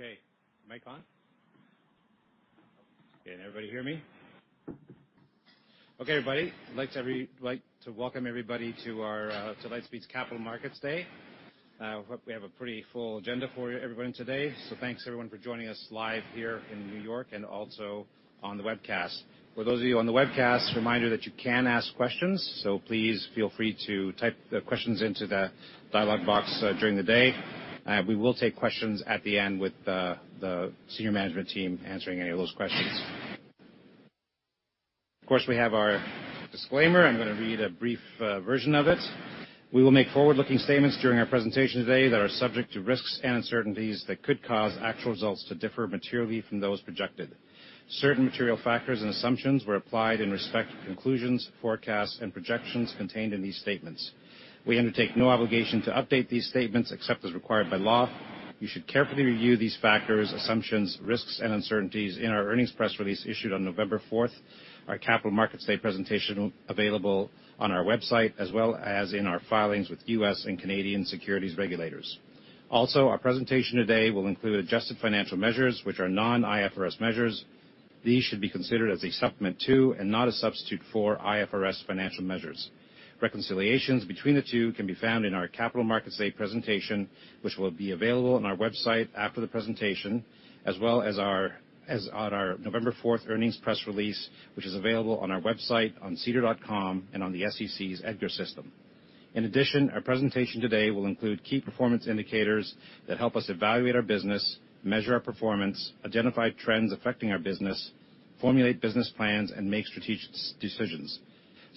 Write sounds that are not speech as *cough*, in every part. Okay. Mic on? Can everybody hear me? Okay, everybody. I'd like to welcome everybody to our Lightspeed's Capital Markets Day. We have a pretty full agenda for everyone today. Thanks, everyone, for joining us live here in New York and also on the webcast. For those of you on the webcast, a reminder that you can ask questions, so please feel free to type the questions into the dialog box during the day. We will take questions at the end with the senior management team answering any of those questions. Of course, we have our disclaimer. I'm gonna read a brief version of it. We will make forward-looking statements during our presentation today that are subject to risks and uncertainties that could cause actual results to differ materially from those projected. Certain material factors and assumptions were applied in respect to conclusions, forecasts, and projections contained in these statements. We undertake no obligation to update these statements except as required by law. You should carefully review these factors, assumptions, risks, and uncertainties in our earnings press release issued on November 4, our capital markets day presentation available on our website as well as in our filings with U.S. and Canadian securities regulators. Also, our presentation today will include adjusted financial measures which are non-IFRS measures. These should be considered as a supplement to and not a substitute for IFRS financial measures. Reconciliations between the two can be found in our capital markets day presentation, which will be available on our website after the presentation, as well as on our November 4 earnings press release, which is available on our website, on sedar.com, and on the SEC's EDGAR system. In addition, our presentation today will include key performance indicators that help us evaluate our business, measure our performance, identify trends affecting our business, formulate business plans, and make strategic decisions.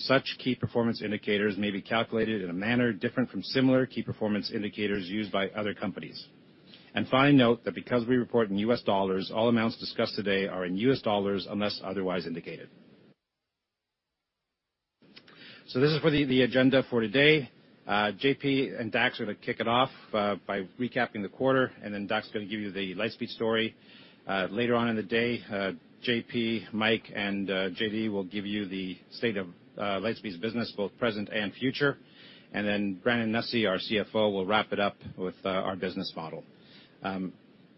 Such key performance indicators may be calculated in a manner different from similar key performance indicators used by other companies. Final note, that because we report in U.S. dollars, all amounts discussed today are in U.S. dollars unless otherwise indicated. This is the agenda for today. JP and Dax are gonna kick it off by recapping the quarter, and then Dax is gonna give you the Lightspeed story. Later on in the day, JP, Mike, and JD will give you the state of Lightspeed's business, both present and future. Then Brandon Nussey, our CFO, will wrap it up with our business model.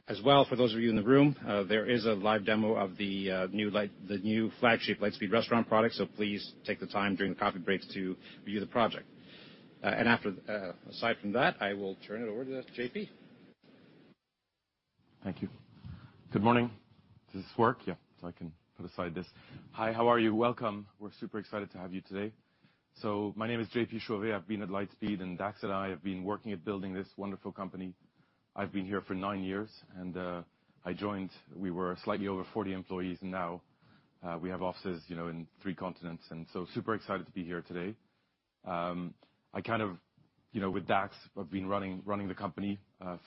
As well, for those of you in the room, there is a live demo of the new flagship Lightspeed restaurant product, so please take the time during the coffee breaks to view the product. Aside from that, I will turn it over to JP. Thank you. Good morning. Does this work? Yeah. I can put aside this. Hi, how are you? Welcome. We're super excited to have you today. My name is JP Chauvet. I've been at Lightspeed, and Dax and I have been working at building this wonderful company. I've been here for nine years, and I joined, we were slightly over 40 employees, and now we have offices in three continents, and super excited to be here today. I kind of, you know, with Dax, have been running the company.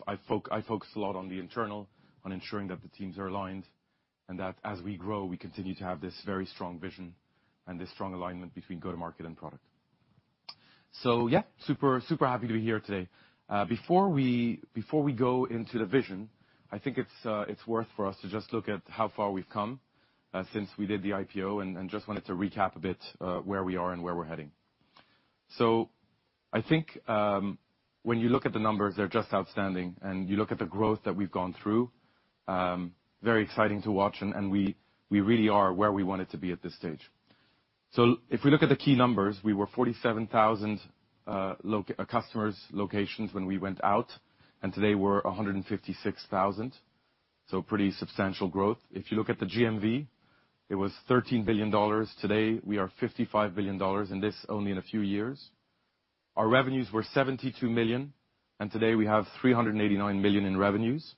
I focus a lot on the internal, on ensuring that the teams are aligned, and that as we grow, we continue to have this very strong vision and this strong alignment between go-to-market and product. Yeah, super happy to be here today. Before we go into the vision, I think it's worth for us to just look at how far we've come since we did the IPO and just wanted to recap a bit where we are and where we're heading. I think when you look at the numbers, they're just outstanding, and you look at the growth that we've gone through, very exciting to watch, and we really are where we wanted to be at this stage. If we look at the key numbers, we were 47,000 customer locations when we went out, and today we're 156,000, so pretty substantial growth. If you look at the GMV, it was $13 billion. Today, we are $55 billion, and this only in a few years. Our revenues were $72 million, and today we have $389 million in revenues.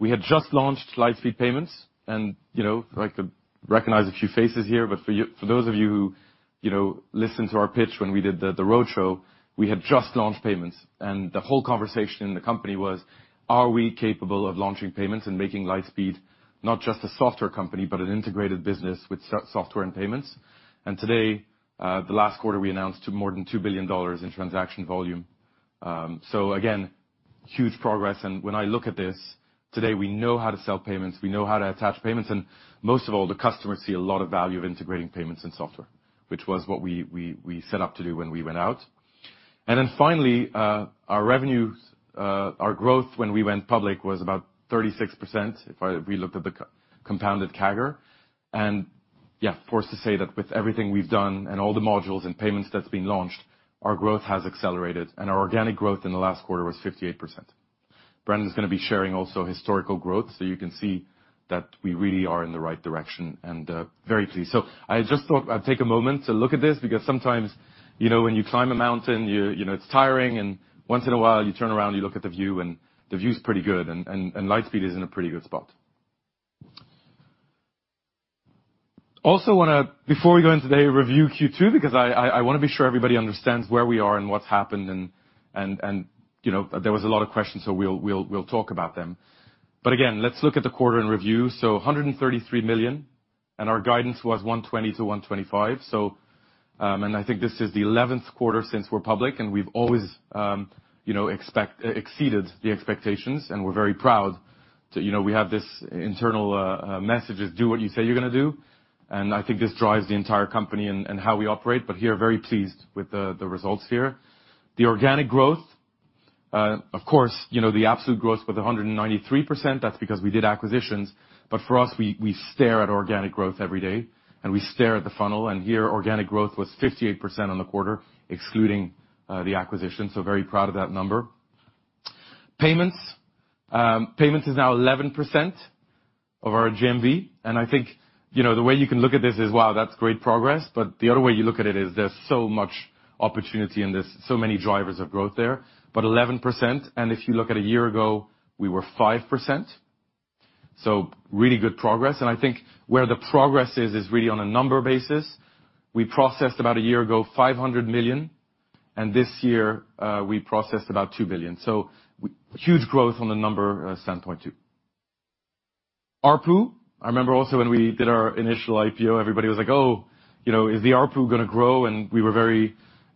We had just launched Lightspeed Payments. You know, I'd like to recognize a few faces here, but for you, for those of you who, you know, listened to our pitch when we did the roadshow, we had just launched Payments. The whole conversation in the company was, are we capable of launching Payments and making Lightspeed not just a software company, but an integrated business with software and payments? Today, the last quarter, we announced more than $2 billion in transaction volume. Again, huge progress. When I look at this, today, we know how to sell payments, we know how to attach payments, and most of all, the customers see a lot of value of integrating payments and software, which was what we set up to do when we went out. Finally, our revenues, our growth when we went public was about 36%, if we looked at the compounded CAGR. Yeah, proud to say that with everything we've done and all the modules and payments that's been launched, our growth has accelerated, and our organic growth in the last quarter was 58%. Brandon's gonna be sharing also historical growth, so you can see that we really are in the right direction, and very pleased. I just thought I'd take a moment to look at this because sometimes, you know, when you climb a mountain, you know, it's tiring, and once in a while you turn around, you look at the view, and the view's pretty good, and Lightspeed is in a pretty good spot. I wanna, before we go into today, review Q2 because I wanna be sure everybody understands where we are and what's happened, and, you know, there was a lot of questions, so we'll talk about them. Again, let's look at the quarter in review. $133 million, and our guidance was $120 million-$125 million. I think this is the eleventh quarter since we're public, and we've always, you know, expect... We exceeded the expectations, and we're very proud. You know, we have this internal message: "Do what you say you're gonna do." I think this drives the entire company and how we operate. We're very pleased with the results here. The organic growth, of course, you know, the absolute growth with 193%, that's because we did acquisitions. For us, we stare at organic growth every day, and we stare at the funnel. Here, organic growth was 58% on the quarter, excluding the acquisition. Very proud of that number. Payments. Payments is now 11% of our GMV. I think, you know, the way you can look at this is, wow, that's great progress, but the other way you look at it is there's so much opportunity and there's so many drivers of growth there. 11%, and if you look at a year ago, we were 5%, so really good progress. I think where the progress is really on a number basis. We processed about a year ago, $500 million, and this year, we processed about $2 billion. Huge growth from the number standpoint too. ARPU. I remember also when we did our initial IPO, everybody was like, "Oh, you know, is the ARPU gonna grow?" We were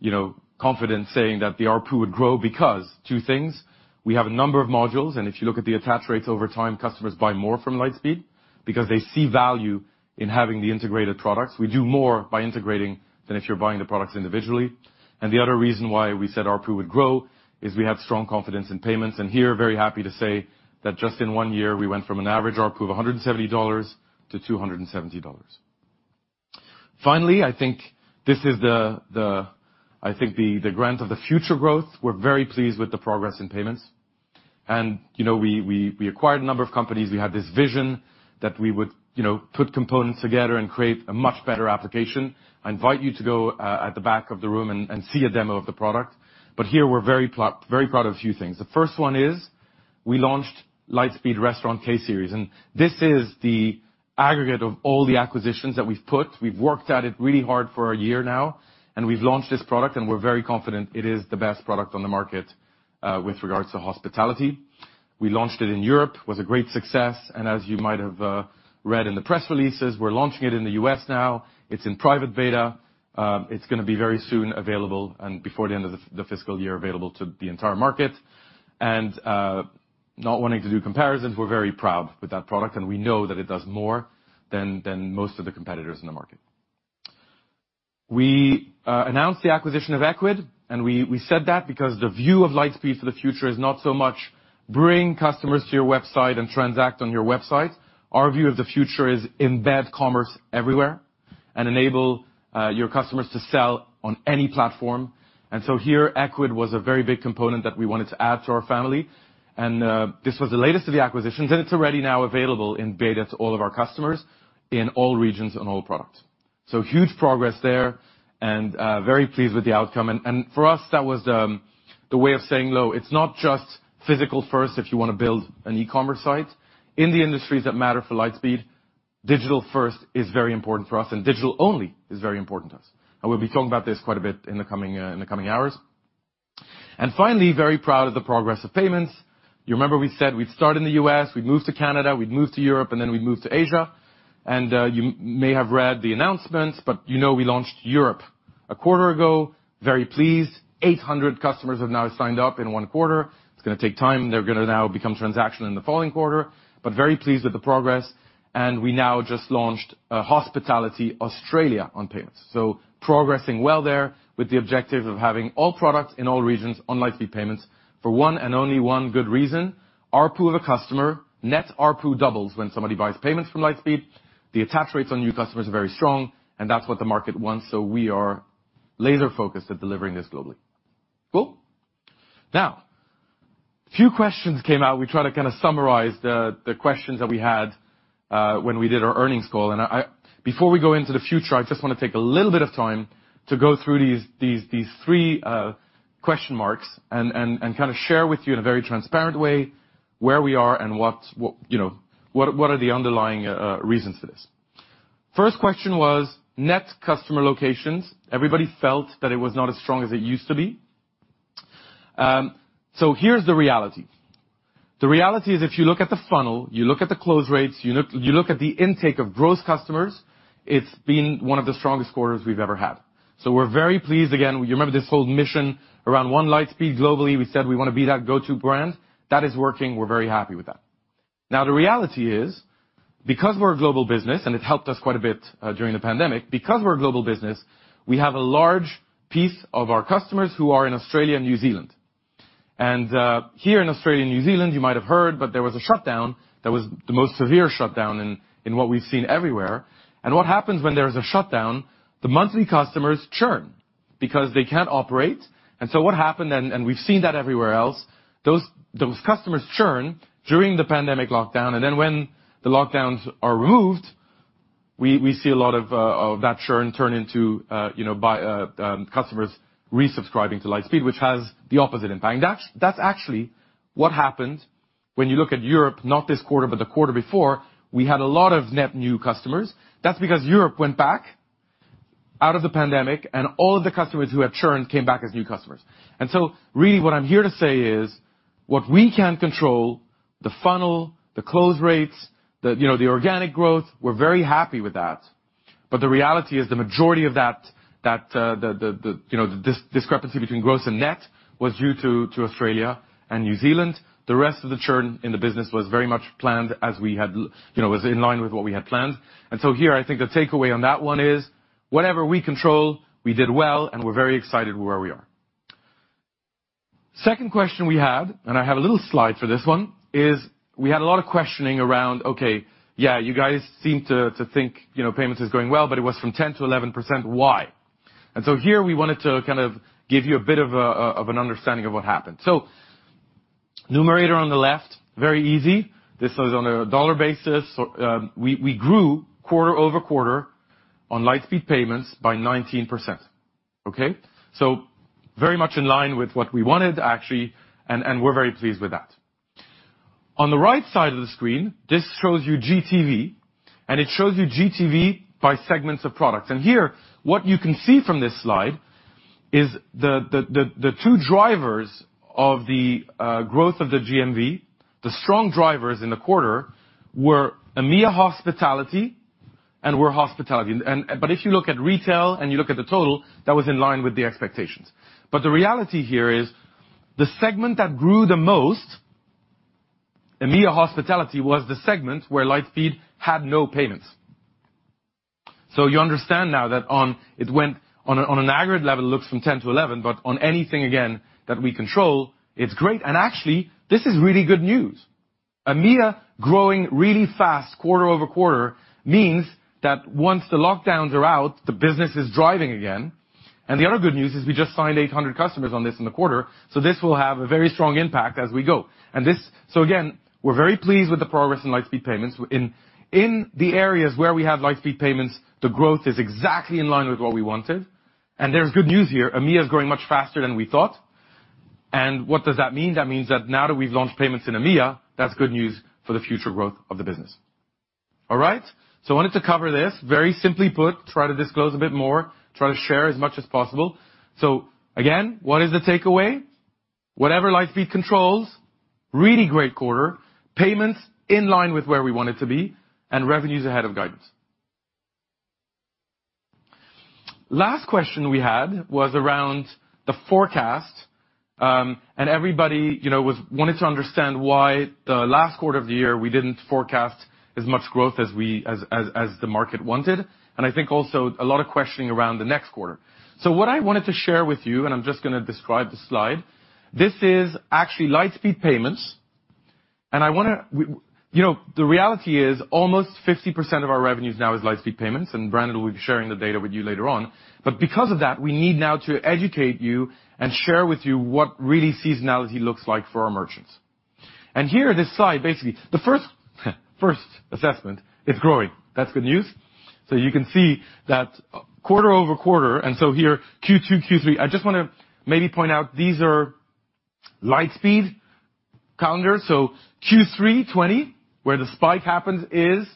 very, you know, confident saying that the ARPU would grow because two things, we have a number of modules, and if you look at the attach rates over time, customers buy more from Lightspeed because they see value in having the integrated products. We do more by integrating than if you're buying the products individually. The other reason why we said ARPU would grow is we have strong confidence in payments. Here, very happy to say that just in one year, we went from an average ARPU of $170 to $270. Finally, I think this is the engine of the future growth. We're very pleased with the progress in payments. You know, we acquired a number of companies. We had this vision that we would, you know, put components together and create a much better application. I invite you to go at the back of the room and see a demo of the product. Here, we're very proud of a few things. The first one is we launched Lightspeed Restaurant (K-Series), and this is the aggregate of all the acquisitions that we've put. We've worked at it really hard for a year now, and we've launched this product, and we're very confident it is the best product on the market with regards to hospitality. We launched it in Europe. It was a great success, and as you might have read in the press releases, we're launching it in the U.S. now. It's in private beta. It's gonna be very soon available, and before the end of the fiscal year, available to the entire market. Not wanting to do comparisons, we're very proud with that product, and we know that it does more than most of the competitors in the market. We announced the acquisition of Ecwid, and we said that because the view of Lightspeed for the future is not so much bring customers to your website and transact on your website. Our view of the future is embed commerce everywhere and enable your customers to sell on any platform. Here, Ecwid was a very big component that we wanted to add to our family. This was the latest of the acquisitions, and it's already now available in beta to all of our customers in all regions on all products. Huge progress there and very pleased with the outcome. For us, that was the way of saying, though, it's not just physical first if you wanna build an e-commerce site. In the industries that matter for Lightspeed, digital first is very important for us, and digital only is very important to us. We'll be talking about this quite a bit in the coming hours. Finally, very proud of the progress of payments. You remember we said we'd start in the U.S., we'd move to Canada, we'd move to Europe, and then we'd move to Asia. You may have read the announcements, but you know, we launched Europe a quarter ago. Very pleased. 800 customers have now signed up in one quarter. It's gonna take time. They're gonna now become transactional in the following quarter. Very pleased with the progress. We now just launched Hospitality Australia on payments. Progressing well there with the objective of having all products in all regions on Lightspeed Payments for one and only one good reason. ARPU of a customer. Net ARPU doubles when somebody buys payments from Lightspeed. The attach rates on new customers are very strong, and that's what the market wants, we are laser focused at delivering this globally. Cool? Now, few questions came out. We try to kinda summarize the questions that we had when we did our earnings call, and I Before we go into the future, I just wanna take a little bit of time to go through these three question marks and kinda share with you in a very transparent way where we are and what, you know, what are the underlying reasons for this. First question was net customer locations. Everybody felt that it was not as strong as it used to be. Here's the reality. The reality is, if you look at the funnel, you look at the close rates, you look at the intake of gross customers, it's been one of the strongest quarters we've ever had. We're very pleased. Again, you remember this whole mission around one Lightspeed globally. We said we wanna be that go-to brand. That is working. We're very happy with that. Now, the reality is, because we're a global business, and it helped us quite a bit during the pandemic. Because we're a global business, we have a large piece of our customers who are in Australia and New Zealand. Here in Australia and New Zealand, you might have heard, but there was a shutdown that was the most severe shutdown in what we've seen everywhere. What happens when there is a shutdown, the monthly customers churn because they can't operate. What happened then, and we've seen that everywhere else, those customers churn during the pandemic lockdown, and then when the lockdowns are removed, we see a lot of that churn turn into you know customers resubscribing to Lightspeed, which has the opposite impact. That's actually what happened when you look at Europe, not this quarter, but the quarter before. We had a lot of net new customers. That's because Europe went back out of the pandemic, and all of the customers who had churned came back as new customers. Really what I'm here to say is, what we can control, the funnel, the close rates, you know, the organic growth, we're very happy with that. The reality is the majority of that discrepancy between gross and net was due to Australia and New Zealand. The rest of the churn in the business was very much planned, was in line with what we had planned. Here I think the takeaway on that one is whatever we control, we did well, and we're very excited where we are. Second question we had, and I have a little slide for this one, is we had a lot of questioning around, okay, yeah, you guys seem to think, you know, payments is going well, but it was from 10% to 11%. Why? Here we wanted to kind of give you a bit of an understanding of what happened. Numerator on the left, very easy. This was on a dollar basis. We grew quarter-over-quarter on Lightspeed Payments by 19%. Okay? Very much in line with what we wanted actually, and we're very pleased with that. On the right side of the screen, this shows you GTV, and it shows you GTV by segments of products. Here, what you can see from this slide is the two drivers of the growth of the GMV. The strong drivers in the quarter were EMEA Hospitality and Hospitality. But if you look at retail and you look at the total, that was in line with the expectations. But the reality here is the segment that grew the most, EMEA Hospitality, was the segment where Lightspeed had no payments. You understand now that on an aggregate level, it looks from 10%-11%, but on anything again that we control, it's great. Actually, this is really good news. EMEA growing really fast quarter over quarter means that once the lockdowns are out, the business is driving again. The other good news is we just signed 800 customers on this in the quarter, so this will have a very strong impact as we go. Again, we're very pleased with the progress in Lightspeed Payments. In the areas where we have Lightspeed Payments, the growth is exactly in line with what we wanted. There's good news here. EMEA is growing much faster than we thought. What does that mean? That means that now that we've launched payments in EMEA, that's good news for the future growth of the business. All right? I wanted to cover this very simply put, try to disclose a bit more, try to share as much as possible. Again, what is the takeaway? Whatever Lightspeed controls, really great quarter, payments in line with where we want it to be, and revenues ahead of guidance. Last question we had was around the forecast, and everybody wanted to understand why the last quarter of the year we didn't forecast as much growth as we as the market wanted. I think also a lot of questioning around the next quarter. What I wanted to share with you, and I'm just gonna describe the slide, this is actually Lightspeed Payments. The reality is almost 50% of our revenues now is Lightspeed Payments, and Brandon will be sharing the data with you later on. Because of that, we need now to educate you and share with you what really seasonality looks like for our merchants. Here, this slide, basically, the first assessment, it's growing. That's good news. You can see that quarter-over-quarter, and here, Q2, Q3, I just wanna maybe point out these are Lightspeed calendar. Q3 '20, where the spike happens is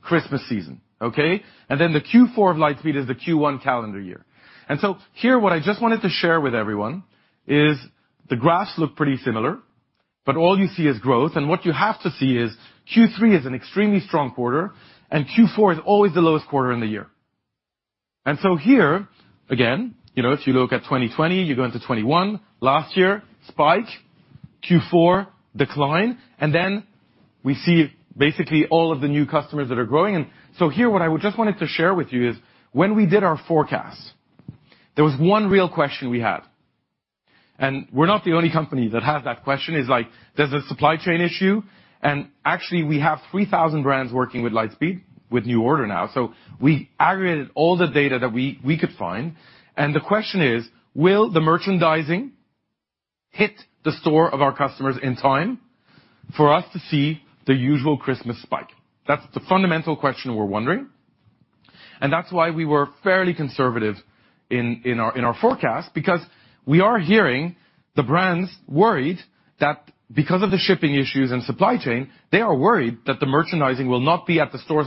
Christmas season. Okay? The Q4 of Lightspeed is the Q1 calendar year. Here, what I just wanted to share with everyone is the graphs look pretty similar, but all you see is growth. What you have to see is Q3 is an extremely strong quarter, and Q4 is always the lowest quarter in the year. Here, again, you know, if you look at 2020, you go into 2021, last year, spike, Q4, decline, and then we see basically all of the new customers that are growing. Here, what I just wanted to share with you is when we did our forecast, there was one real question we had, and we're not the only company that had that question, is like, there's a supply chain issue. Actually, we have 3,000 brands working with Lightspeed with NuORDER now. We aggregated all the data that we could find. The question is, will the merchandise hit the store of our customers in time for us to see the usual Christmas spike? That's the fundamental question we're wondering. That's why we were fairly conservative in our forecast because we are hearing the brands worried that because of the shipping issues and supply chain, they are worried that the merchandising will not be at the stores.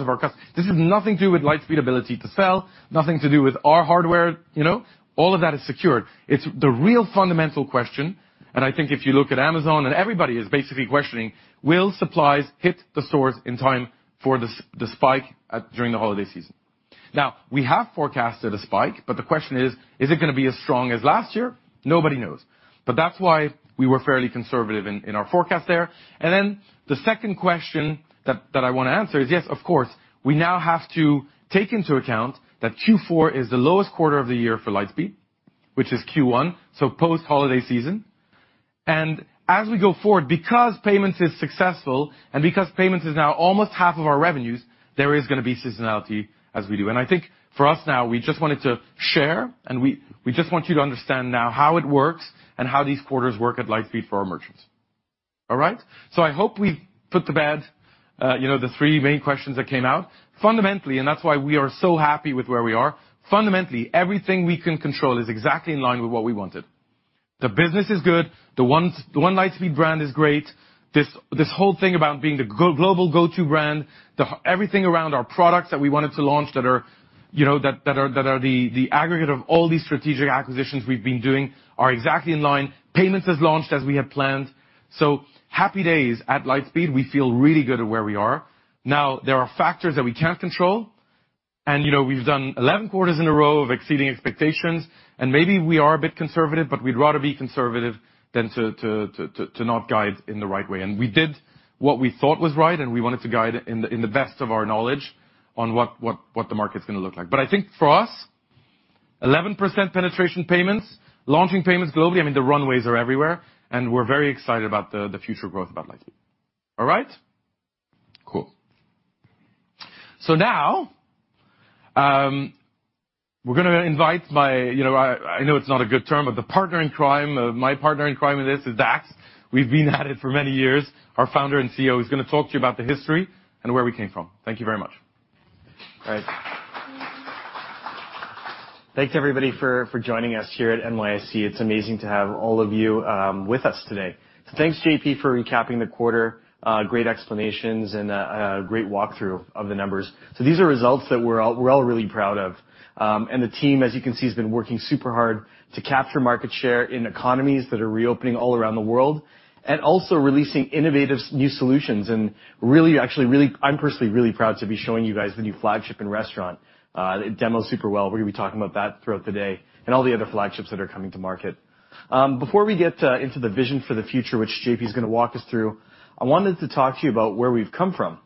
This has nothing to do with Lightspeed ability to sell, nothing to do with our hardware, you know. All of that is secured. It's the real fundamental question, and I think if you look at Amazon, and everybody is basically questioning, will supplies hit the stores in time for the spike during the holiday season? Now, we have forecasted a spike, but the question is it gonna be as strong as last year? Nobody knows. That's why we were fairly conservative in our forecast there. Then the second question that I wanna answer is, yes, of course, we now have to take into account that Q4 is the lowest quarter of the year for Lightspeed, which is Q1, so post-holiday season. As we go forward, because payments is successful and because payments is now almost half of our revenues, there is gonna be seasonality as we do. I think for us now, we just wanted to share, and we just want you to understand now how it works and how these quarters work at Lightspeed for our merchants. All right. I hope we put to bed, you know, the three main questions that came out. Fundamentally, that's why we are so happy with where we are. Fundamentally, everything we can control is exactly in line with what we wanted. The business is good. The one Lightspeed brand is great. This whole thing about being the global go-to brand, everything around our products that we wanted to launch that are, you know, the aggregate of all these strategic acquisitions we've been doing are exactly in line. Payments is launched as we have planned. Happy days at Lightspeed. We feel really good at where we are. Now, there are factors that we can't control. You know, we've done 11 quarters in a row of exceeding expectations, and maybe we are a bit conservative, but we'd rather be conservative than to not guide in the right way. We did what we thought was right, and we wanted to guide in the best of our knowledge on what the market's gonna look like. I think for us, 11% penetration payments, launching payments globally, I mean, the runways are everywhere, and we're very excited about the future growth of Lightspeed. All right. Cool. Now, we're gonna invite my partner in crime, you know, I know it's not a good term, but my partner in crime in this is Dax. We've been at it for many years. Our Founder and CEO. He's gonna talk to you about the history and where we came from. Thank you very much. All right. Thanks everybody for joining us here at NYSE. It's amazing to have all of you with us today. Thanks JP for recapping the quarter, great explanations and a great walk through of the numbers. These are results that we're all really proud of. The team, as you can see, has been working super hard to capture market share in economies that are reopening all around the world, and also releasing innovative new solutions and really, actually really. I'm personally really proud to be showing you guys the new flagship and restaurant, it demoed super well. We're gonna be talking about that throughout the day, and all the other flagships that are coming to market. Before we get into the vision for the future, which JP's gonna walk us through, I wanted to talk to you about where we've come from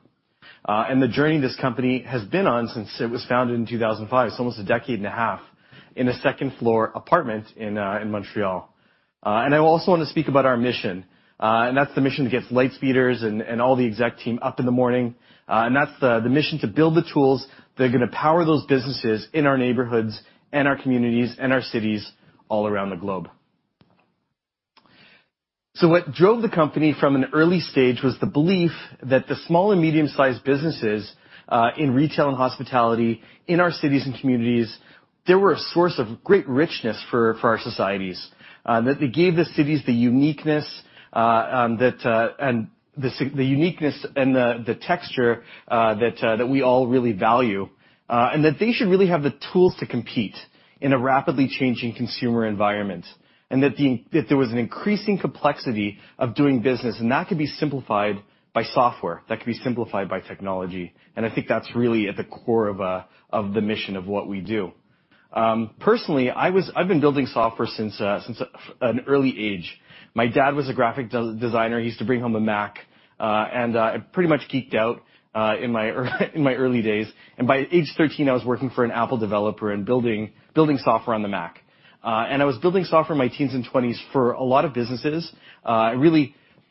and the journey this company has been on since it was founded in 2005. Almost a decade and a half in a second floor apartment in Montreal. I also wanna speak about our mission, and that's the mission that gets Lightspeeders and all the exec team up in the morning. That's the mission to build the tools that are gonna power those businesses in our neighborhoods and our communities and our cities all around the globe. What drove the company from an early stage was the belief that the small and medium-sized businesses in retail and hospitality, in our cities and communities, they were a source of great richness for our societies. That they gave the cities the uniqueness and the texture that we all really value. That they should really have the tools to compete in a rapidly changing consumer environment. That there was an increasing complexity of doing business, and that could be simplified by software, that could be simplified by technology. I think that's really at the core of the mission of what we do. Personally, I've been building software since an early age. My dad was a graphic designer. He used to bring home a Mac, and I pretty much geeked out in my early days. By age 13 I was working for an Apple developer and building software on the Mac. I was building software in my teens and twenties for a lot of businesses.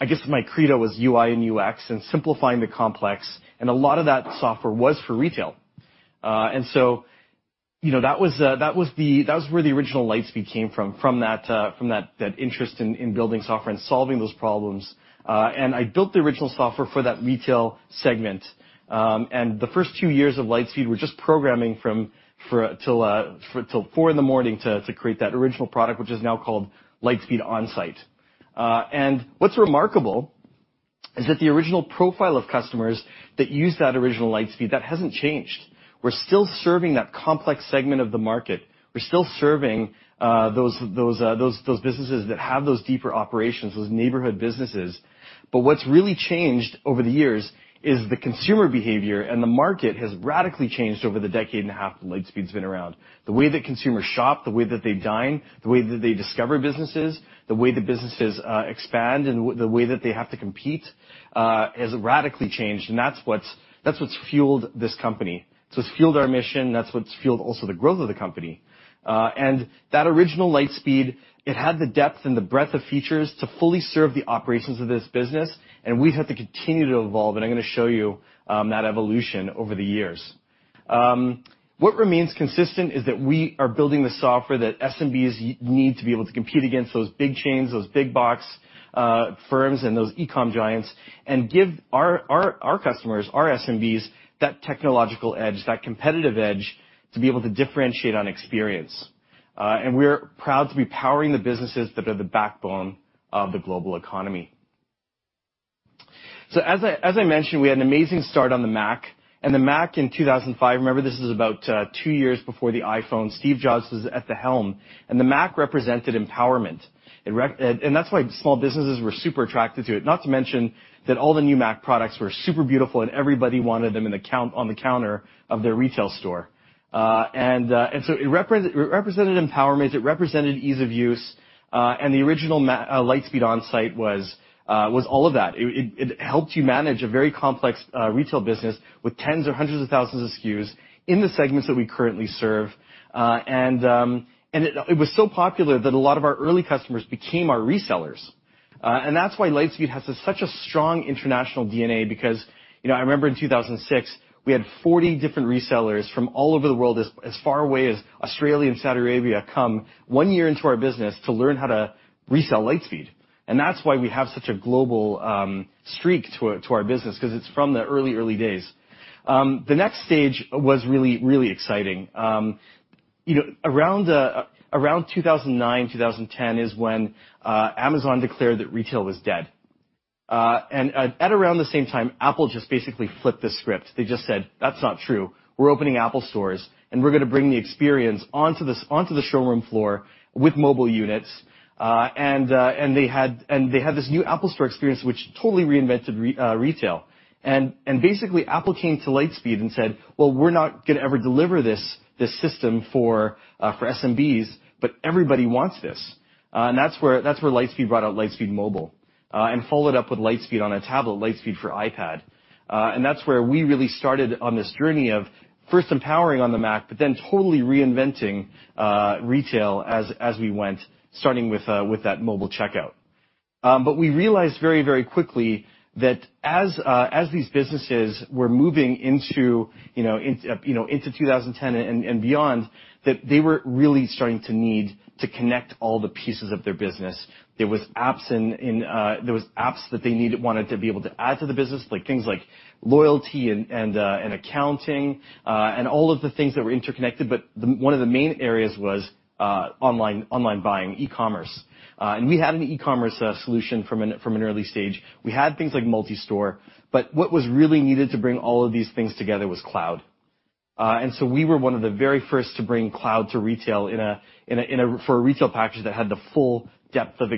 I guess my credo was UI and UX and simplifying the complex, and a lot of that software was for retail. You know, that was where the original Lightspeed came from that interest in building software and solving those problems. I built the original software for that retail segment. The first two years of Lightspeed were just programming from four till four in the morning to create that original product, which is now called Lightspeed OnSite. What's remarkable is that the original profile of customers that used that original Lightspeed, that hasn't changed. We're still serving that complex segment of the market. We're still serving those businesses that have those deeper operations, those neighborhood businesses. What's really changed over the years is the consumer behavior and the market has radically changed over the decade and a half that Lightspeed's been around. The way that consumers shop, the way that they dine, the way that they discover businesses, the way the businesses expand, the way that they have to compete has radically changed, and that's what's fueled this company. It's fueled our mission, that's what's fueled also the growth of the company. That original Lightspeed, it had the depth and the breadth of features to fully serve the operations of this business, and we've had to continue to evolve, and I'm gonna show you that evolution over the years. What remains consistent is that we are building the software that SMBs need to be able to compete against those big chains, those big box firms, and those e-com giants, and give our customers, our SMBs, that technological edge, that competitive edge, to be able to differentiate on experience. We're proud to be powering the businesses that are the backbone of the global economy. As I mentioned, we had an amazing start on the Mac, and the Mac in 2005, remember this is about 2 years before the iPhone. Steve Jobs was at the helm, and the Mac represented empowerment. That's why small businesses were super attracted to it. Not to mention that all the new Mac products were super beautiful and everybody wanted them on the counter of their retail store. It represented empowerment, it represented ease of use, and the original Mac Lightspeed OnSite was all of that. It helped you manage a very complex retail business with tens or hundreds of thousands of SKUs in the segments that we currently serve. It was so popular that a lot of our early customers became our resellers. That's why Lightspeed has such a strong international DNA because, you know, I remember in 2006, we had 40 different resellers from all over the world as far away as Australia and Saudi Arabia come one year into our business to learn how to resell Lightspeed. That's why we have such a global streak to our business, 'cause it's from the early days. The next stage was really exciting. You know, around 2009, 2010 is when Amazon declared that retail was dead. At around the same time, Apple just basically flipped the script. They just said, "That's not true. We're opening Apple Stores, and we're gonna bring the experience onto the showroom floor with mobile units." They had this new Apple Store experience which totally reinvented retail. Basically, Apple came to Lightspeed and said, "Well, we're not gonna ever deliver this system for SMBs, but everybody wants this." That's where Lightspeed brought out Lightspeed Mobile and followed up with Lightspeed on a tablet, Lightspeed for iPad. That's where we really started on this journey of first empowering on the Mac but then totally reinventing retail as we went, starting with that mobile checkout. We realized very, very quickly that as these businesses were moving into, you know, into 2010 and beyond, that they were really starting to need to connect all the pieces of their business. There were apps that they wanted to be able to add to the business, like things like loyalty and accounting and all of the things that were interconnected, but one of the main areas was online buying, e-commerce. We had an e-commerce solution from an early stage. We had things like multi-store, but what was really needed to bring all of these things together was cloud. We were one of the very first to bring cloud to retail for a retail package that had the full depth of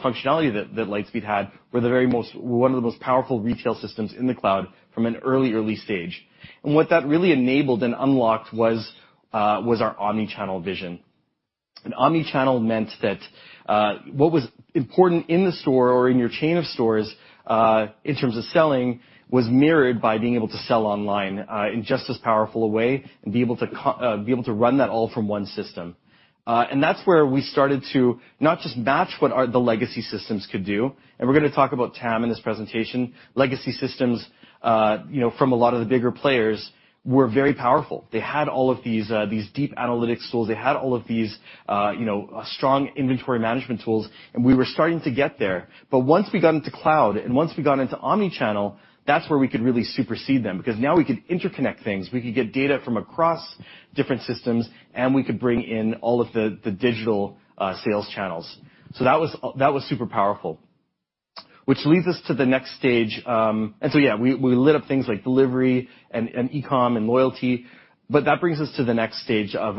functionality that Lightspeed had. We're one of the most powerful retail systems in the cloud from an early stage. What that really enabled and unlocked was our omni-channel vision. Omni-channel meant that what was important in the store or in your chain of stores in terms of selling was mirrored by being able to sell online in just as powerful a way and be able to run that all from one system. That's where we started to not just match what the legacy systems could do, and we're gonna talk about TAM in this presentation. Legacy systems, you know, from a lot of the bigger players were very powerful. They had all of these deep analytics tools. They had all of these, you know, strong inventory management tools, and we were starting to get there. Once we got into cloud and once we got into omni-channel, that's where we could really supersede them because now we could interconnect things. We could get data from across different systems, and we could bring in all of the digital sales channels. That was super powerful, which leads us to the next stage. Yeah, we lit up things like delivery and e-com and loyalty, but that brings us to the next stage of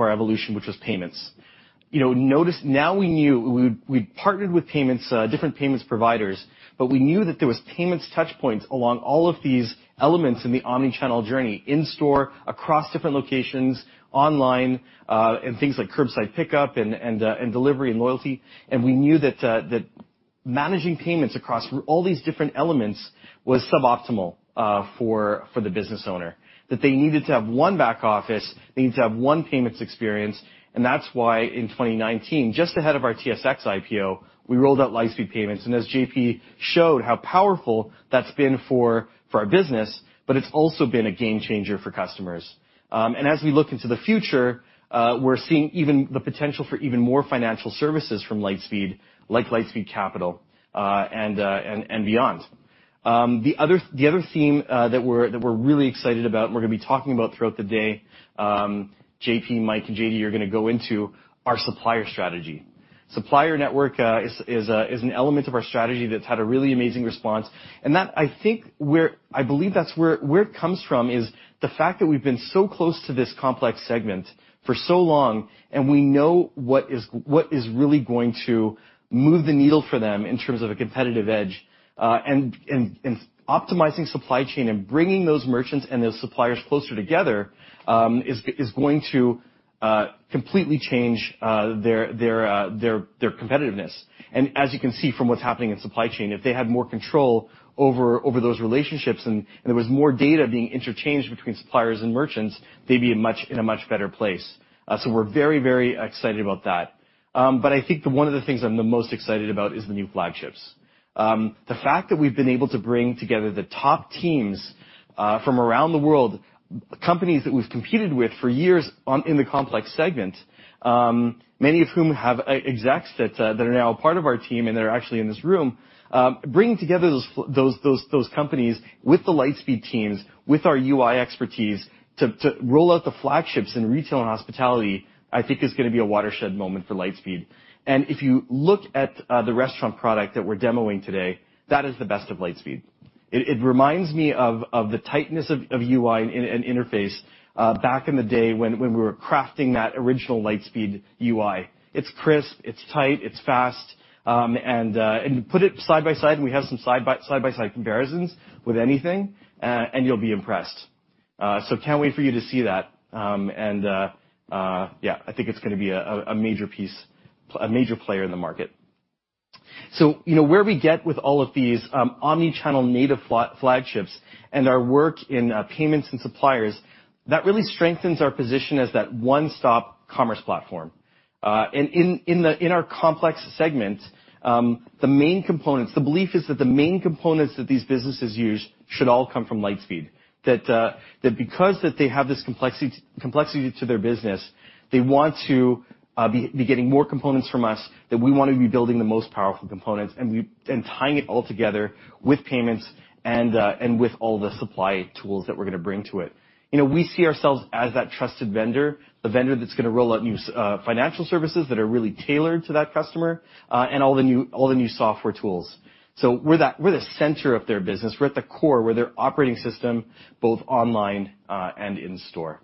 our evolution, which was payments. You know, notice now we knew we partnered with payments, different payments providers, but we knew that there was payments touchpoints along all of these elements in the omni-channel journey, in-store, across different locations, online, and things like curbside pickup and delivery and loyalty. We knew that managing payments across all these different elements was suboptimal for the business owner, that they needed to have one back office. They needed to have one payments experience, and that's why in 2019, just ahead of our TSX IPO, we rolled out Lightspeed Payments. As JP showed how powerful that's been for our business, but it's also been a game changer for customers. As we look into the future, we're seeing even the potential for even more financial services from Lightspeed, like Lightspeed Capital, and beyond. The other theme that we're really excited about and we're gonna be talking about throughout the day, JP, Mike, and JD are gonna go into our supplier strategy. Supplier network is an element of our strategy that's had a really amazing response and that I think we're... I believe that's where it comes from is the fact that we've been so close to this complex segment for so long, and we know what is really going to move the needle for them in terms of a competitive edge, and optimizing supply chain and bringing those merchants and those suppliers closer together, is going to completely change their competitiveness. As you can see from what's happening in supply chain, if they had more control over those relationships and there was more data being interchanged between suppliers and merchants, they'd be in a much better place. We're very excited about that. I think that one of the things I'm the most excited about is the new flagships. The fact that we've been able to bring together the top teams from around the world, companies that we've competed with for years in the complex segment, many of whom have execs that are now a part of our team and that are actually in this room, bringing together those companies with the Lightspeed teams, with our UI expertise to roll out the flagships in retail and hospitality, I think is gonna be a watershed moment for Lightspeed. If you look at the restaurant product that we're demoing today, that is the best of Lightspeed. It reminds me of the tightness of UI and interface back in the day when we were crafting that original Lightspeed UI. It's crisp, it's tight, it's fast, and put it side by side, and we have some side by side comparisons with anything, and you'll be impressed. Can't wait for you to see that. Yeah, I think it's gonna be a major piece, a major player in the market. You know, where we get with all of these omni-channel native flagships and our work in payments and suppliers, that really strengthens our position as that one-stop commerce platform. In our complex segment, the belief is that the main components that these businesses use should all come from Lightspeed, that because they have this complexity to their business, they want to be getting more components from us, that we want to be building the most powerful components, and tying it all together with payments and with all the supply tools that we're gonna bring to it. You know, we see ourselves as that trusted vendor, the vendor that's gonna roll out new financial services that are really tailored to that customer, and all the new software tools. We're that, we're the center of their business. We're at the core. We're their operating system, both online and in store.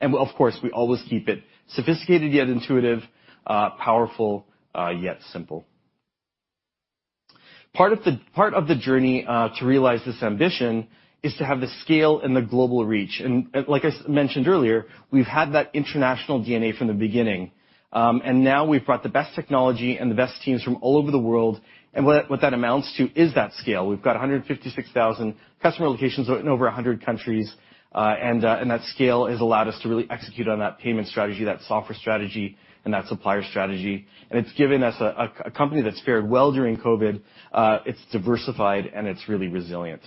Of course, we always keep it sophisticated, yet intuitive, powerful, yet simple. Part of the journey to realize this ambition is to have the scale and the global reach. Like I mentioned earlier, we've had that international DNA from the beginning. And now we've brought the best technology and the best teams from all over the world, and what that amounts to is that scale. We've got 156,000 customer locations in over 100 countries. And that scale has allowed us to really execute on that payment strategy, that software strategy, and that supplier strategy. And it's given us a company that's fared well during COVID, it's diversified and it's really resilient.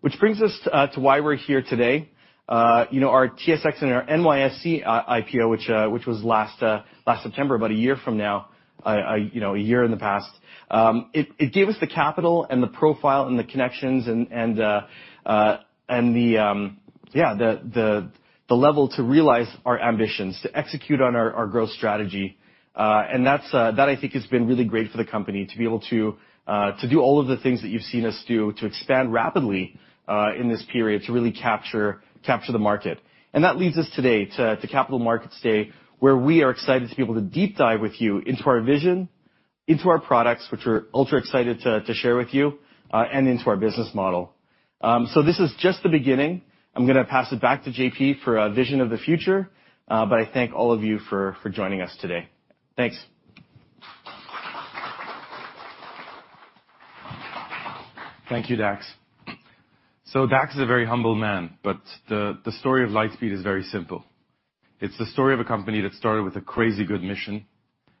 Which brings us to why we're here today. You know, our TSX and our NYSE IPO, which was last September, about a year from now, you know, a year in the past. It gave us the capital and the profile and the connections and the level to realize our ambitions, to execute on our growth strategy. That's I think has been really great for the company to be able to do all of the things that you've seen us do, to expand rapidly in this period, to really capture the market. That leads us today to Capital Markets Day, where we are excited to be able to deep dive with you into our vision, into our products, which we're ultra-excited to share with you, and into our business model. This is just the beginning. I'm gonna pass it back to JP for a vision of the future, but I thank all of you for joining us today. Thanks. Thank you, Dax. Dax is a very humble man, but the story of Lightspeed is very simple. It's the story of a company that started with a crazy good mission,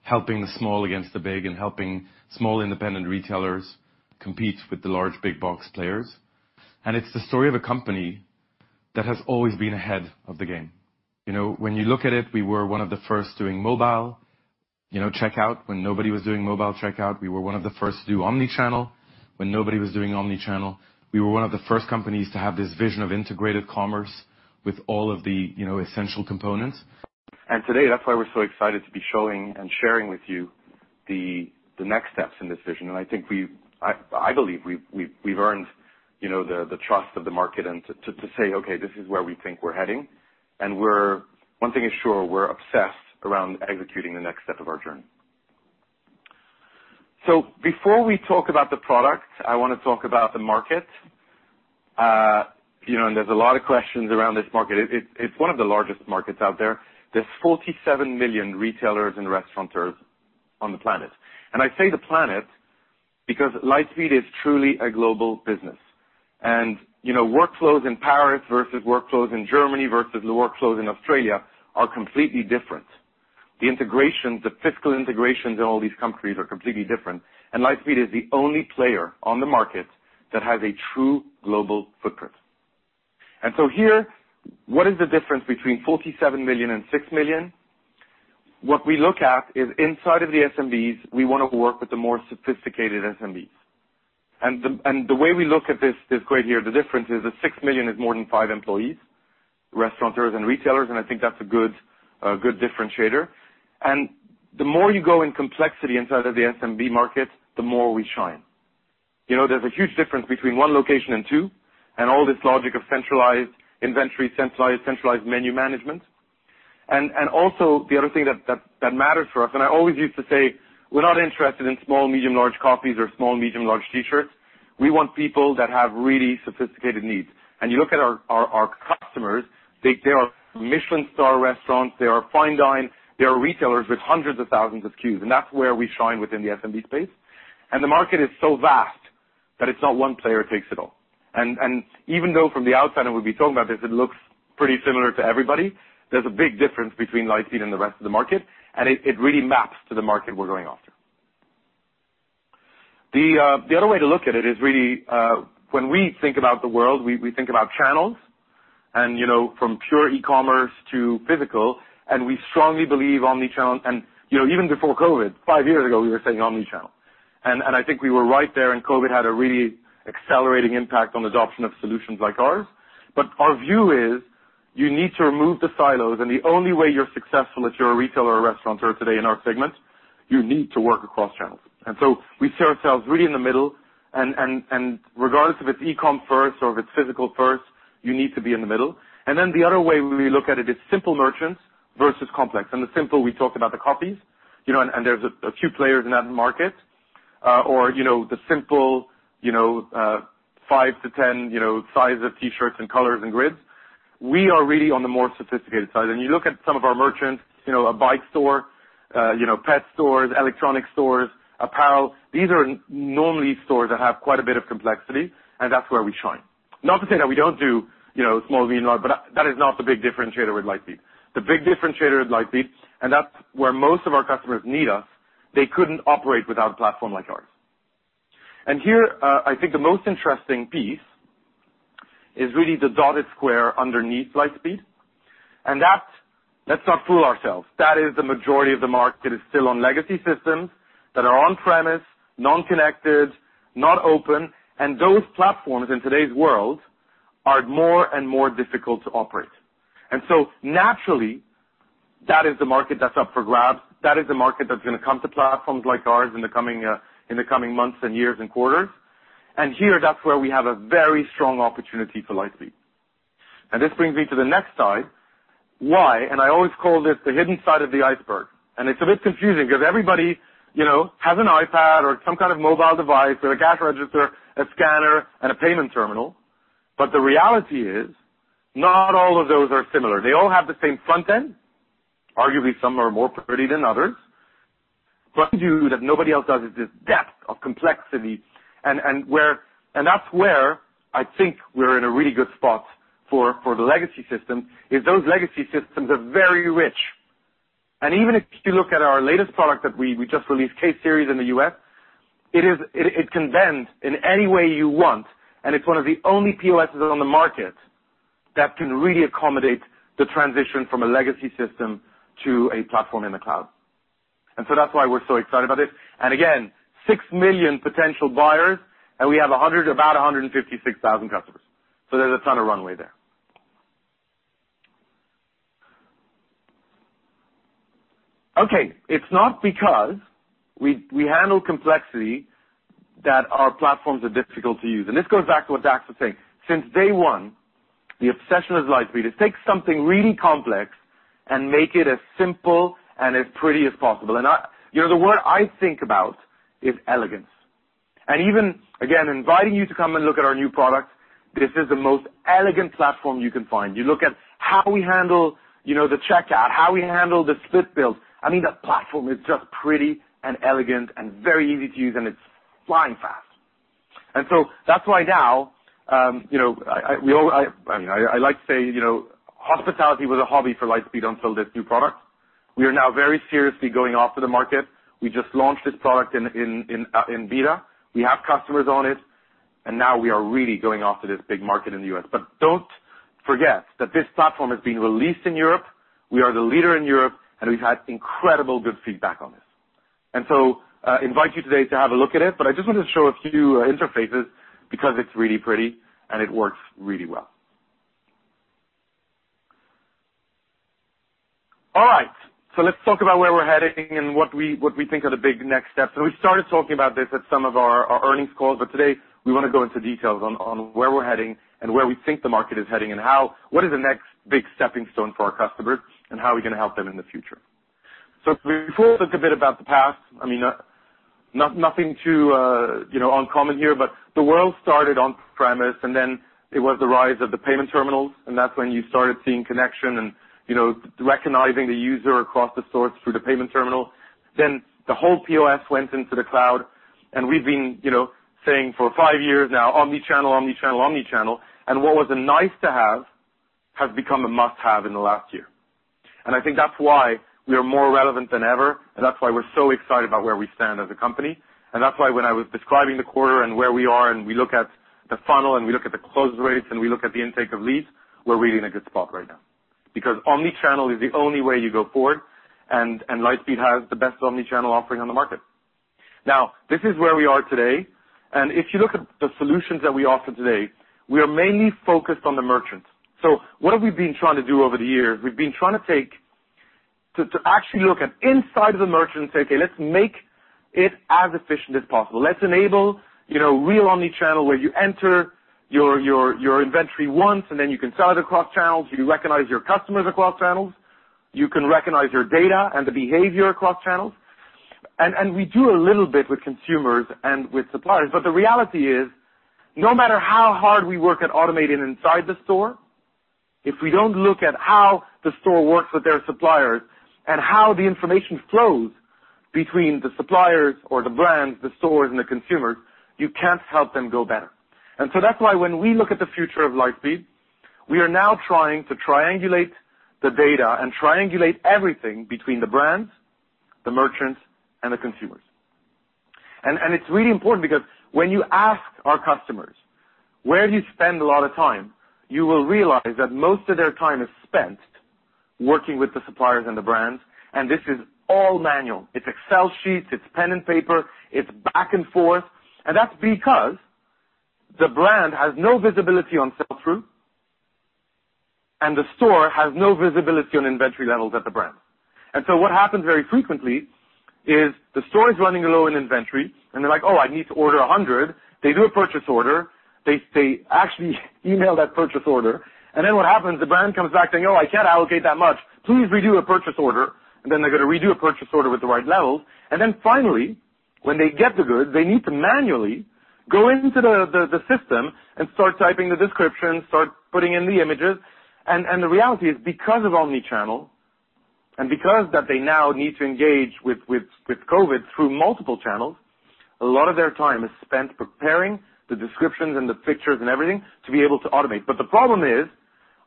helping the small against the big and helping small independent retailers compete with the large big box players. It's the story of a company that has always been ahead of the game. You know, when you look at it, we were one of the first doing mobile, you know, checkout when nobody was doing mobile checkout. We were one of the first to do omni-channel when nobody was doing omni-channel. We were one of the first companies to have this vision of integrated commerce with all of the, you know, essential components. Today, that's why we're so excited to be showing and sharing with you the next steps in this vision. I think I believe we've earned, you know, the trust of the market and to say, "Okay, this is where we think we're heading." One thing is sure, we're obsessed around executing the next step of our journey. Before we talk about the product, I wanna talk about the market. You know, there's a lot of questions around this market. It's one of the largest markets out there. There's 47 million retailers and restaurateurs on the planet. I say the planet because Lightspeed is truly a global business. You know, workflows in Paris versus workflows in Germany versus the workflows in Australia are completely different. The integrations, the fiscal integrations in all these countries are completely different. Lightspeed is the only player on the market that has a true global footprint. Here, what is the difference between 47 million and 6 million? What we look at is inside of the SMBs, we wanna work with the more sophisticated SMBs. The way we look at this grid here, the difference is that 6 million is more than 5 employees, restaurateurs and retailers, and I think that's a good differentiator. The more you go in complexity inside of the SMB market, the more we shine. You know, there's a huge difference between 1 location and 2, and all this logic of centralized inventory, centralized menu management. Also the other thing that matters for us, and I always used to say, we're not interested in small, medium, large coffees or small, medium, large T-shirts. We want people that have really sophisticated needs. You look at our customers, they are Michelin star restaurants, they are fine dining, they are retailers with hundreds of thousands of SKUs, and that's where we shine within the SMB space. The market is so vast that it's not one player takes it all. Even though from the outside, and we'll be talking about this, it looks pretty similar to everybody, there's a big difference between Lightspeed and the rest of the market, and it really maps to the market we're going after. The other way to look at it is really when we think about the world, we think about channels and, you know, from pure e-commerce to physical, and we strongly believe omni-channel. You know, even before COVID, five years ago, we were saying omni-channel. I think we were right there, and COVID had a really accelerating impact on adoption of solutions like ours. Our view is you need to remove the silos, and the only way you're successful if you're a retailer or restaurateur today in our segment, you need to work across channels. We see ourselves really in the middle and regardless if it's e-com first or if it's physical first, you need to be in the middle. The other way we look at it is simple merchants versus complex. The simple, we talk about the copies, you know, and there's a few players in that market, or, you know, the simple, you know, 5-10, you know, size of T-shirts and colors and grids. We are really on the more sophisticated side. You look at some of our merchants, you know, a bike store, you know, pet stores, electronic stores, apparel. These are normally stores that have quite a bit of complexity, and that's where we shine. Not to say that we don't do, you know, small, medium, large, but that is not the big differentiator with Lightspeed. The big differentiator with Lightspeed, and that's where most of our customers need us, they couldn't operate without a platform like ours. Here, I think the most interesting piece is really the dotted square underneath Lightspeed. That's, let's not fool ourselves. That is the majority of the market that is still on legacy systems that are on-premise, non-connected, not open, and those platforms in today's world are more and more difficult to operate. Naturally, that is the market that's up for grabs. That is the market that's gonna come to platforms like ours in the coming months and years and quarters. Here, that's where we have a very strong opportunity for Lightspeed. This brings me to the next slide. Why? I always call this the hidden side of the iceberg. It's a bit confusing 'cause everybody, you know, has an iPad or some kind of mobile device or a cash register, a scanner, and a payment terminal. But the reality is not all of those are similar. They all have the same front end. Arguably, some are more pretty than others. But what you do that nobody else does is this depth of complexity and that's where I think we're in a really good spot for the legacy system. Those legacy systems are very rich. Even if you look at our latest product that we just released, K-Series in the US, it can bend in any way you want, and it's one of the only POSs on the market that can really accommodate the transition from a legacy system to a platform in the cloud. That's why we're so excited about this. Again, 6 million potential buyers, and we have about 156,000 customers. There's a ton of runway there. Okay, it's not because we handle complexity that our platforms are difficult to use. This goes back to what Dax was saying. Since day one, the obsession of Lightspeed is take something really complex and make it as simple and as pretty as possible. I you know, the word I think about is elegance. Even again, inviting you to come and look at our new product, this is the most elegant platform you can find. You look at how we handle, you know, the checkout, how we handle the split bills. I mean, the platform is just pretty and elegant and very easy to use, and it's flying fast. That's why now, you know, I mean, I like to say, you know, hospitality was a hobby for Lightspeed until this new product. We are now very seriously going after the market. We just launched this product in beta. We have customers on it, and now we are really going after this big market in the U.S. But don't forget that this platform is being released in Europe, we are the leader in Europe, and we've had incredibly good feedback on this. I invite you today to have a look at it, but I just wanna show a few interfaces because it's really pretty and it works really well. All right, let's talk about where we're heading and what we think are the big next steps. We started talking about this at some of our earnings calls, but today we wanna go into details on where we're heading and where we think the market is heading and what is the next big stepping stone for our customers and how are we gonna help them in the future. Before we talk a bit about the past, I mean, nothing too, you know, uncommon here, but the world started on-premise, and then it was the rise of the payment terminals, and that's when you started seeing connection and, you know, recognizing the user across the stores through the payment terminal. Then the whole POS went into the cloud, and we've been, you know, saying for five years now, omni-channel, omni-channel, omni-channel. What was a nice to have has become a must-have in the last year. I think that's why we are more relevant than ever, and that's why we're so excited about where we stand as a company. That's why when I was describing the quarter and where we are and we look at the funnel and we look at the close rates and we look at the intake of leads, we're really in a good spot right now. Because omni-channel is the only way you go forward, and Lightspeed has the best omni-channel offering on the market. Now, this is where we are today, and if you look at the solutions that we offer today, we are mainly focused on the merchants. What have we been trying to do over the years? We've been trying to actually look inside of the merchant and say, "Okay, let's make it as efficient as possible. Let's enable, you know, real omni-channel where you enter your inventory once and then you can sell it across channels, you recognize your customers across channels, you can recognize your data and the behavior across channels." We do a little bit with consumers and with suppliers, but the reality is, no matter how hard we work at automating inside the store, if we don't look at how the store works with their suppliers and how the information flows between the suppliers or the brands, the stores, and the consumers, you can't help them go better. That's why when we look at the future of Lightspeed, we are now trying to triangulate the data and triangulate everything between the brands, the merchants, and the consumers. It's really important because when you ask our customers, "Where do you spend a lot of time?" you will realize that most of their time is spent working with the suppliers and the brands, and this is all manual. It's Excel sheets, it's pen and paper, it's back and forth. That's because the brand has no visibility on sell-through, and the store has no visibility on inventory levels at the brand. What happens very frequently is the store is running low in inventory, and they're like, "Oh, I need to order 100." They do a purchase order. They actually email that purchase order. What happens, the brand comes back saying, "Oh, I can't allocate that much. Please redo a purchase order." They're gonna redo a purchase order with the right levels. Then finally, when they get the goods, they need to manually go into the system and start typing the description, start putting in the images. The reality is because of omni-channel and because that they now need to engage with COVID through multiple channels, a lot of their time is spent preparing the descriptions and the pictures and everything to be able to automate. The problem is,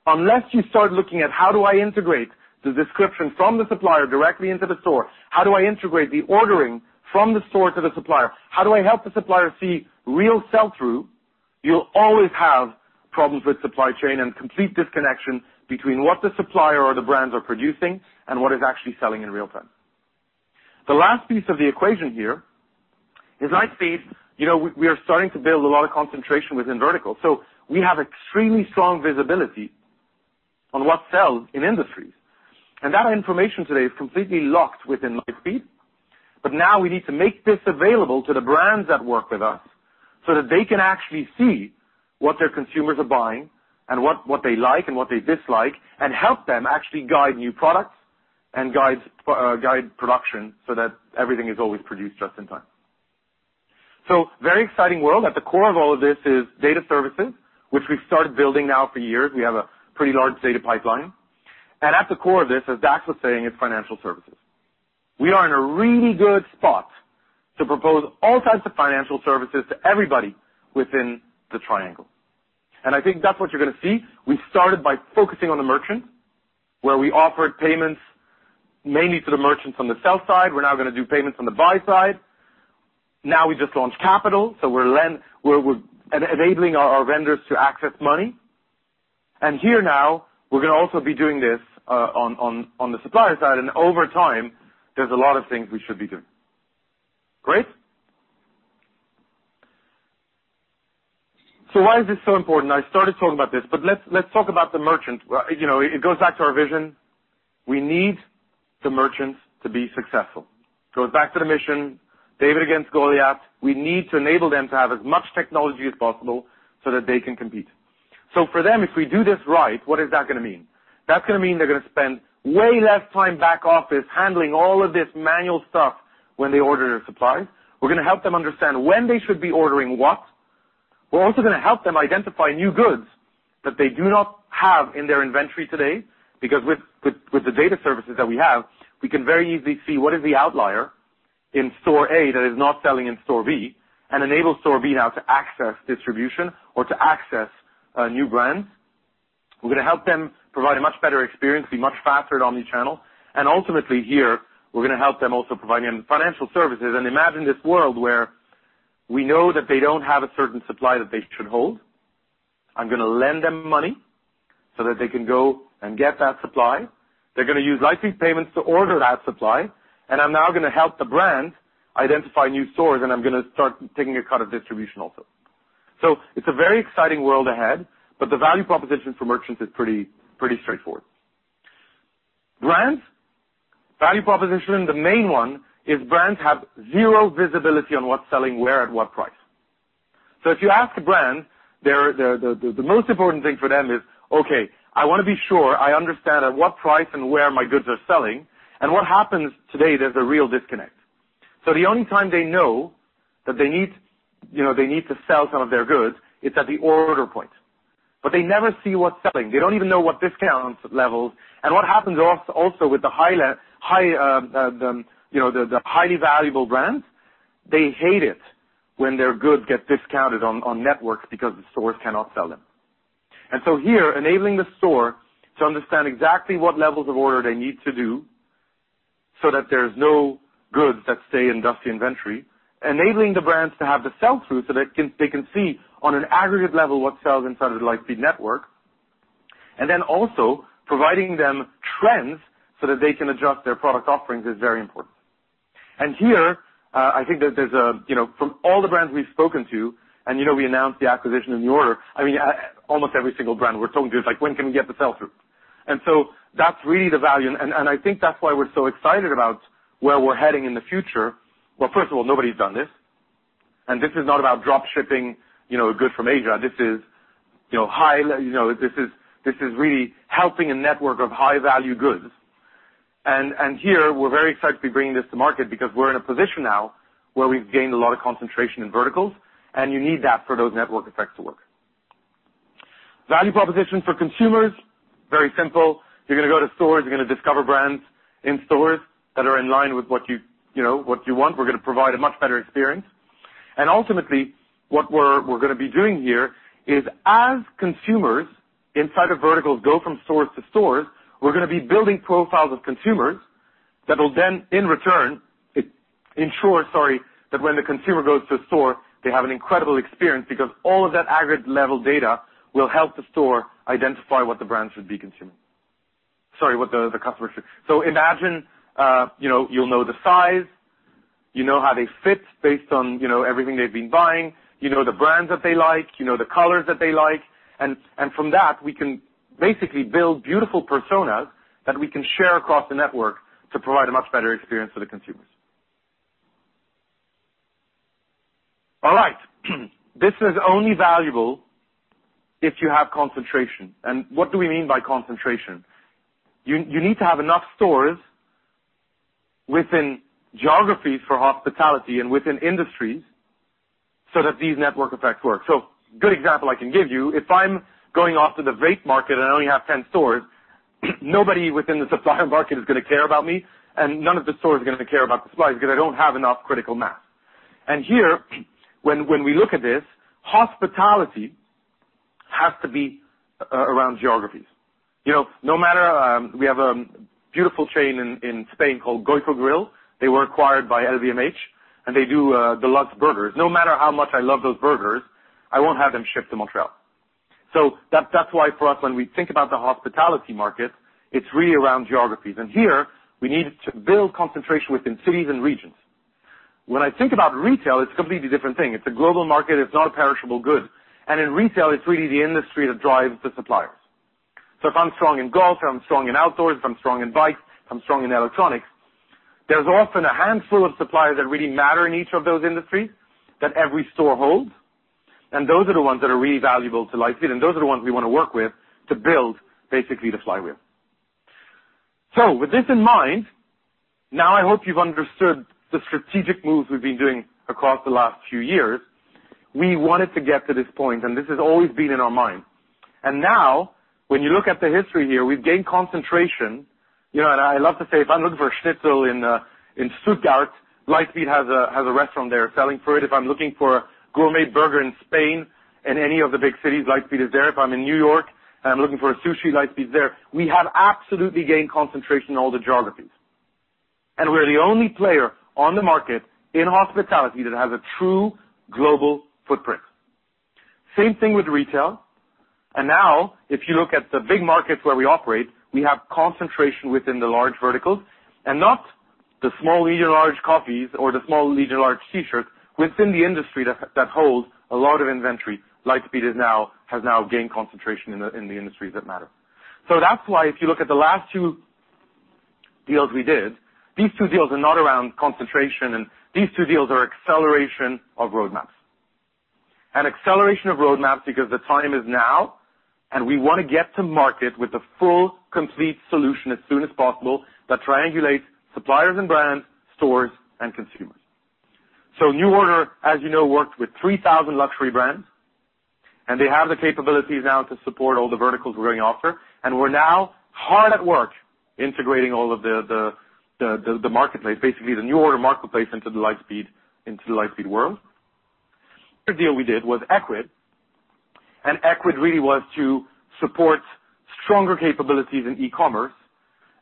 unless you start looking at how do I integrate the description from the supplier directly into the store, how do I integrate the ordering from the store to the supplier, how do I help the supplier see real sell-through, you'll always have problems with supply chain and complete disconnection between what the supplier or the brands are producing and what is actually selling in real time. The last piece of the equation here is Lightspeed. You know, we are starting to build a lot of concentration within verticals. We have extremely strong visibility on what sells in industries. That information today is completely locked within Lightspeed. Now we need to make this available to the brands that work with us so that they can actually see what their consumers are buying and what they like and what they dislike, and help them actually guide new products and guide production so that everything is always produced just in time. Very exciting world. At the core of all of this is data services, which we've started building now for years. We have a pretty large data pipeline. At the core of this, as Dax was saying, is financial services. We are in a really good spot to propose all types of financial services to everybody within the triangle. I think that's what you're gonna see. We started by focusing on the merchant, where we offered payments mainly to the merchants on the sell side. We're now gonna do payments on the buy side. Now we just launched capital, so we're enabling our vendors to access money. Here now, we're gonna also be doing this on the supplier side. Over time, there's a lot of things we should be doing. Great? Why is this so important? I started talking about this, but let's talk about the merchant. Well, you know, it goes back to our vision. We need the merchants to be successful. It goes back to the mission, David against Goliath. We need to enable them to have as much technology as possible so that they can compete. For them, if we do this right, what is that gonna mean? That's gonna mean they're gonna spend way less time back office handling all of this manual stuff when they order their supplies. We're gonna help them understand when they should be ordering what. We're also gonna help them identify new goods that they do not have in their inventory today. Because with the data services that we have, we can very easily see what is the outlier in store A that is not selling in store B and enable store B now to access distribution or to access new brands. We're gonna help them provide a much better experience, be much faster at omni-channel. Ultimately here, we're gonna help them also providing them financial services. Imagine this world where we know that they don't have a certain supply that they should hold. I'm gonna lend them money so that they can go and get that supply. They're gonna use Lightspeed Payments to order that supply. I'm now gonna help the brand identify new stores, and I'm gonna start taking a cut of distribution also. It's a very exciting world ahead, but the value proposition for merchants is pretty straightforward. Brands, value proposition, the main one is brands have zero visibility on what's selling where at what price. If you ask the brand, they're the most important thing for them is, okay, I wanna be sure I understand at what price and where my goods are selling. What happens today, there's a real disconnect. The only time they know that they need, you know, they need to sell some of their goods, it's at the order point. They never see what's selling. They don't even know what discount levels. What happens with the high, you know, the highly valuable brands, they hate it when their goods get discounted on networks because the stores cannot sell them. Here, enabling the store to understand exactly what levels of order they need to do so that there's no goods that stay in dusty inventory, enabling the brands to have the sell-through so they can see on an aggregate level what sells inside of the Lightspeed network, and then also providing them trends so that they can adjust their product offerings is very important. Here, I think that there's, you know, from all the brands we've spoken to, you know, we announced the acquisition of NuORDER. I mean, almost every single brand we're talking to is like, "When can we get the sell-through?" That's really the value. I think that's why we're so excited about where we're heading in the future. Well, first of all, nobody's done this. This is not about drop shipping, you know, a good from Asia. This is really helping a network of high-value goods. Here we're very excited to be bringing this to market because we're in a position now where we've gained a lot of concentration in verticals, and you need that for those network effects to work. Value proposition for consumers, very simple. You're gonna go to stores, you're gonna discover brands in stores that are in line with what you know, what you want. We're gonna provide a much better experience. Ultimately, what we're gonna be doing here is as consumers inside of verticals go from stores to stores, we're gonna be building profiles of consumers that will then in return ensure that when the consumer goes to a store, they have an incredible experience because all of that aggregate-level data will help the store identify what the customer should be consuming. So imagine, you know, you'll know the size, you know how they fit based on, you know, everything they've been buying, you know the brands that they like, you know the colors that they like. From that, we can basically build beautiful personas that we can share across the network to provide a much better experience for the consumers. All right. This is only valuable if you have concentration. What do we mean by concentration? You need to have enough stores within geographies for hospitality and within industries so that these network effects work. Good example I can give you, if I'm going after the vape market and I only have 10 stores, nobody within the supplier market is gonna care about me, and none of the stores are gonna care about the suppliers because I don't have enough critical mass. Here, when we look at this, hospitality has to be around geographies. You know, no matter, we have a beautiful chain in Spain called Goiko Grill. They were acquired by LVMH, and they do deluxe burgers. No matter how much I love those burgers, I won't have them shipped to Montreal. That's why for us when we think about the hospitality market, it's really around geographies. Here, we need to build concentration within cities and regions. When I think about retail, it's a completely different thing. It's a global market, it's not a perishable good. In retail, it's really the industry that drives the suppliers. If I'm strong in golf, if I'm strong in outdoors, if I'm strong in bikes, if I'm strong in electronics, there's often a handful of suppliers that really matter in each of those industries that every store holds, and those are the ones that are really valuable to Lightspeed, and those are the ones we wanna work with to build basically the flywheel. With this in mind, now I hope you've understood the strategic moves we've been doing across the last few years. We wanted to get to this point, and this has always been in our mind. Now, when you look at the history here, we've gained concentration. You know, I love to say, if I'm looking for schnitzel in Stuttgart, Lightspeed has a restaurant there selling it. If I'm looking for a gourmet burger in Spain and any of the big cities, Lightspeed is there. If I'm in New York and I'm looking for sushi, Lightspeed is there. We have absolutely gained concentration in all the geographies. We're the only player on the market in hospitality that has a true global footprint. Same thing with retail. Now, if you look at the big markets where we operate, we have concentration within the large verticals and not the small, medium, large coffees or the small, medium, large T-shirts within the industry that hold a lot of inventory. Lightspeed has now gained concentration in the industries that matter. That's why if you look at the last two deals we did, these two deals are not around concentration, and these two deals are acceleration of roadmaps. Acceleration of roadmaps because the time is now, and we wanna get to market with a full complete solution as soon as possible that triangulates suppliers and brands, stores, and consumers. NuORDER, as you know, worked with 3,000 luxury brands, and they have the capabilities now to support all the verticals we're going after. We're now hard at work integrating all of the marketplace, basically the NuORDER marketplace into the Lightspeed world. The deal we did was Ecwid. Ecwid really was to support stronger capabilities in e-commerce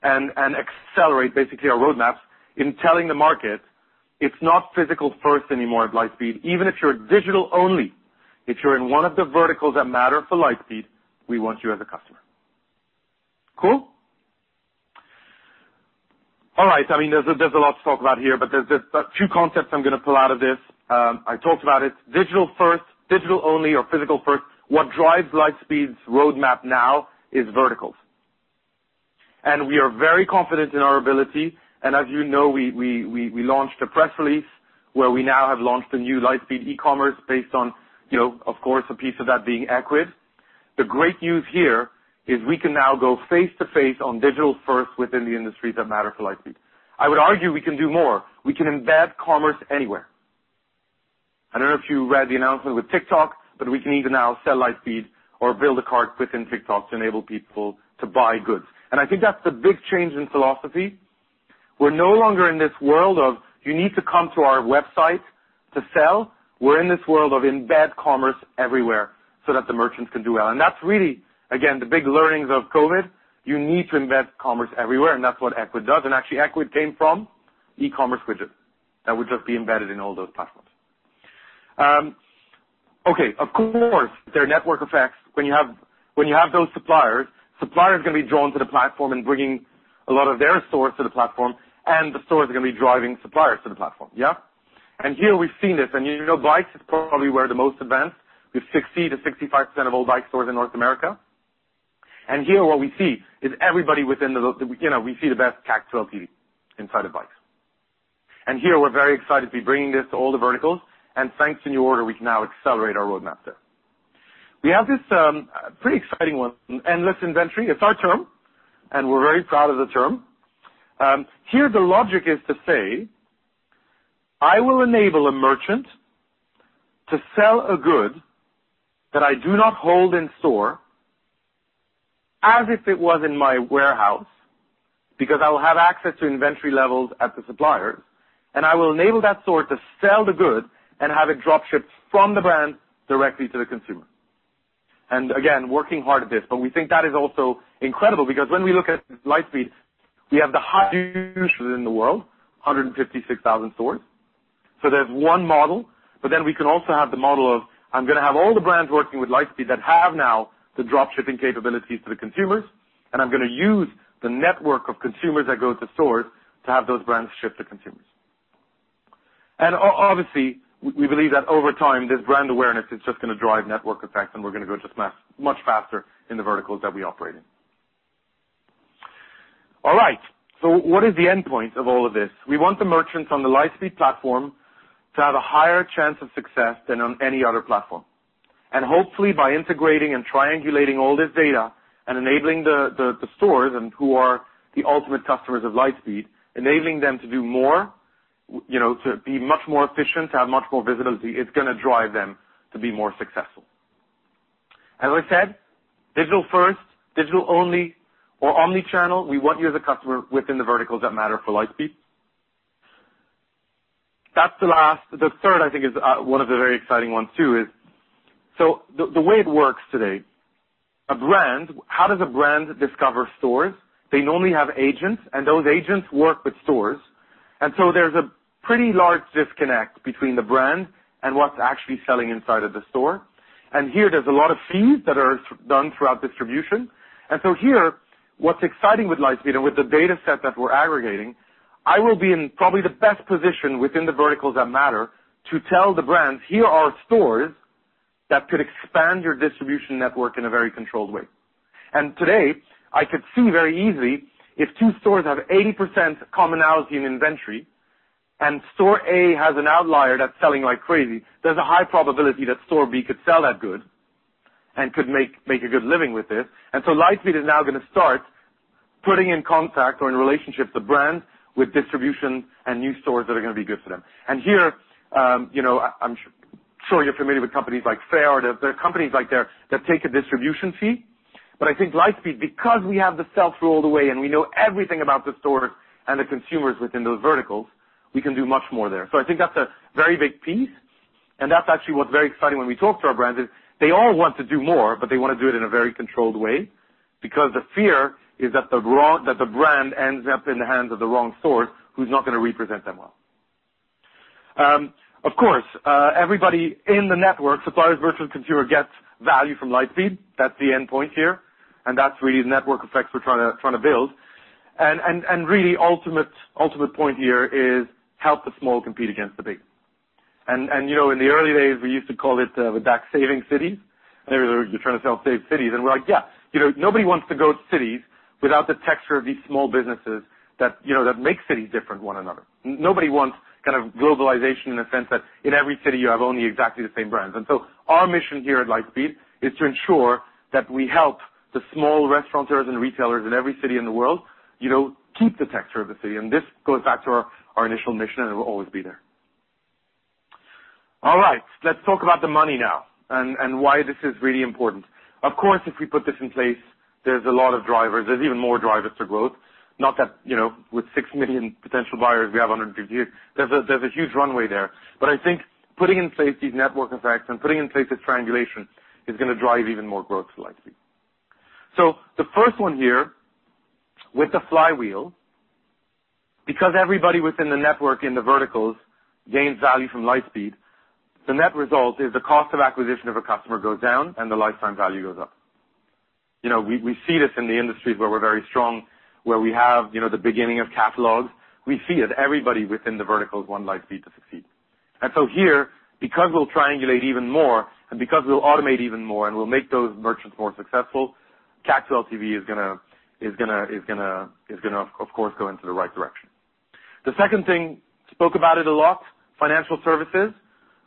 and accelerate basically our roadmaps in telling the market it's not physical first anymore at Lightspeed. Even if you're digital only, if you're in one of the verticals that matter for Lightspeed, we want you as a customer. Cool? All right. I mean, there's a lot to talk about here, but there's a few concepts I'm gonna pull out of this. I talked about it. Digital first, digital only or physical first. What drives Lightspeed's roadmap now is verticals. We are very confident in our ability. As you know, we launched a press release where we now have launched a new Lightspeed eCommerce based on, you know, of course, a piece of that being Ecwid. The great news here is we can now go face-to-face on digital first within the industries that matter for Lightspeed. I would argue we can do more. We can embed commerce anywhere. I don't know if you read the announcement with TikTok, but we can even now sell Lightspeed or build a cart within TikTok to enable people to buy goods. I think that's the big change in philosophy. We're no longer in this world of you need to come to our website to sell. We're in this world of embed commerce everywhere so that the merchants can do well. That's really, again, the big learnings of COVID. You need to embed commerce everywhere, and that's what Ecwid does. Actually, Ecwid came from e-commerce widget that would just be embedded in all those platforms. Okay, of course, there are network effects when you have those suppliers. Suppliers can be drawn to the platform and bringing a lot of their stores to the platform, and the stores are gonna be driving suppliers to the platform, yeah? Here we've seen this. You know, bikes is probably where the most advanced, with 60%-65% of all bike stores in North America. Here what we see is everybody within the, you know, we see the best CAC to LTV inside of bikes. Here we're very excited to be bringing this to all the verticals. Thanks to NuORDER, we can now accelerate our roadmap there. We have this, pretty exciting one, endless inventory. It's our term, and we're very proud of the term. Here the logic is to say, "I will enable a merchant to sell a good that I do not hold in store as if it was in my warehouse, because I will have access to inventory levels at the suppliers, and I will enable that store to sell the good and have it drop shipped from the brand directly to the consumer." Again, working hard at this, but we think that is also incredible because when we look at Lightspeed, we have the highest users in the world, 156,000 stores. There's one model, but then we can also have the model of, I'm gonna have all the brands working with Lightspeed that have now the drop shipping capabilities to the consumers, and I'm gonna use the network of consumers that go to stores to have those brands ship to consumers. Obviously, we believe that over time, this brand awareness is just gonna drive network effects, and we're gonna go just much faster in the verticals that we operate in. All right. What is the endpoint of all of this? We want the merchants on the Lightspeed platform to have a higher chance of success than on any other platform. Hopefully, by integrating and triangulating all this data and enabling the stores and who are the ultimate customers of Lightspeed, enabling them to do more, you know, to be much more efficient, to have much more visibility, it's gonna drive them to be more successful. As I said, digital first, digital only or omni-channel, we want you as a customer within the verticals that matter for Lightspeed. That's the last. The third, I think, is one of the very exciting ones too, the way it works today, a brand. How does a brand discover stores? They normally have agents, and those agents work with stores. There's a pretty large disconnect between the brand and what's actually selling inside of the store. Here there's a lot of fees that are siphoned throughout distribution. here. What's exciting with Lightspeed and with the data set that we're aggregating, I will be in probably the best position within the verticals that matter to tell the brands, "Here are stores that could expand your distribution network in a very controlled way." Today, I could see very easily if two stores have 80% commonality in inventory and store A has an outlier that's selling like crazy, there's a high probability that store B could sell that good and could make a good living with it. Lightspeed is now gonna start putting in contact or in relationships with brands, with distribution and new stores that are gonna be good for them. Here, you know, I'm sure you're familiar with companies like Faire. There are companies out there that take a distribution fee. I think Lightspeed, because we have the sell through all the way and we know everything about the stores and the consumers within those verticals, we can do much more there. I think that's a very big piece, and that's actually what's very exciting when we talk to our brands, is they all want to do more, but they wanna do it in a very controlled way. Because the fear is that the brand ends up in the hands of the wrong store who's not gonna represent them well. Of course, everybody in the network, suppliers, merchants, consumers, gets value from Lightspeed. That's the endpoint here, and that's really the network effects we're trying to build. Really ultimate point here is help the small compete against the big. You know, in the early days, we used to call it back Saving City. They were, "You're trying to sell save cities?" We're like, "Yeah. You know, nobody wants to go to cities without the texture of these small businesses that, you know, that make cities different one another." Nobody wants kind of globalization in a sense that in every city you have only exactly the same brands. Our mission here at Lightspeed is to ensure that we help the small restaurateurs and retailers in every city in the world, you know, keep the texture of the city. This goes back to our initial mission, and it will always be there. All right. Let's talk about the money now and why this is really important. Of course, if we put this in place, there's a lot of drivers. There's even more drivers for growth. Not that, you know, with 6 million potential buyers, we have 158. There's a huge runway there. I think putting in place these network effects and putting in place this triangulation is gonna drive even more growth to Lightspeed. The first one here, with the flywheel, because everybody within the network in the verticals gains value from Lightspeed, the net result is the cost of acquisition of a customer goes down and the lifetime value goes up. You know, we see this in the industries where we're very strong, where we have, you know, the beginning of catalogs. We see it. Everybody within the vertical want Lightspeed to succeed. Here, because we'll triangulate even more and because we'll automate even more and we'll make those merchants more successful, CAC to LTV is gonna, of course, go into the right direction. The second thing, spoke about it a lot, financial services.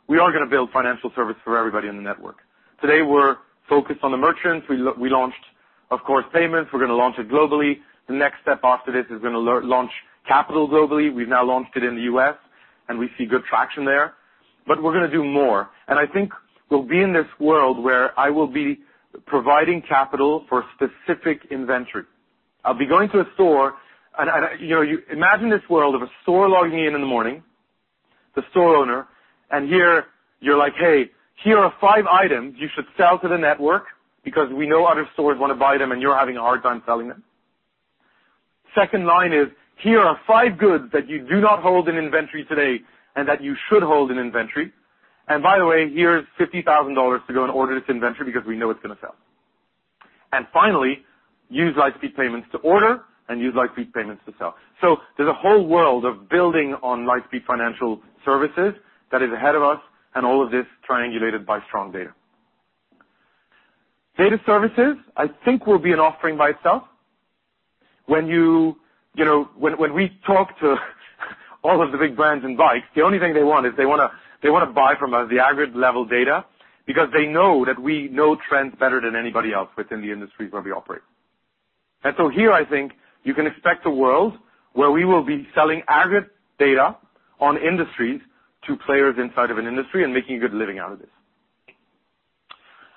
We are gonna build financial service for everybody in the network. Today, we're focused on the merchants. We launched, of course, payments. We're gonna launch it globally. The next step after this is gonna launch capital globally. We've now launched it in the U.S., and we see good traction there. But we're gonna do more. I think we'll be in this world where I will be providing capital for specific inventory. I'll be going to a store. I... You know, imagine this world of a store logging in in the morning, the store owner, and here you're like, "Hey, here are five items you should sell to the network because we know other stores wanna buy them and you're having a hard time selling them." Second line is, "Here are five goods that you do not hold in inventory today and that you should hold in inventory. And by the way, here's $50,000 to go and order this inventory because we know it's gonna sell." And finally, use Lightspeed Payments to order and use Lightspeed Payments to sell. There's a whole world of building on Lightspeed financial services that is ahead of us and all of this triangulated by strong data. Data services, I think will be an offering by itself. When we talk to all of the big brands in bikes, the only thing they want is they wanna buy from us the aggregate level data because they know that we know trends better than anybody else within the industries where we operate. Here, I think you can expect a world where we will be selling aggregate data on industries to players inside of an industry and making a good living out of this.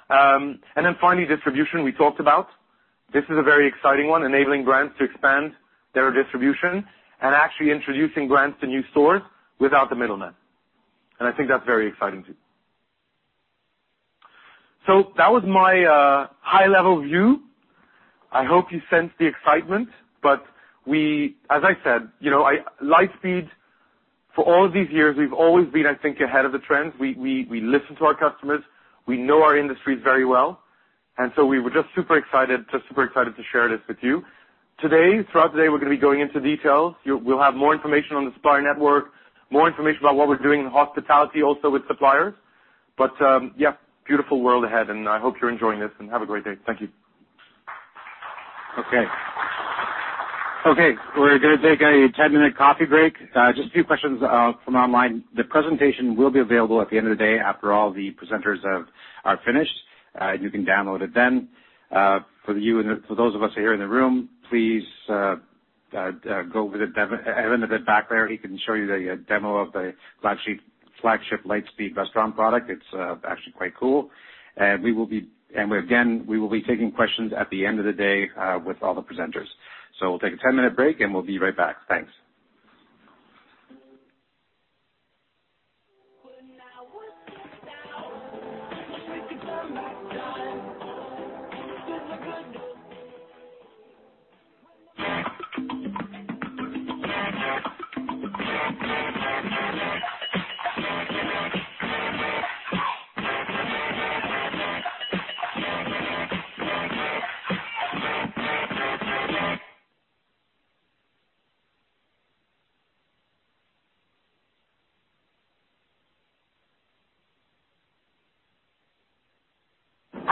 Then finally, distribution we talked about is a very exciting one, enabling brands to expand their distribution and actually introducing brands to new stores without the middleman. I think that's very exciting too. That was my high-level view. I hope you sense the excitement. As I said, you know, Lightspeed, for all of these years, we've always been, I think, ahead of the trends. We listen to our customers. We know our industries very well. We were just super excited to share this with you. Today, throughout the day, we're gonna be going into details. We'll have more information on the supplier network, more information about what we're doing in hospitality also with suppliers. Yeah, beautiful world ahead, and I hope you're enjoying this and have a great day. Thank you. We're gonna take a ten-minute coffee break. Just a few questions from online. The presentation will be available at the end of the day after all the presenters are finished. You can download it then. For you and for those of us who are here in the room, please go with Evan at the back there. He can show you the demo of the flagship Lightspeed Restaurant product. It's actually quite cool. Again, we will be taking questions at the end of the day with all the presenters. We'll take a ten-minute break, and we'll be right back. Thanks.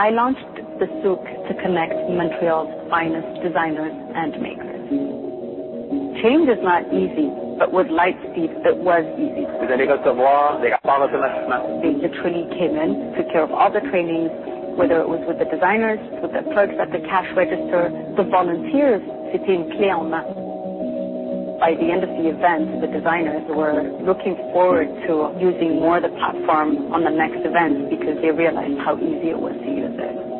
I launched The Souk to connect Montreal's finest designers and makers. Change is not easy, but with Lightspeed, it was easy. They literally came in, took care of all the training, whether it was with the designers, with the clerks at the cash register, the volunteers. It became clear on that. By the end of the event, the designers were looking forward to using more of the platform on the next event because they realized how easy it was to use it.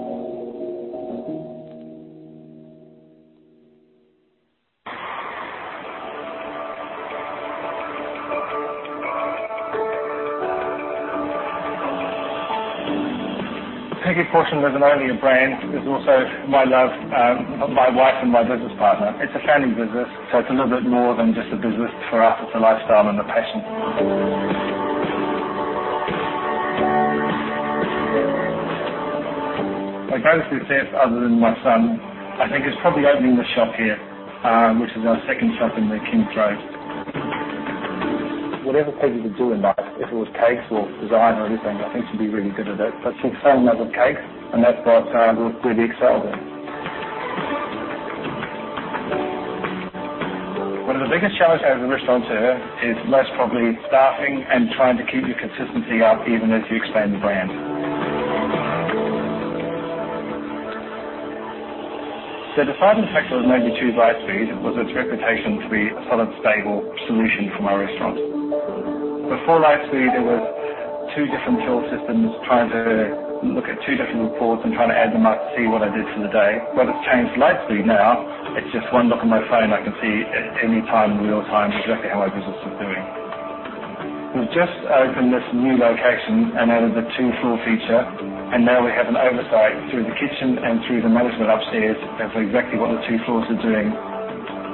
Peggy Porschen isn't only a brand, it's also my love, my wife and my business partner. It's a family business, so it's a little bit more than just a business for us. It's a lifestyle and a passion. My greatest success other than my son, I think is probably opening the shop here, which is our second shop in the King's Road. Whatever Peggy could do in life, if it was cakes or design or anything, I think she'd be really good at it. But she excelled more with cakes, and that's what we've really excelled in. One of the biggest challenges as a restaurateur is most probably staffing and trying to keep your consistency up even as you expand the brand. The deciding factor that made me choose Lightspeed was its reputation to be a solid, stable solution for my restaurant. Before Lightspeed, it was two different till systems, trying to look at two different reports and trying to add them up to see what I did for the day. It's changed. Lightspeed now, it's just one look on my phone. I can see at any time, real time, exactly how my business is doing. We've just opened this new location and added the two-floor feature, and now we have an oversight through the kitchen and through the management upstairs as to exactly what the two floors are doing.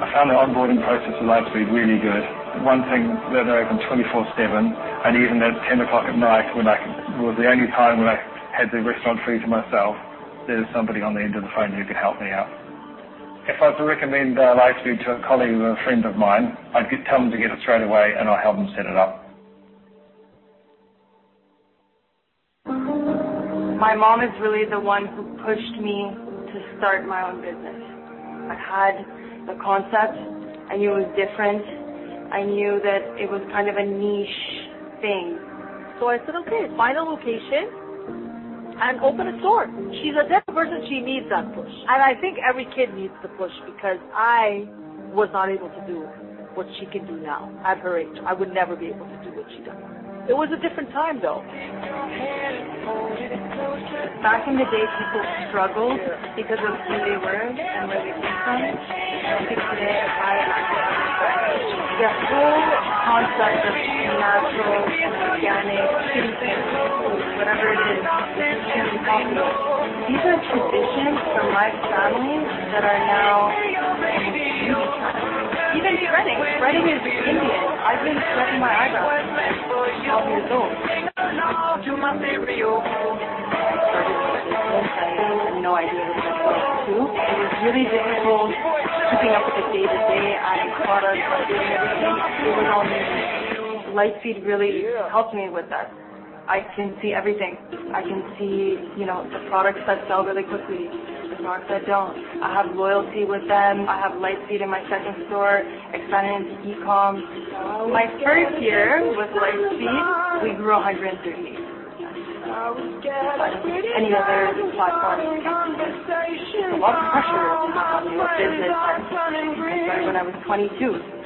I found the onboarding process with Lightspeed really good. One thing, they're open 24/7, and even at 10:00 P.M. when I was the only time when I had the restaurant free to myself, there's somebody on the end of the phone who could help me out. If I was to recommend Lightspeed to a colleague or a friend of mine, I'd tell them to get it straight away, and I'd help them set it up. My mom is really the one who pushed me to start my own business. I had the concept. I knew it was different. I knew that it was kind of a niche thing. I said, "Okay, find a location and open a store." She's a different person. She needs that push, and I think every kid needs the push because I was not able to do what she can do now at her age. I would never be able to do what she does. It was a different time, though. Back in the day, people struggled because of who they were and where they came from. I think today I don't have to struggle. The whole concept of natural and organic skincare or whatever it is can be costly. These are traditions from my family that are now mainstream now. Even threading. Threading is Indian. I've been threading my eyebrows since I was 12 years old. I started this business, and I had no idea what I was going to. It was really difficult keeping up with the day-to-day and products and doing everything. It was overwhelming. Lightspeed really helped me with that. I can see everything. I can see, you know, the products that sell really quickly, the products that don't. I have loyalty with them. I have Lightspeed in my second store expanded into e-com. My first year with Lightspeed, we grew 130%. Besides any other platform I can't compare. There was pressure to have my own business. I was 23 when I started. When I was 22.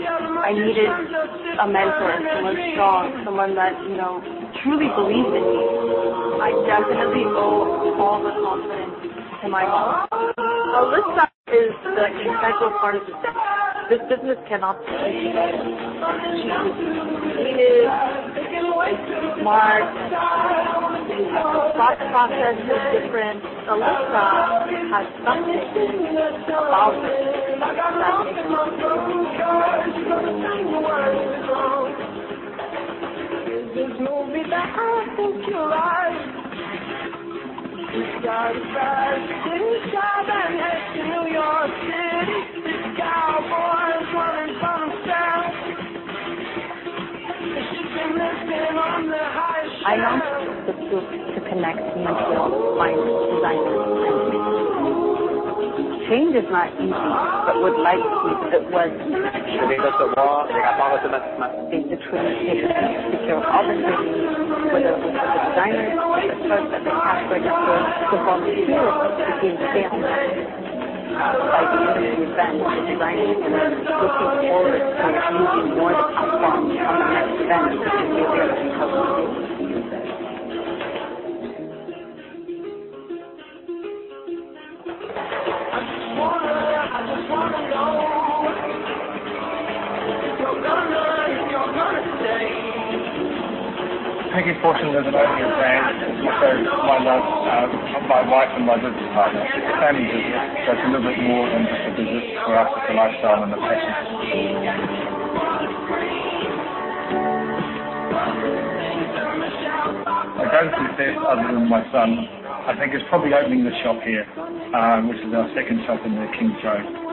I needed a mentor, someone strong, someone that, you know, truly believed in me. I definitely owe all the confidence to my mom. Alyssa is the essential part of this business. This business cannot succeed without her. She is smart. Her thought process is different. Alyssa has something about her. I launched The Souk to connect Montreal's finest designers and makers. Change is not easy, but with Lightspeed, it was easy. They literally came in, took care of all the training, whether it was with the designers, with the clerks at the cash register, the volunteers. It became clear on that. By the end of the event, the designers were looking forward to using more of the platform on the next event because they realized how easy it was to use it. Peggy Porschen isn't only a brand. It's also my love. My wife and my business partner. It's a family business, so it's a little bit more than just a business for us. It's a lifestyle and a passion. I love this other than my son. I think it's probably opening the shop here, which is our second shop in the King's Road.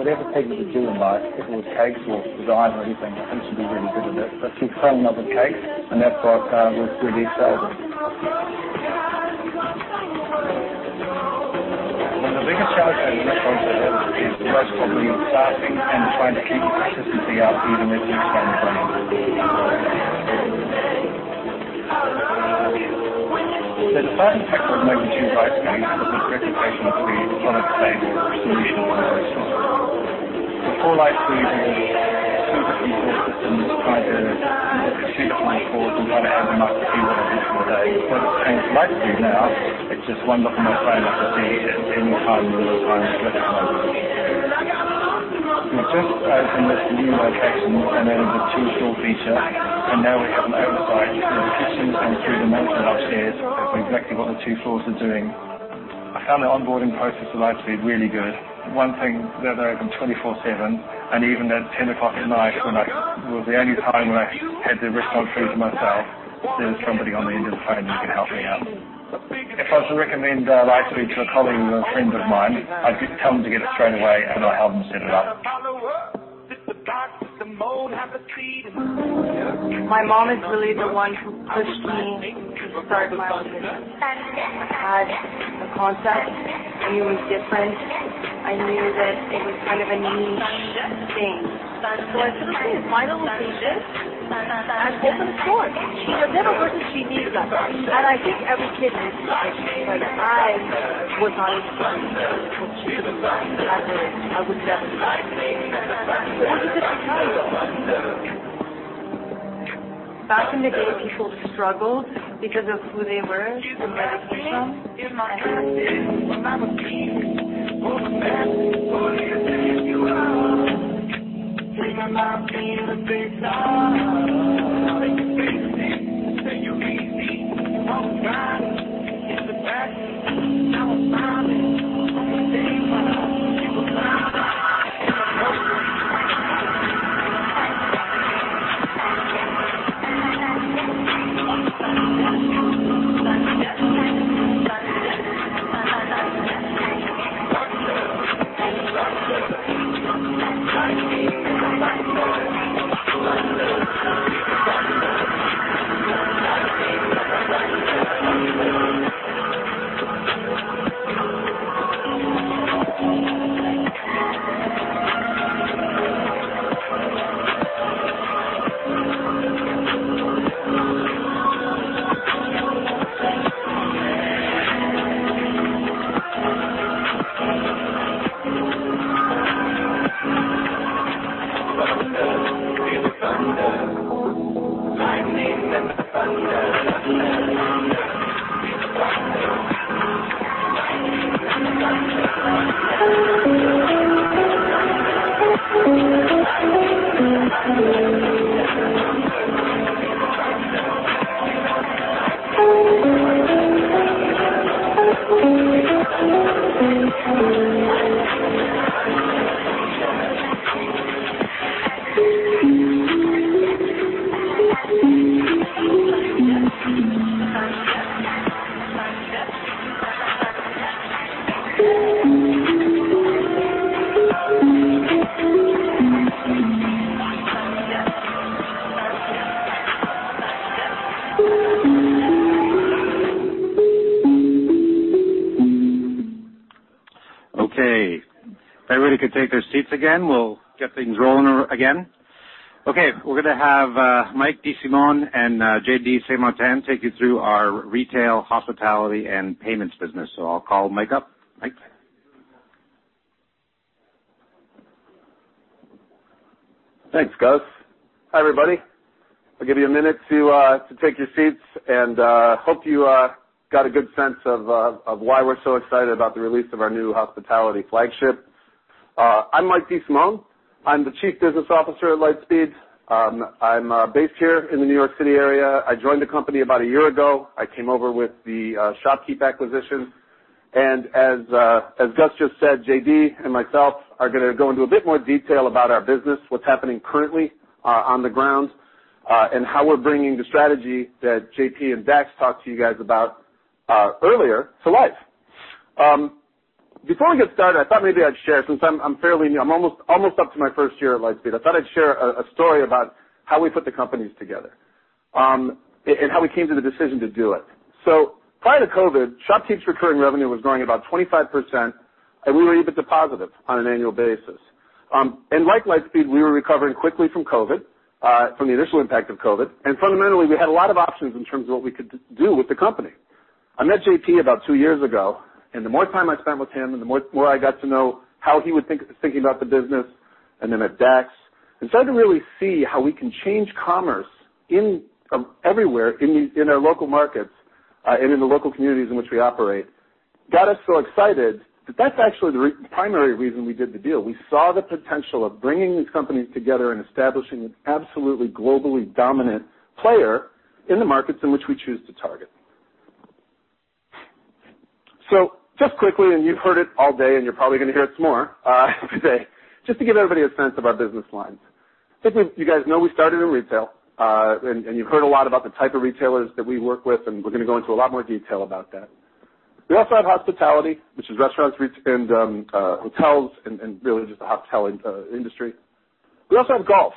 Whatever people are doing in life, people with cakes or design or anything, I think she'd be really good at it. She's fallen in love with cakes, and therefore, that's what we've really excelled in. One of the biggest challenges we've gone through is most probably staffing and trying to keep the consistency up even if we expand the brand. The deciding factor that made me choose Lightspeed was its reputation to be a solid, stable solution for my restaurant.. Before Lightspeed, we had two different POS systems trying to look at two different reports and try to add them up to see what I did for the day. Since Lightspeed now, it's just one look on my phone, I can see at any time, in real time, exactly what we're doing. We just opened this new location, and there is a two-floor feature, and now we have an oversight through the kitchens and through the management upstairs of exactly what the two floors are doing. I found the onboarding process with Lightspeed really good. One thing, they're open 24/7, and even at 10:00 P.M., it was the only time when I had the restaurant free to myself, there was somebody on the end of the phone who could help me out. If I was to recommend, Lightspeed to a colleague or a friend of mine, I'd just tell them to get it straight away, and I'd help them set it up. My mom is really the one who pushed me to start my own business. I had the concept. I knew it was different. I knew that it was kind of a niche thing. I said, "Okay, why don't we do this and open a store?" She had never heard, *inaudible* and I think every kid needs a place like that. I was always dreaming of cooking. I did. I would never stop. Why not just have it all? Back in the day, people struggled because of who they were, where they came from. Okay. If everybody could take their seats again, we'll get things rolling again. Okay, we're gonna have Mike DeSimone and JD Saint-Martin take you through our retail, hospitality, and payments business. I'll call Mike up. Mike. Thanks, Gus. Hi, everybody. I'll give you a minute to take your seats and hope you got a good sense of why we're so excited about the release of our new Hospitality flagship. I'm Mike DeSimone. I'm the Chief Business Officer at Lightspeed. I'm based here in the New York City area. I joined the company about a year ago. I came over with the ShopKeep acquisition. As Gus just said, JD and myself are gonna go into a bit more detail about our business, what's happening currently on the ground, and how we're bringing the strategy that JP and Dax talked to you guys about earlier to life. Before we get started, I thought maybe I'd share, since I'm fairly new, I'm almost up to my first year at Lightspeed. I thought I'd share a story about how we put the companies together, and how we came to the decision to do it. Prior to COVID, ShopKeep's recurring revenue was growing about 25%, and we were EBITDA positive on an annual basis. Like Lightspeed, we were recovering quickly from COVID, from the initial impact of COVID. Fundamentally, we had a lot of options in terms of what we could do with the company. I met JP about two years ago, and the more time I spent with him and the more I got to know how he would think, thinking about the business and then met Dex, and started to really see how we can change commerce everywhere in our local markets and in the local communities in which we operate. Got us so excited that that's actually the primary reason we did the deal. We saw the potential of bringing these companies together and establishing an absolutely globally dominant player in the markets in which we choose to target. Just quickly, and you've heard it all day, and you're probably gonna hear it some more today, just to give everybody a sense of our business lines. I think you guys know we started in retail, and you've heard a lot about the type of retailers that we work with, and we're gonna go into a lot more detail about that. We also have hospitality, which is restaurants, and hotels and really just the hotel industry. We also have golf,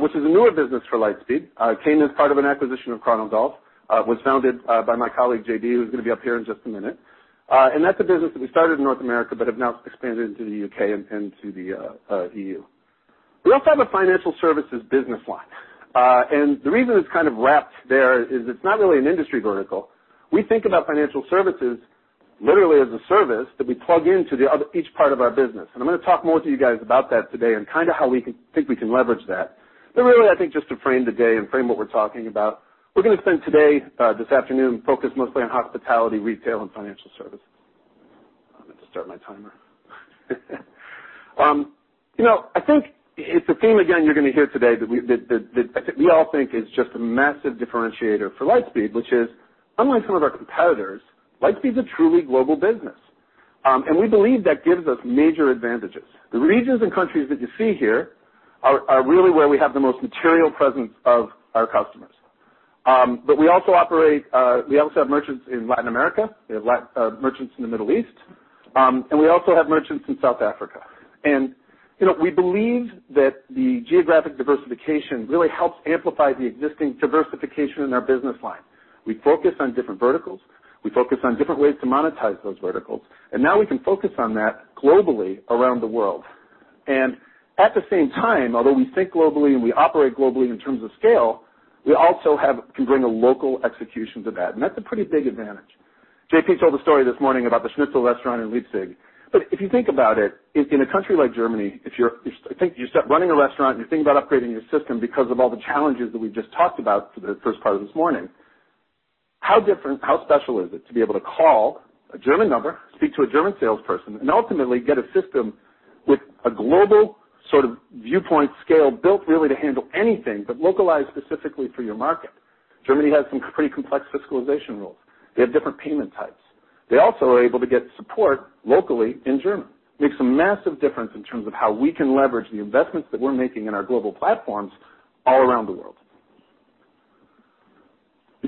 which is a newer business for Lightspeed. It came as part of an acquisition of Chronogolf, was founded by my colleague, JD, who's gonna be up here in just a minute. That's a business that we started in North America but have now expanded into the U.K. and to the E.U. We also have a financial services business line. The reason it's kind of wrapped there is it's not really an industry vertical. We think about financial services literally as a service that we plug into the other each part of our business. I'm gonna talk more to you guys about that today and kinda how we can think we can leverage that. I think just to frame the day and frame what we're talking about, we're gonna spend today this afternoon focused mostly on hospitality, retail, and financial services. I'm going to start my timer. You know, I think it's a theme again you're gonna hear today that I think we all think is just a massive differentiator for Lightspeed, which is unlike some of our competitors, Lightspeed's a truly global business. We believe that gives us major advantages. The regions and countries that you see here are really where we have the most material presence of our customers. We also have merchants in Latin America. We have merchants in the Middle East. We also have merchants in South Africa. You know, we believe that the geographic diversification really helps amplify the existing diversification in our business line. We focus on different verticals. We focus on different ways to monetize those verticals, and now we can focus on that globally around the world. At the same time, although we think globally and we operate globally in terms of scale, we also can bring a local execution to that, and that's a pretty big advantage. JP told a story this morning about the schnitzel restaurant in Leipzig. If you think about it, in a country like Germany, if you think you're starting to run a restaurant and you're thinking about upgrading your system because of all the challenges that we just talked about for the first part of this morning, how different, how special is it to be able to call a German number, speak to a German salesperson, and ultimately get a system with a global sort of viewpoint scale built really to handle anything but localized specifically for your market. Germany has some pretty complex fiscalization rules. They have different payment types. They also are able to get support locally in German. Makes a massive difference in terms of how we can leverage the investments that we're making in our global platforms all around the world.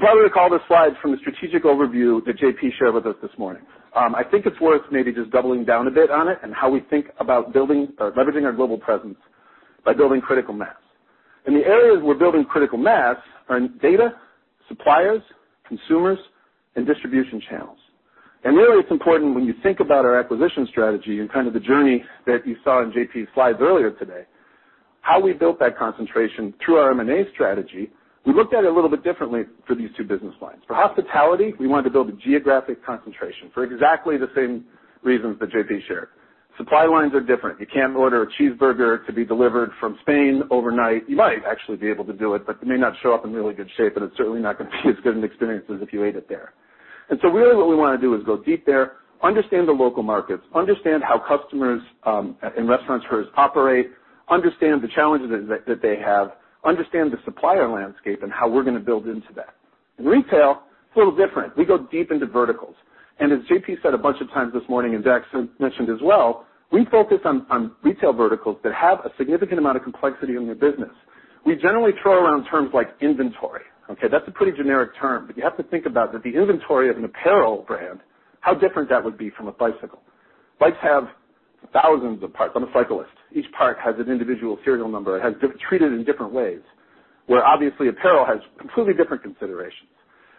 You probably recall this slide from the strategic overview that JP shared with us this morning. I think it's worth maybe just doubling down a bit on it and how we think about building or leveraging our global presence by building critical mass. The areas we're building critical mass are in data, suppliers, consumers, and distribution channels. Really, it's important when you think about our acquisition strategy and kind of the journey that you saw in JP's slides earlier today, how we built that concentration through our M&A strategy, we looked at it a little bit differently for these two business lines. For hospitality, we wanted to build a geographic concentration for exactly the same reasons that JP shared. Supply lines are different. You can't order a cheeseburger to be delivered from Spain overnight. You might actually be able to do it, but it may not show up in really good shape, and it's certainly not gonna be as good an experience as if you ate it there. Really what we wanna do is go deep there, understand the local markets, understand how customers and restaurateurs operate, understand the challenges that they have, understand the supplier landscape and how we're gonna build into that. In retail, it's a little different. We go deep into verticals. As JP said a bunch of times this morning, and Dax mentioned as well, we focus on retail verticals that have a significant amount of complexity in their business. We generally throw around terms like inventory. Okay? That's a pretty generic term, but you have to think about that the inventory of an apparel brand, how different that would be from a bicycle. Bikes have thousands of parts. I'm a cyclist. Each part has an individual serial number. It is treated in different ways, where obviously apparel has completely different considerations.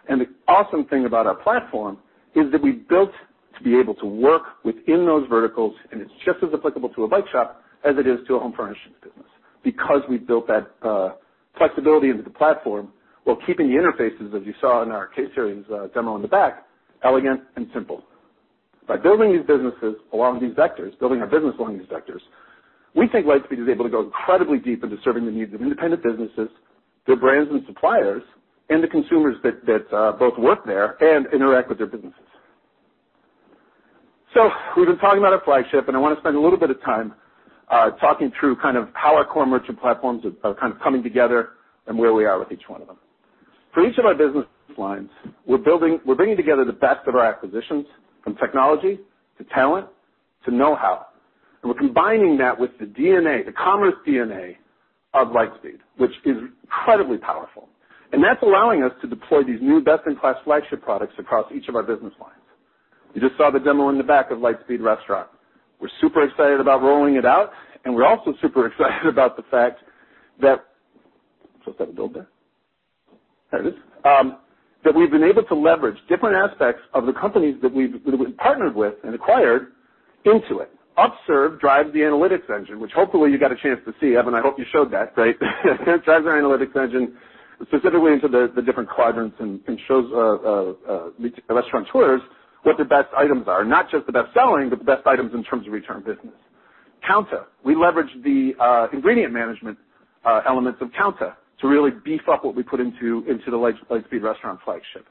The awesome thing about our platform is that we built to be able to work within those verticals, and it's just as applicable to a bike shop as it is to a home furnishings business. Because we've built that flexibility into the platform while keeping the interfaces, as you saw in our case series demo in the back, elegant and simple. By building these businesses along these vectors, building our business along these vectors, we think Lightspeed is able to go incredibly deep into serving the needs of independent businesses, their brands and suppliers, and the consumers that both work there and interact with their businesses. We've been talking about our flagship, and I wanna spend a little bit of time talking through kind of how our core merchant platforms are kind of coming together and where we are with each one of them. For each of our business lines, we're bringing together the best of our acquisitions, from technology to talent to know-how, and we're combining that with the DNA, the commerce DNA of Lightspeed, which is incredibly powerful. That's allowing us to deploy these new best-in-class flagship products across each of our business lines. You just saw the demo in the back of Lightspeed Restaurant. We're super excited about rolling it out, and we're also super excited about the fact that. Is this gonna build that? There it is. That we've been able to leverage different aspects of the companies that we've partnered with and acquired into it. Upserve drives the analytics engine, which hopefully you got a chance to see. Evan, I hope you showed that, right? Drives our analytics engine specifically into the different quadrants and shows restaurateurs what their best items are, not just the best selling, but the best items in terms of return business. Kounta. We leveraged the ingredient management elements of Kounta to really beef up what we put into the Lightspeed Restaurant flagship.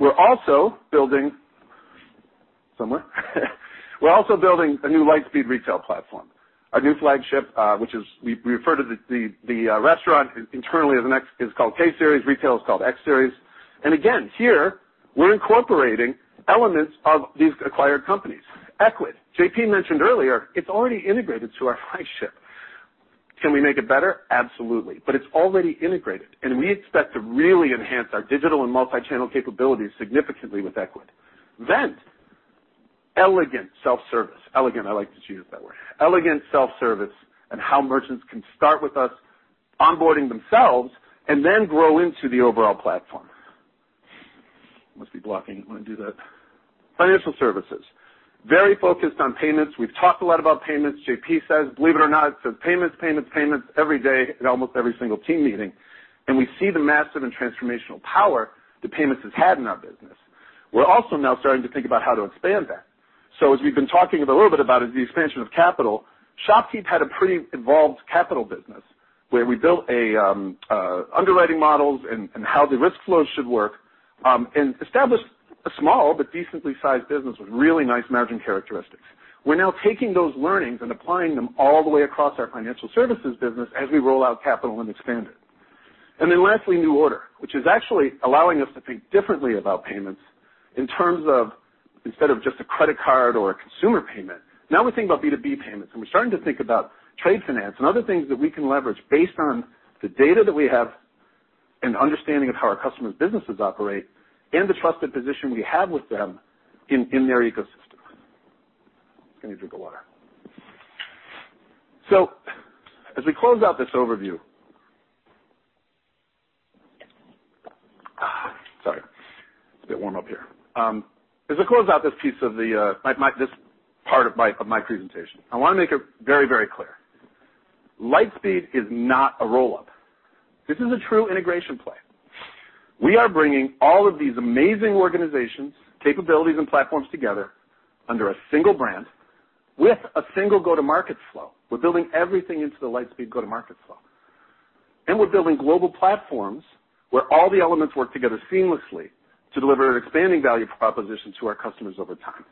We're also building a new Lightspeed Retail platform, a new flagship, which is we refer to the restaurant internally as an X. It's called K-Series. Retail is called X-Series. And again, here we're incorporating elements of these acquired companies. Ecwid, JP mentioned earlier, it's already integrated to our flagship. Can we make it better? Absolutely. But it's already integrated, and we expect to really enhance our digital and multi-channel capabilities significantly with Ecwid. Vend, elegant self-service. Elegant, I like to use that word. Elegant self-service and how merchants can start with us onboarding themselves and then grow into the overall platform. Must be blocking when I do that. Financial services, very focused on payments. We've talked a lot about payments. JP says, believe it or not, it says payments, payments every day at almost every single team meeting. We see the massive and transformational power that payments has had in our business. We're also now starting to think about how to expand that. As we've been talking a little bit about is the expansion of Capital. ShopKeep had a pretty involved capital business where we built a underwriting models and how the risk flows should work, and established a small but decently sized business with really nice margin characteristics. We're now taking those learnings and applying them all the way across our financial services business as we roll out Capital and expand it. Lastly, NuORDER, which is actually allowing us to think differently about payments in terms of instead of just a credit card or a consumer payment, now we think about B2B payments, and we're starting to think about trade finance and other things that we can leverage based on the data that we have and understanding of how our customers' businesses operate and the trusted position we have with them in their ecosystem. Let me drink of water. As we close out this overview. Sorry, it's a bit warm up here. As I close out this part of my presentation, I wanna make it very, very clear, Lightspeed is not a roll-up. This is a true integration play. We are bringing all of these amazing organizations, capabilities, and platforms together under a single brand with a single go-to-market flow. We're building everything into the Lightspeed go-to-market flow. We're building global platforms where all the elements work together seamlessly to deliver an expanding value proposition to our customers over time.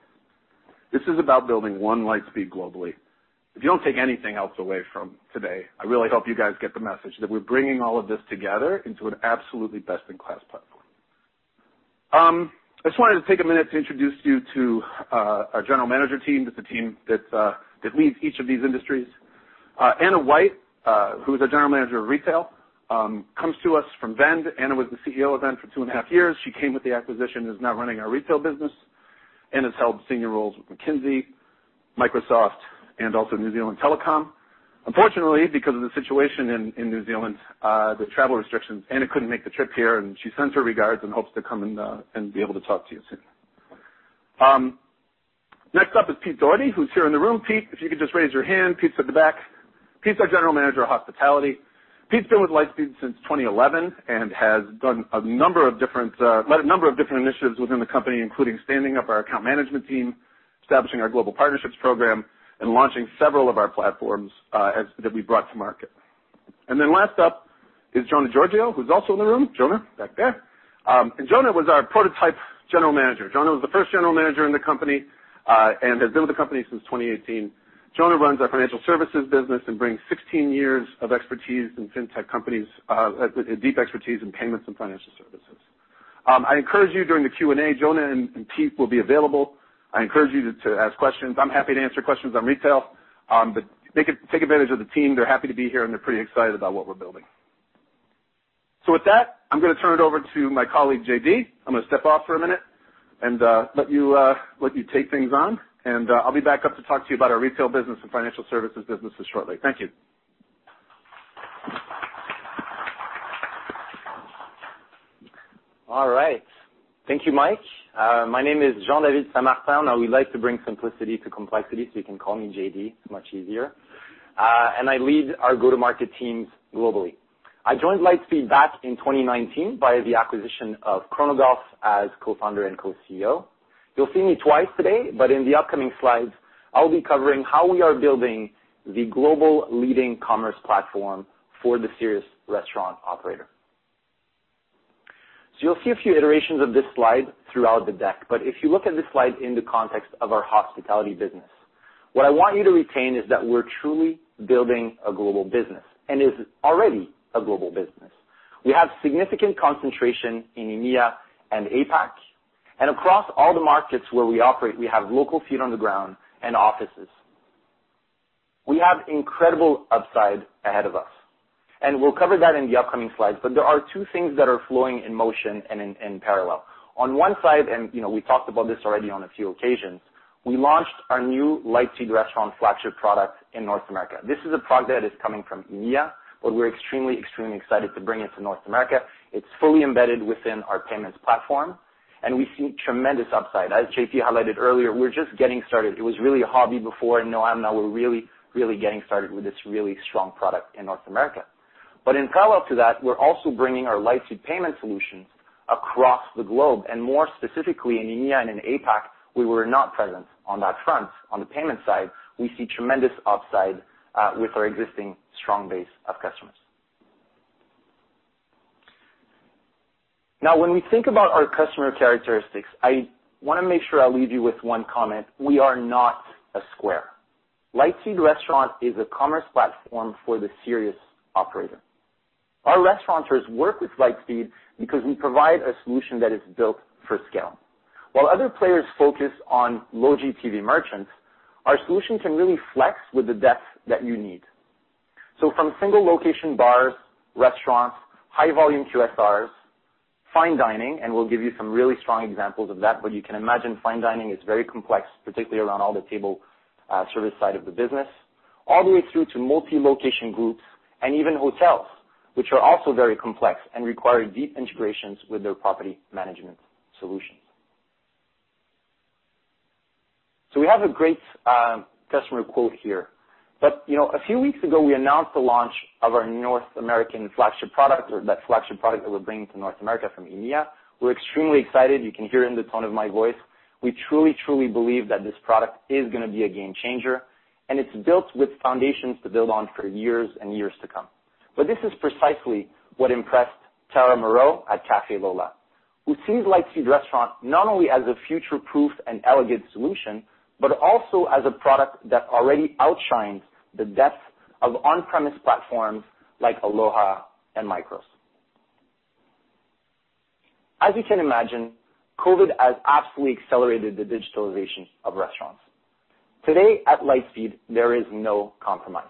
This is about building one Lightspeed globally. If you don't take anything else away from today, I really hope you guys get the message that we're bringing all of this together into an absolutely best-in-class platform. I just wanted to take a minute to introduce you to our general manager team. This is the team that leads each of these industries. Ana Wight, who is our general manager of retail, comes to us from Vend. Ana was the CEO of Vend for 2.5 years. She came with the acquisition, is now running our retail business and has held senior roles with McKinsey, Microsoft, and also New Zealand Telecom. Unfortunately, because of the situation in New Zealand, the travel restrictions, Ana couldn't make the trip here, and she sends her regards and hopes to come and be able to talk to you soon. Next up is Peter Dougherty, who's here in the room. Peter, if you could just raise your hand. Peter's at the back. Peter's our general manager of hospitality. Pete's been with Lightspeed since 2011 and has done a number of different initiatives within the company, including standing up our account management team, establishing our global partnerships program, and launching several of our platforms that we brought to market. Last up is Jona Georgiou, who's also in the room. Jona, back there. Jona was our prototype general manager. Jona was the first general manager in the company and has been with the company since 2018. Jona runs our financial services business and brings 16 years of expertise in fintech companies, a deep expertise in payments and financial services. I encourage you during the Q&A, Jona and Pete will be available. I encourage you to ask questions. I'm happy to answer questions on retail, but take advantage of the team. They're happy to be here, and they're pretty excited about what we're building. With that, I'm gonna turn it over to my colleague, JD. I'm gonna step off for a minute and let you take things on, and I'll be back up to talk to you about our retail business and financial services business shortly. Thank you. All right. Thank you, Mike. My name is Jean-David Saint-Martin. I would like to bring simplicity to complexity, so you can call me JD. It's much easier. I lead our go-to-market teams globally. I joined Lightspeed back in 2019 via the acquisition of Chronogolf as co-founder and co-CEO. You'll see me twice today, but in the upcoming slides, I'll be covering how we are building the global leading commerce platform for the serious restaurant operator. You'll see a few iterations of this slide throughout the deck, but if you look at this slide in the context of our hospitality business, what I want you to retain is that we're truly building a global business and is already a global business. We have significant concentration in EMEA and APAC, and across all the markets where we operate, we have local feet on the ground and offices. We have incredible upside ahead of us, and we'll cover that in the upcoming slides, but there are two things that are flowing in motion and in parallel. On one side, you know, we talked about this already on a few occasions, we launched our new Lightspeed Restaurant flagship product in North America. This is a product that is coming from EMEA, but we're extremely excited to bring it to North America. It's fully embedded within our payments platform, and we see tremendous upside. As JP highlighted earlier, we're just getting started. It was really a hobby before. We're really, really getting started with this really strong product in North America. In parallel to that, we're also bringing our Lightspeed payment solutions across the globe, and more specifically in EMEA and in APAC, we were not present on that front. On the payment side, we see tremendous upside with our existing strong base of customers. Now, when we think about our customer characteristics, I wanna make sure I leave you with one comment. We are not a Square. Lightspeed Restaurant is a commerce platform for the serious operator. Our restaurateurs work with Lightspeed because we provide a solution that is built for scale. While other players focus on low GTV merchants, our solution can really flex with the depth that you need. From single location bars, restaurants, high volume QSRs, fine dining, and we'll give you some really strong examples of that, but you can imagine fine dining is very complex, particularly around all the table service side of the business, all the way through to multi-location groups and even hotels, which are also very complex and require deep integrations with their property management solutions. We have a great customer quote here, but, you know, a few weeks ago, we announced the launch of our North American flagship product or that flagship product that we're bringing to North America from India. We're extremely excited. You can hear in the tone of my voice. We truly believe that this product is gonna be a game changer, and it's built with foundations to build on for years and years to come. This is precisely what impressed Tara Morrow at Cafe Lola, who sees Lightspeed Restaurant not only as a future-proof and elegant solution, but also as a product that already outshines the depth of on-premise platforms like Aloha and MICROS. As you can imagine, COVID has absolutely accelerated the digitalization of restaurants. Today at Lightspeed, there is no compromise.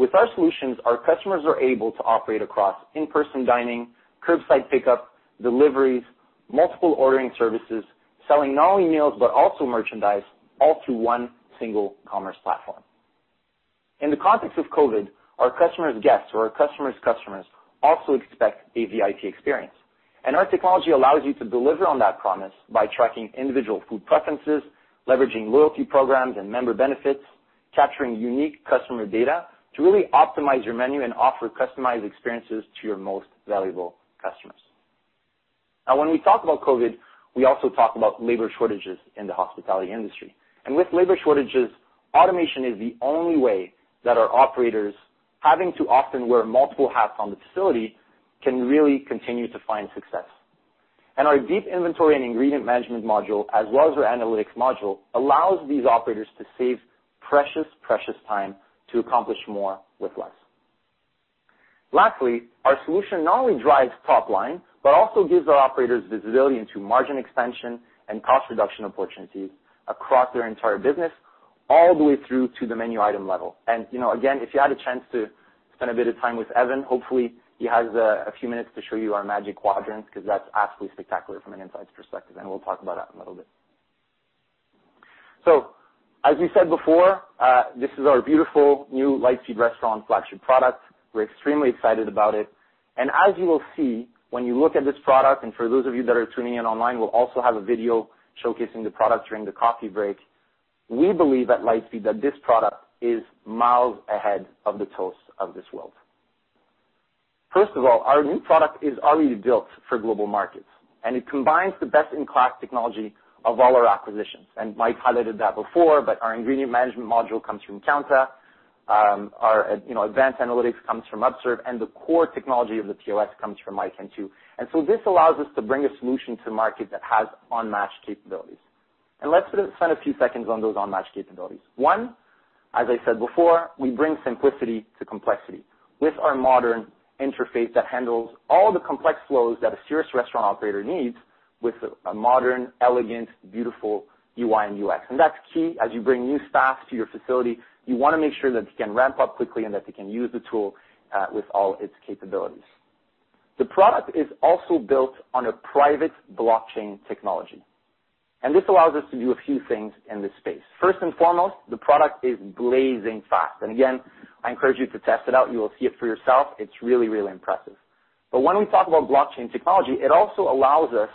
With our solutions, our customers are able to operate across in-person dining, curbside pickup, deliveries, multiple ordering services, selling not only meals but also merchandise, all through one single commerce platform. In the context of COVID, our customers' guests or our customers' customers also expect a VIP experience. Our technology allows you to deliver on that promise by tracking individual food preferences, leveraging loyalty programs and member benefits, capturing unique customer data to really optimize your menu and offer customized experiences to your most valuable customers. Now, when we talk about COVID, we also talk about labor shortages in the hospitality industry. With labor shortages, automation is the only way that our operators, having to often wear multiple hats on the facility, can really continue to find success. Our deep inventory and ingredient management module, as well as our analytics module, allows these operators to save precious time to accomplish more with less. Lastly, our solution not only drives top line, but also gives our operators visibility into margin expansion and cost reduction opportunities across their entire business, all the way through to the menu item level. You know, again, if you had a chance to spend a bit of time with Evan, hopefully he has a few minutes to show you our Magic Quadrants 'cause that's absolutely spectacular from an insights perspective, and we'll talk about that in a little bit. As we said before, this is our beautiful new Lightspeed Restaurant flagship product. We're extremely excited about it. As you will see when you look at this product, and for those of you that are tuning in online, we'll also have a video showcasing the product during the coffee break. We believe at Lightspeed that this product is miles ahead of the Toast of this world. First of all, our new product is already built for global markets, and it combines the best-in-class technology of all our acquisitions. Mike highlighted that before, but our ingredient management module comes from Kounta, our advanced analytics comes from Upserve, and the core technology of the POS comes from MICROS O2. This allows us to bring a solution to market that has unmatched capabilities. Let's spend a few seconds on those unmatched capabilities. One, as I said before, we bring simplicity to complexity with our modern interface that handles all the complex flows that a serious restaurant operator needs with a modern, elegant, beautiful UI and UX. That's key. As you bring new staff to your facility, you wanna make sure that they can ramp up quickly and that they can use the tool with all its capabilities. The product is also built on a private blockchain technology, and this allows us to do a few things in this space. First and foremost, the product is blazing fast. Again, I encourage you to test it out. You will see it for yourself. It's really, really impressive. When we talk about blockchain technology, it also allows us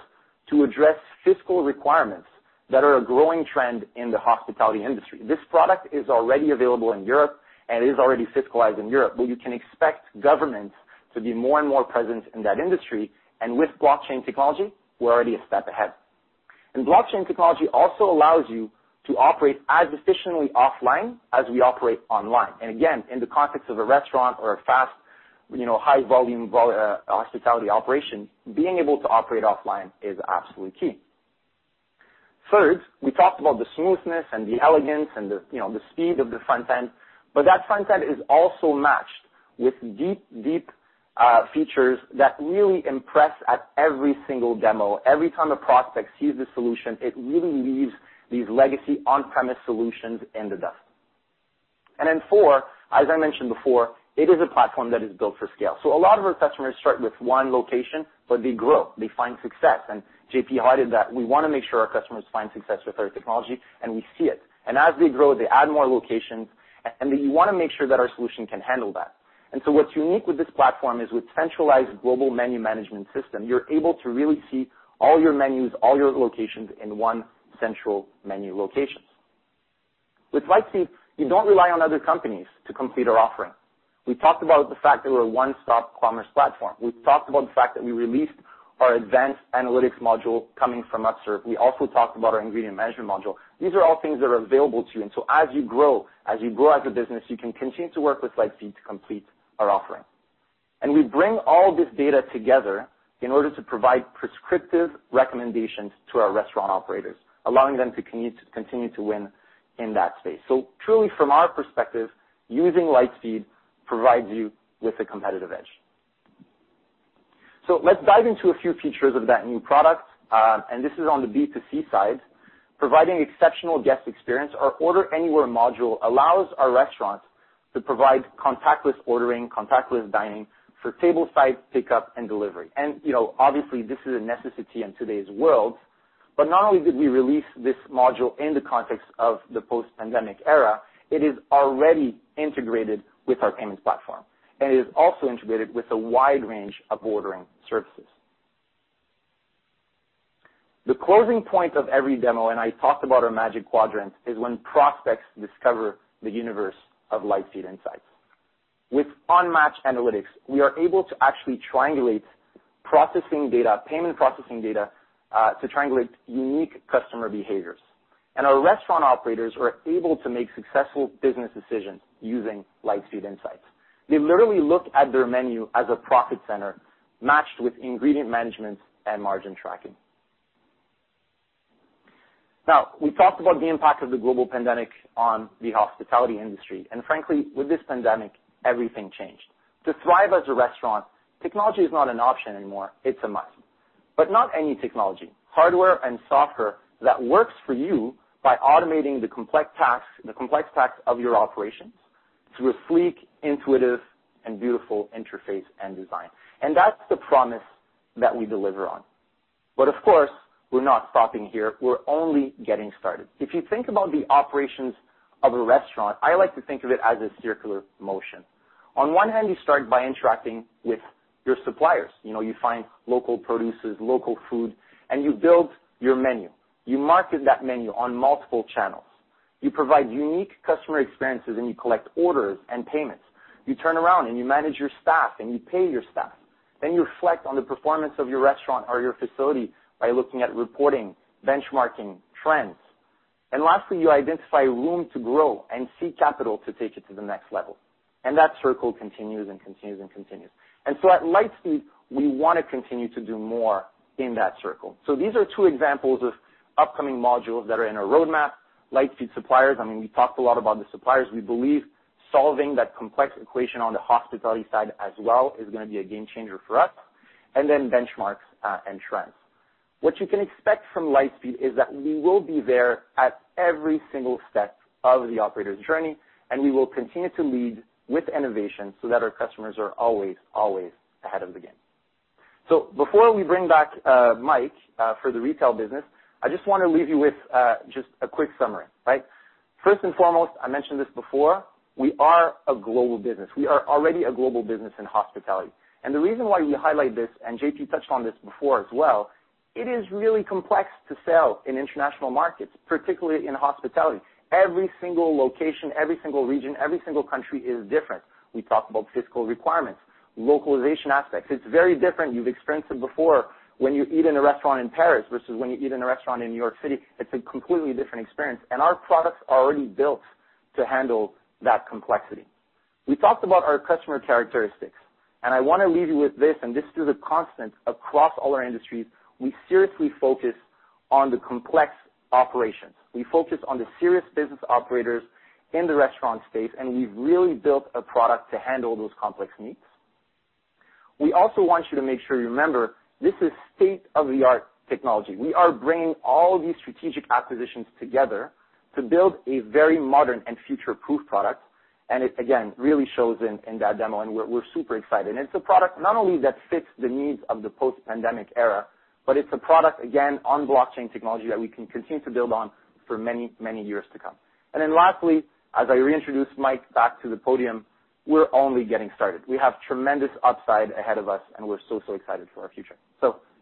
to address fiscal requirements that are a growing trend in the hospitality industry. This product is already available in Europe and is already fiscalized in Europe, but you can expect governments to be more and more present in that industry. With blockchain technology, we're already a step ahead. Blockchain technology also allows you to operate as efficiently offline as we operate online. Again, in the context of a restaurant or a fast, you know, high volume hospitality operation, being able to operate offline is absolutely key. Third, we talked about the smoothness and the elegance and the, you know, the speed of the front end, but that front end is also matched with deep, deep, features that really impress at every single demo. Every time a prospect sees the solution, it really leaves these legacy on-premise solutions in the dust. Then four, as I mentioned before, it is a platform that is built for scale. A lot of our customers start with one location, but they grow, they find success. JP highlighted that we wanna make sure our customers find success with our technology, and we see it. As they grow, they add more locations, and then you wanna make sure that our solution can handle that. What's unique with this platform is with centralized global menu management system, you're able to really see all your menus, all your locations in one central menu location. With Lightspeed, you don't rely on other companies to complete our offering. We talked about the fact that we're a one-stop commerce platform. We talked about the fact that we released our advanced analytics module coming from Upserve. We also talked about our ingredient management module. These are all things that are available to you. As you grow as a business, you can continue to work with Lightspeed to complete our offering. We bring all this data together in order to provide prescriptive recommendations to our restaurant operators, allowing them to continue to win in that space. Truly, from our perspective, using Lightspeed provides you with a competitive edge. Let's dive into a few features of that new product, and this is on the B2C side. Providing exceptional guest experience, our Order Anywhere module allows our restaurants to provide contactless ordering, contactless dining for table-side pickup and delivery. You know, obviously this is a necessity in today's world. Not only did we release this module in the context of the post-pandemic era, it is already integrated with our payments platform, and it is also integrated with a wide range of ordering services. The closing point of every demo, and I talked about our Magic Quadrants, is when prospects discover the universe of Lightspeed Insights. With unmatched analytics, we are able to actually triangulate processing data, payment processing data, to triangulate unique customer behaviors. Our restaurant operators are able to make successful business decisions using Lightspeed Insights. They literally look at their menu as a profit center matched with ingredient management and margin tracking. Now, we talked about the impact of the global pandemic on the hospitality industry, and frankly, with this pandemic, everything changed. To thrive as a restaurant, technology is not an option anymore, it's a must. Not any technology. Hardware and software that works for you by automating the complex tasks of your operations through a sleek, intuitive, and beautiful interface and design. That's the promise that we deliver on. Of course, we're not stopping here. We're only getting started. If you think about the operations of a restaurant, I like to think of it as a circular motion. On one hand, you start by interacting with your suppliers. You know, you find local producers, local food, and you build your menu. You market that menu on multiple channels. You provide unique customer experiences, and you collect orders and payments. You turn around and you manage your staff, and you pay your staff. You reflect on the performance of your restaurant or your facility by looking at reporting, benchmarking trends. Lastly, you identify room to grow and seek capital to take it to the next level. That circle continues and continues and continues. At Lightspeed, we wanna continue to do more in that circle. These are two examples of upcoming modules that are in our roadmap. Lightspeed Suppliers, I mean, we talked a lot about the suppliers. We believe solving that complex equation on the hospitality side as well is gonna be a game changer for us, and then benchmarks, and trends. What you can expect from Lightspeed is that we will be there at every single step of the operator's journey, and we will continue to lead with innovation so that our customers are always ahead of the game. Before we bring back Mike for the retail business, I just wanna leave you with just a quick summary, right? First and foremost, I mentioned this before, we are a global business. We are already a global business in hospitality. The reason why we highlight this, and JP touched on this before as well, it is really complex to sell in international markets, particularly in hospitality. Every single location, every single region, every single country is different. We talked about fiscal requirements, localization aspects. It's very different. You've experienced it before. When you eat in a restaurant in Paris versus when you eat in a restaurant in New York City, it's a completely different experience, and our products are already built to handle that complexity. We talked about our customer characteristics, and I wanna leave you with this, and this is a constant across all our industries. We seriously focus on the complex operations. We focus on the serious business operators in the restaurant space, and we've really built a product to handle those complex needs. We also want you to make sure you remember, this is state-of-the-art technology. We are bringing all these strategic acquisitions together to build a very modern and future-proof product, and it again really shows in that demo, and we're super excited. It's a product not only that fits the needs of the post-pandemic era, but it's a product, again, on blockchain technology that we can continue to build on for many, many years to come. Lastly, as I reintroduce Mike back to the podium, we're only getting started. We have tremendous upside ahead of us, and we're so excited for our future.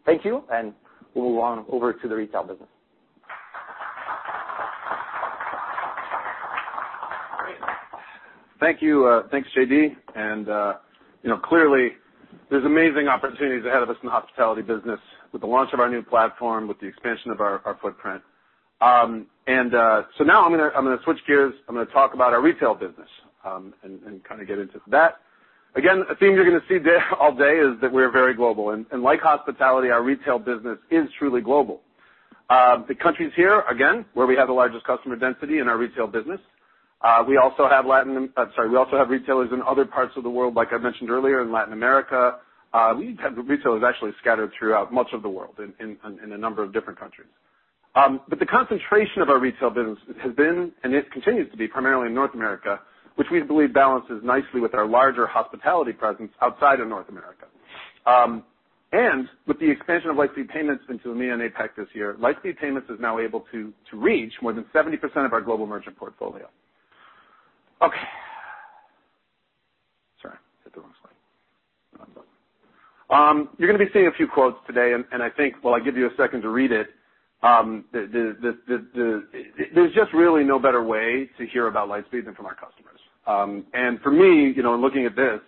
Thank you, and we'll move on over to the retail business. Great. Thank you. Thanks, JD. You know, clearly there's amazing opportunities ahead of us in the hospitality business with the launch of our new platform, with the expansion of our footprint. Now I'm gonna switch gears. I'm gonna talk about our retail business, and kinda get into that. Again, a theme you're gonna see all day is that we're very global. Like hospitality, our retail business is truly global. The countries here, again, where we have the largest customer density in our retail business, sorry, we also have retailers in other parts of the world, like I mentioned earlier, in Latin America. We have retailers actually scattered throughout much of the world in a number of different countries. The concentration of our retail business has been, and it continues to be primarily in North America, which we believe balances nicely with our larger hospitality presence outside of North America. With the expansion of Lightspeed Payments into EMEA and APAC this year, Lightspeed Payments is now able to reach more than 70% of our global merchant portfolio. Okay. You're gonna be seeing a few quotes today, and I think while I give you a second to read it, there's just really no better way to hear about Lightspeed than from our customers. For me, you know, in looking at this,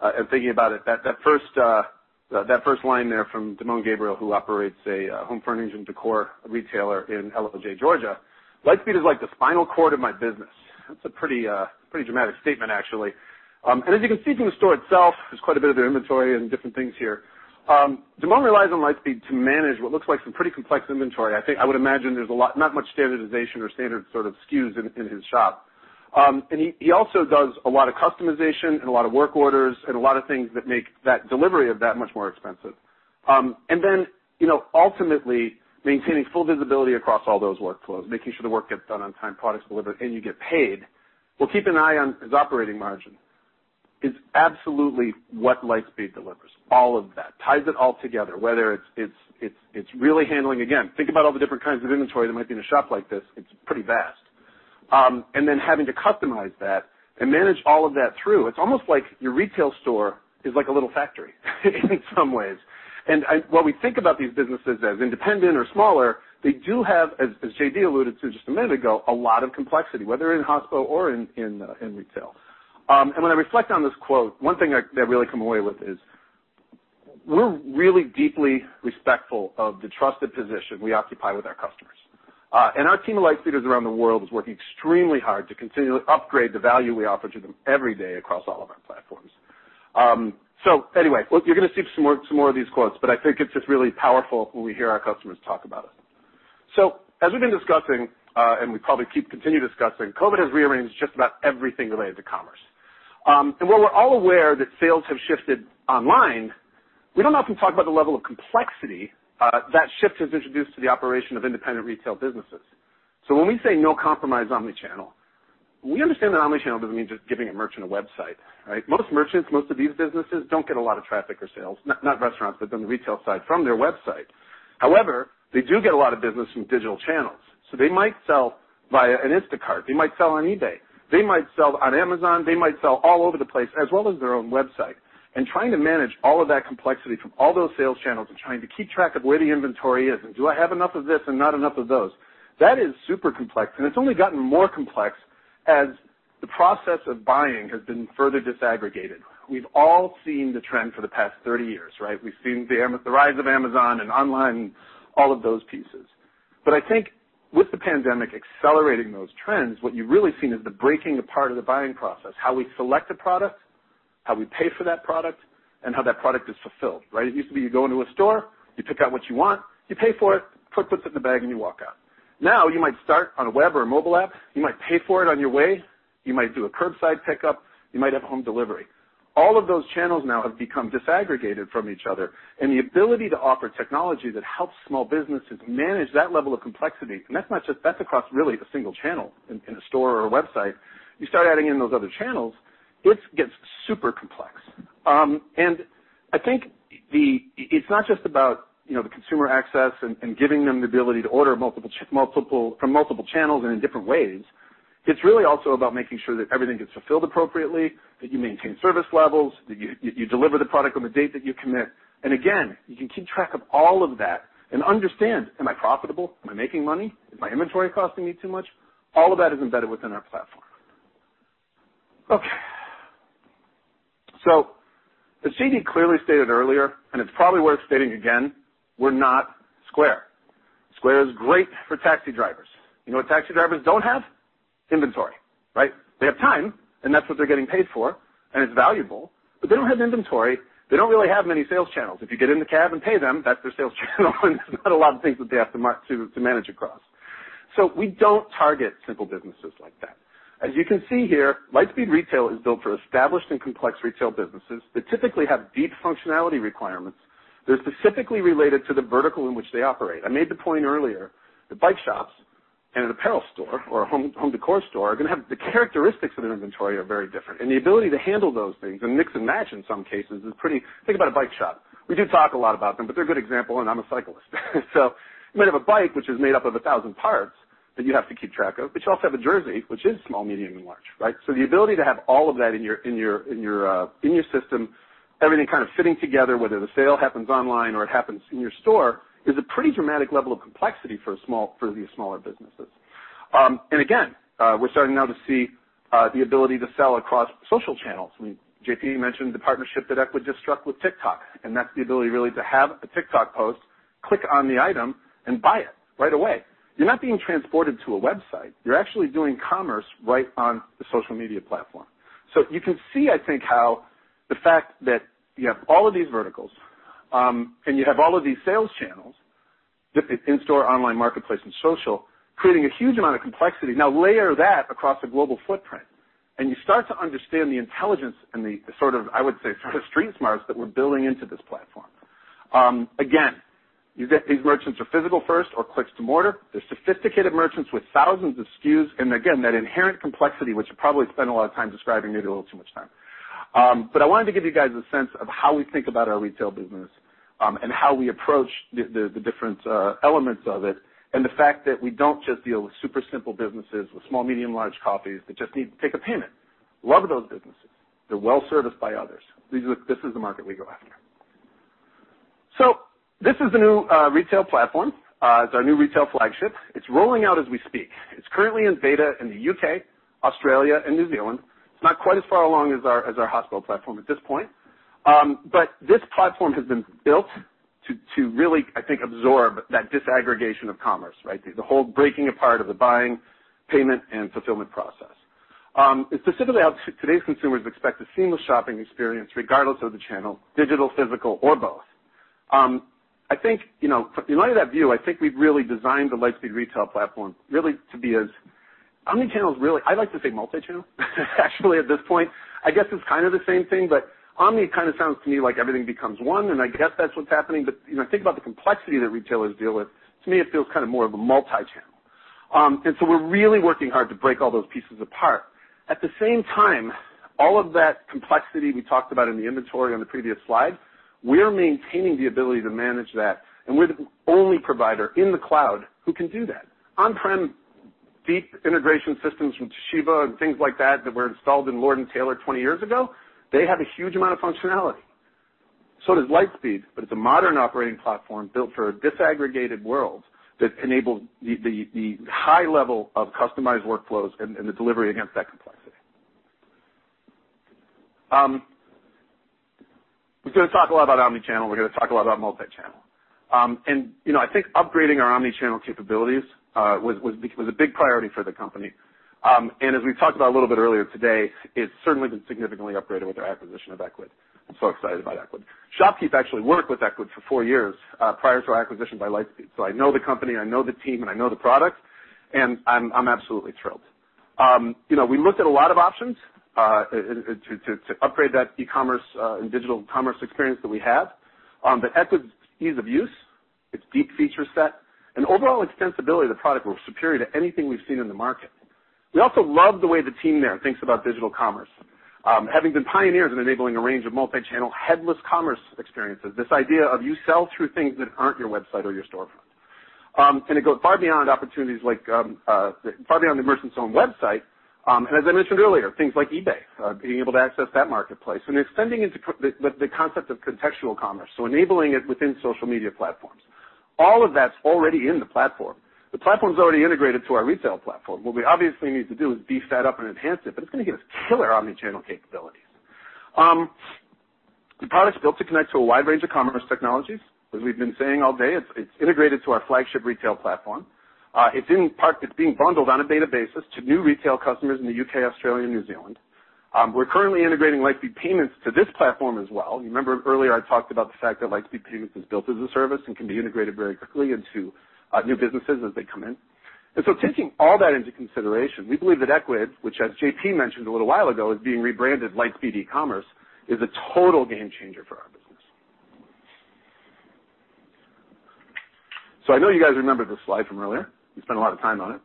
and thinking about it, that first line there from Damon Gabriel, who operates a home furnishing decor retailer in Ellijay, Georgia, "Lightspeed is like the spinal cord of my business." That's a pretty dramatic statement, actually. As you can see from the store itself, there's quite a bit of inventory and different things here. Damon relies on Lightspeed to manage what looks like some pretty complex inventory. I think, I would imagine there's not much standardization or standard sort of SKUs in his shop. He also does a lot of customization and a lot of work orders and a lot of things that make that delivery of that much more expensive. You know, ultimately, maintaining full visibility across all those workflows, making sure the work gets done on time, product's delivered, and you get paid. We'll keep an eye on his operating margin. It's absolutely what Lightspeed delivers, all of that. Ties it all together, whether it's really handling. Again, think about all the different kinds of inventory that might be in a shop like this. It's pretty vast. Having to customize that and manage all of that through. It's almost like your retail store is like a little factory in some ways. While we think about these businesses as independent or smaller, they do have, as JD alluded to just a minute ago, a lot of complexity, whether in hospo or in retail. When I reflect on this quote, one thing that I really come away with is we're really deeply respectful of the trusted position we occupy with our customers. Our team of Lightspeeders around the world is working extremely hard to continually upgrade the value we offer to them every day across all of our platforms. Anyway, look, you're gonna see some more of these quotes, but I think it's just really powerful when we hear our customers talk about us. As we've been discussing, we probably keep continuing discussing, COVID has rearranged just about everything related to commerce. While we're all aware that sales have shifted online, we don't often talk about the level of complexity that shift has introduced to the operation of independent retail businesses. When we say no compromise omni-channel, we understand that omni-channel doesn't mean just giving a merchant a website, right? Most merchants, most of these businesses don't get a lot of traffic or sales, not restaurants, but on the retail side from their website. However, they do get a lot of business from digital channels. They might sell via an Instacart, they might sell on eBay, they might sell on Amazon, they might sell all over the place, as well as their own website. Trying to manage all of that complexity from all those sales channels and trying to keep track of where the inventory is, and do I have enough of this and not enough of those? That is super complex, and it's only gotten more complex as the process of buying has been further disaggregated. We've all seen the trend for the past 30 years, right? We've seen the rise of Amazon and online, all of those pieces. I think with the pandemic accelerating those trends, what you've really seen is the breaking apart of the buying process, how we select a product, how we pay for that product, and how that product is fulfilled, right? It used to be you go into a store, you pick out what you want, you pay for it, clerk puts it in the bag, and you walk out. Now, you might start on a web or a mobile app, you might pay for it on your way, you might do a curbside pickup, you might have home delivery. All of those channels now have become disaggregated from each other, and the ability to offer technology that helps small businesses manage that level of complexity, and that's not just across really a single channel in a store or a website. You start adding in those other channels, it gets super complex. I think it's not just about, you know, the consumer access and giving them the ability to order multiple from multiple channels and in different ways. It's really also about making sure that everything gets fulfilled appropriately, that you maintain service levels, that you deliver the product on the date that you commit. Again, you can keep track of all of that and understand, am I profitable? Am I making money? Is my inventory costing me too much? All of that is embedded within our platform. Okay. As JD clearly stated earlier, and it's probably worth stating again, we're not Square. Square is great for taxi drivers. You know what taxi drivers don't have? Inventory, right? They have time, and that's what they're getting paid for, and it's valuable, but they don't have inventory. They don't really have many sales channels. If you get in the cab and pay them, that's their sales channel, and there's not a lot of things that they have to manage across. We don't target simple businesses like that. As you can see here, Lightspeed Retail is built for established and complex retail businesses that typically have deep functionality requirements that are specifically related to the vertical in which they operate. I made the point earlier that bike shops and an apparel store or a home decor store are gonna have the characteristics of their inventory are very different. The ability to handle those things and mix and match in some cases is pretty. Think about a bike shop. We do talk a lot about them, but they're a good example, and I'm a cyclist. So you might have a bike, which is made up of 1,000 parts that you have to keep track of, but you also have a jersey, which is small, medium, and large, right? So the ability to have all of that in your system, everything kind of fitting together, whether the sale happens online or it happens in your store, is a pretty dramatic level of complexity for these smaller businesses. We're starting now to see the ability to sell across social channels. I mean, JP mentioned the partnership that Ecwid just struck with TikTok, and that's the ability really to have a TikTok post, click on the item, and buy it right away. You're not being transported to a website. You're actually doing commerce right on the social media platform. You can see, I think, how the fact that you have all of these verticals, and you have all of these sales channels, the in-store, online marketplace, and social, creating a huge amount of complexity. Now layer that across a global footprint, and you start to understand the intelligence and the sort of, I would say, sort of street smarts that we're building into this platform. Again, you get these merchants are physical first or clicks to mortar. They're sophisticated merchants with thousands of SKUs, and again, that inherent complexity, which I probably spent a lot of time describing, maybe a little too much time. I wanted to give you guys a sense of how we think about our retail business, and how we approach the different elements of it, and the fact that we don't just deal with super simple businesses with small, medium, large copies that just need to take a payment. Love those businesses. They're well-serviced by others. This is the market we go after. This is the new retail platform. It's our new retail flagship. It's rolling out as we speak. It's currently in beta in the U.K., Australia, and New Zealand. It's not quite as far along as our hospitality platform at this point. This platform has been built to really, I think, absorb that disaggregation of commerce, right? The whole breaking apart of the buying, payment, and fulfillment process. Specifically how today's consumers expect a seamless shopping experience regardless of the channel, digital, physical, or both. I think, you know, in light of that view, I think we've really designed the Lightspeed Retail platform really to be as omni-channel is really. I like to say multi-channel actually, at this point. I guess it's kind of the same thing, but omni kinda sounds to me like everything becomes one, and I guess that's what's happening. You know, think about the complexity that retailers deal with. To me, it feels kind of more of a multi-channel. We're really working hard to break all those pieces apart. At the same time, all of that complexity we talked about in the inventory on the previous slide, we're maintaining the ability to manage that, and we're the only provider in the cloud who can do that. On-prem deep integration systems from Toshiba and things like that that were installed in Lord & Taylor 20 years ago, they have a huge amount of functionality. So does Lightspeed, but it's a modern operating platform built for a disaggregated world that enables the high level of customized workflows and the delivery against that complexity. We're gonna talk a lot about omni-channel. We're gonna talk a lot about multi-channel. You know, I think upgrading our omni-channel capabilities was a big priority for the company. As we talked about a little bit earlier today, it's certainly been significantly upgraded with our acquisition of Ecwid. I'm so excited about Ecwid. ShopKeep actually worked with Ecwid for four years prior to our acquisition by Lightspeed. I know the company, I know the team, and I know the product, and I'm absolutely thrilled. You know, we looked at a lot of options to upgrade that e-commerce and digital commerce experience that we have, but Ecwid's ease of use, its deep feature set, and overall extensibility of the product were superior to anything we've seen in the market. We also love the way the team there thinks about digital commerce. Having been pioneers in enabling a range of multi-channel headless commerce experiences, this idea of you sell through things that aren't your website or your storefront. It goes far beyond opportunities like far beyond the merchant's own website, and as I mentioned earlier, things like eBay being able to access that marketplace and extending into the concept of contextual commerce, so enabling it within social media platforms. All of that's already in the platform. The platform's already integrated to our retail platform. What we obviously need to do is beef that up and enhance it, but it's gonna give us killer omnichannel capabilities. The product's built to connect to a wide range of commerce technologies. As we've been saying all day, it's integrated to our flagship retail platform. It's in part, it's being bundled on a beta basis to new retail customers in the U.K., Australia, and New Zealand. We're currently integrating Lightspeed Payments to this platform as well. You remember earlier I talked about the fact that Lightspeed Payments is built as a service and can be integrated very quickly into new businesses as they come in. Taking all that into consideration, we believe that Ecwid, which as JP mentioned a little while ago, is being rebranded Lightspeed eCommerce, is a total game changer for our business. I know you guys remember this slide from earlier. We spent a lot of time on it.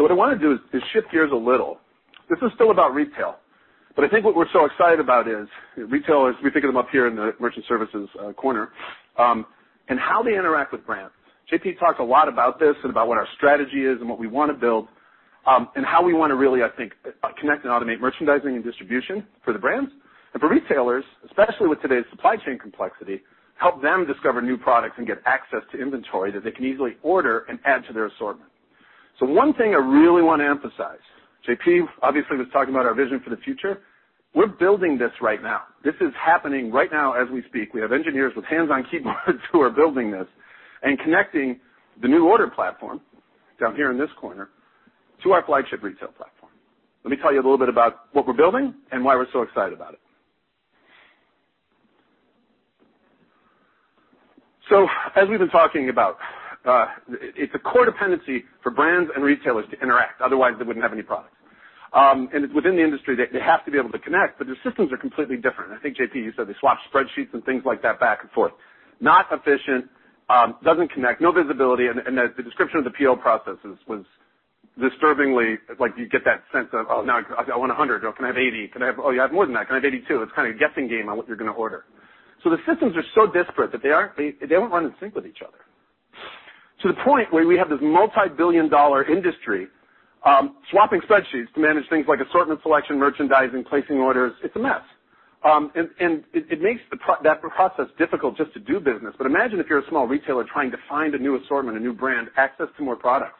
What I wanna do is shift gears a little. This is still about retail, but I think what we're so excited about is retailers. We think of them up here in the merchant services corner, and how they interact with brands. JP talked a lot about this and about what our strategy is and what we wanna build, and how we wanna really, I think, connect and automate merchandising and distribution for the brands, for retailers, especially with today's supply chain complexity, help them discover new products and get access to inventory that they can easily order and add to their assortment. One thing I really wanna emphasize, JP obviously was talking about our vision for the future, we're building this right now. This is happening right now as we speak. We have engineers with hands-on-keyboards who are building this and connecting the new order platform, down here in this corner, to our flagship retail platform. Let me tell you a little bit about what we're building and why we're so excited about it. As we've been talking about, it's a core dependency for brands and retailers to interact, otherwise they wouldn't have any products. Within the industry they have to be able to connect, but their systems are completely different. I think, JP, you said they swap spreadsheets and things like that back and forth. Not efficient, doesn't connect, no visibility, and the description of the PO processes was disturbingly like you get that sense of, "Oh, now I want 100. Oh, can I have 80? Can I have. Oh, you have more than that. Can I have 82?" It's kind of a guessing game on what you're gonna order. The systems are so disparate that they aren't. They don't run in sync with each other, to the point where we have this $ multi-billion-dollar industry swapping spreadsheets to manage things like assortment selection, merchandising, placing orders. It's a mess. It makes that process difficult just to do business. Imagine if you're a small retailer trying to find a new assortment, a new brand, access to more products.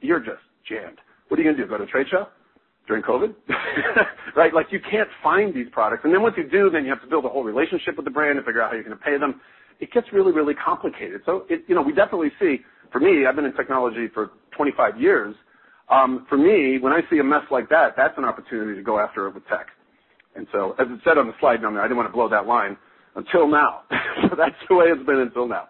You're just jammed. What are you gonna do? Go to a trade show during COVID? Right. Like, you can't find these products. Once you do, you have to build a whole relationship with the brand and figure out how you're gonna pay them. It gets really, really complicated. You know, we definitely see, for me, I've been in technology for 25 years, for me, when I see a mess like that's an opportunity to go after it with tech. As it said on the slide down there, I didn't wanna blow that line until now. That's the way it's been until now.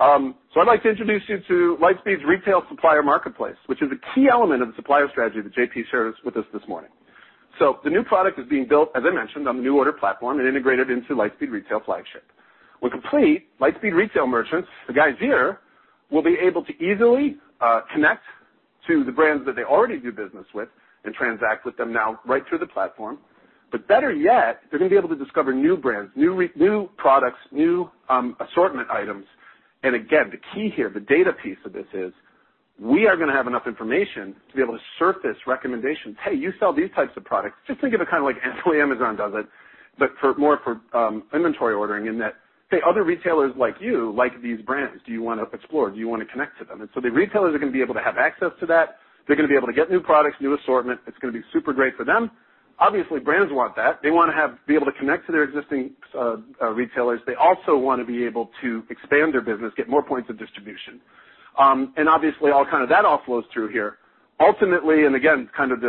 I'd like to introduce you to Lightspeed's Retail Supplier Marketplace, which is a key element of the supplier strategy that JP shared with us this morning. The new product is being built, as I mentioned, on the new order platform and integrated into Lightspeed Retail flagship. When complete, Lightspeed Retail merchants, the guys here, will be able to easily connect to the brands that they already do business with and transact with them now right through the platform. better yet, they're gonna be able to discover new brands, new products, new assortment items. Again, the key here, the data piece of this is we are gonna have enough information to be able to surface recommendations. "Hey, you sell these types of products." Just think of it kinda like the way Amazon does it, but for inventory ordering in that, say, other retailers like you like these brands. Do you wanna explore? Do you wanna connect to them? The retailers are gonna be able to have access to that. They're gonna be able to get new products, new assortment. It's gonna be super great for them. Obviously, brands want that. They wanna be able to connect to their existing retailers. They also wanna be able to expand their business, get more points of distribution. Obviously all kind of that flows through here. Ultimately, again, kind of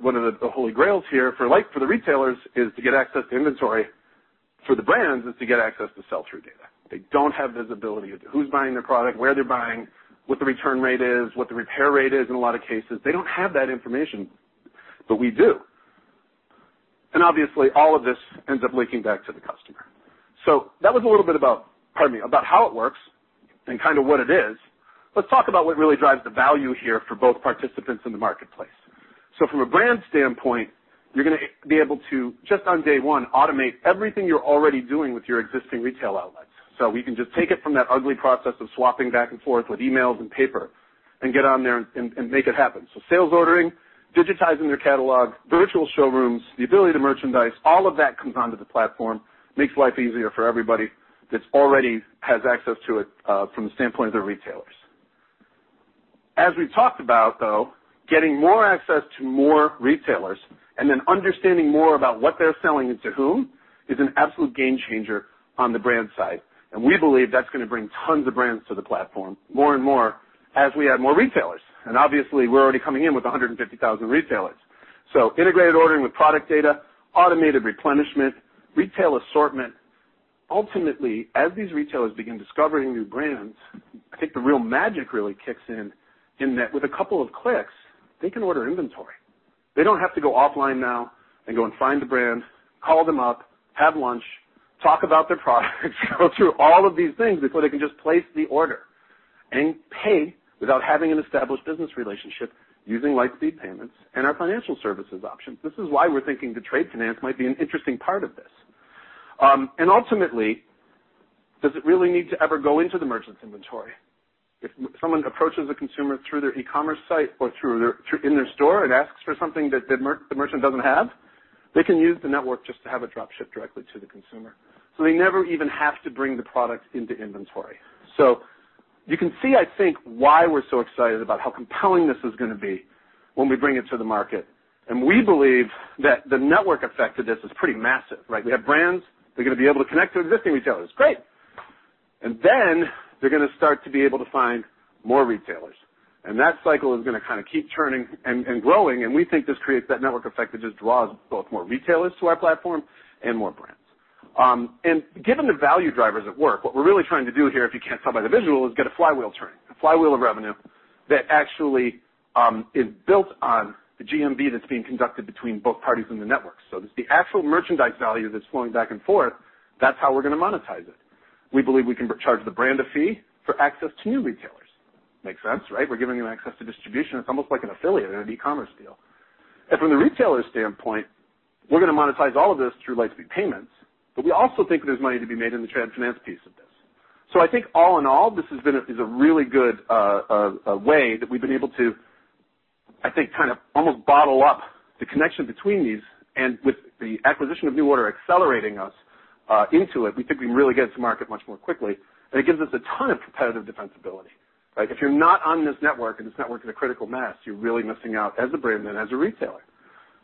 one of the holy grails here for the retailers is to get access to inventory. For the brands, it's to get access to sell-through data. They don't have visibility into who's buying their product, where they're buying, what the return rate is, what the repair rate is in a lot of cases. They don't have that information, but we do. Obviously all of this ends up linking back to the customer. That was a little bit about how it works and kinda what it is. Let's talk about what really drives the value here for both participants in the marketplace. From a brand standpoint, you're gonna be able to, just on day one, automate everything you're already doing with your existing retail outlets. We can just take it from that ugly process of swapping back and forth with emails and paper and get on there and make it happen. Sales ordering, digitizing their catalog, virtual showrooms, the ability to merchandise, all of that comes onto the platform, makes life easier for everybody that's already has access to it from the standpoint of their retailers. As we talked about, though, getting more access to more retailers and then understanding more about what they're selling and to whom is an absolute game changer on the brand side. We believe that's gonna bring tons of brands to the platform more and more as we add more retailers. Obviously we're already coming in with 150,000 retailers. Integrated ordering with product data, automated replenishment, retail assortment. Ultimately, as these retailers begin discovering new brands, I think the real magic really kicks in that with a couple of clicks, they can order inventory. They don't have to go offline now and go and find the brand, call them up, have lunch, talk about their product, go through all of these things before they can just place the order and pay without having an established business relationship using Lightspeed Payments and our financial services options. This is why we're thinking the trade finance might be an interesting part of this. Ultimately, does it really need to ever go into the merchant's inventory? If someone approaches a consumer through their e-commerce site or through their store and asks for something that the merchant doesn't have, they can use the network just to have it drop shipped directly to the consumer. They never even have to bring the product into inventory. You can see, I think, why we're so excited about how compelling this is gonna be when we bring it to the market. We believe that the network effect of this is pretty massive, right? We have brands, they're gonna be able to connect to existing retailers. Great. Then they're gonna start to be able to find more retailers. That cycle is gonna kinda keep churning and growing, and we think this creates that network effect that just draws both more retailers to our platform and more brands. Given the value drivers at work, what we're really trying to do here, if you can't tell by the visual, is get a flywheel turning, a flywheel of revenue that actually is built on the GMV that's being conducted between both parties in the network. It's the actual merchandise value that's flowing back and forth. That's how we're gonna monetize it. We believe we can charge the brand a fee for access to new retailers. Makes sense, right? We're giving them access to distribution. It's almost like an affiliate in an e-commerce deal. From the retailer's standpoint, we're gonna monetize all of this through Lightspeed Payments, but we also think there's money to be made in the trade finance piece of this. I think all in all, this is a really good way that we've been able to, I think, kind of almost bottle up the connection between these. With the acquisition of NuORDER accelerating us into it, we think we can really get to market much more quickly. It gives us a ton of competitive defensibility, right? If you're not on this network and this network is a critical mass, you're really missing out as a brand and as a retailer.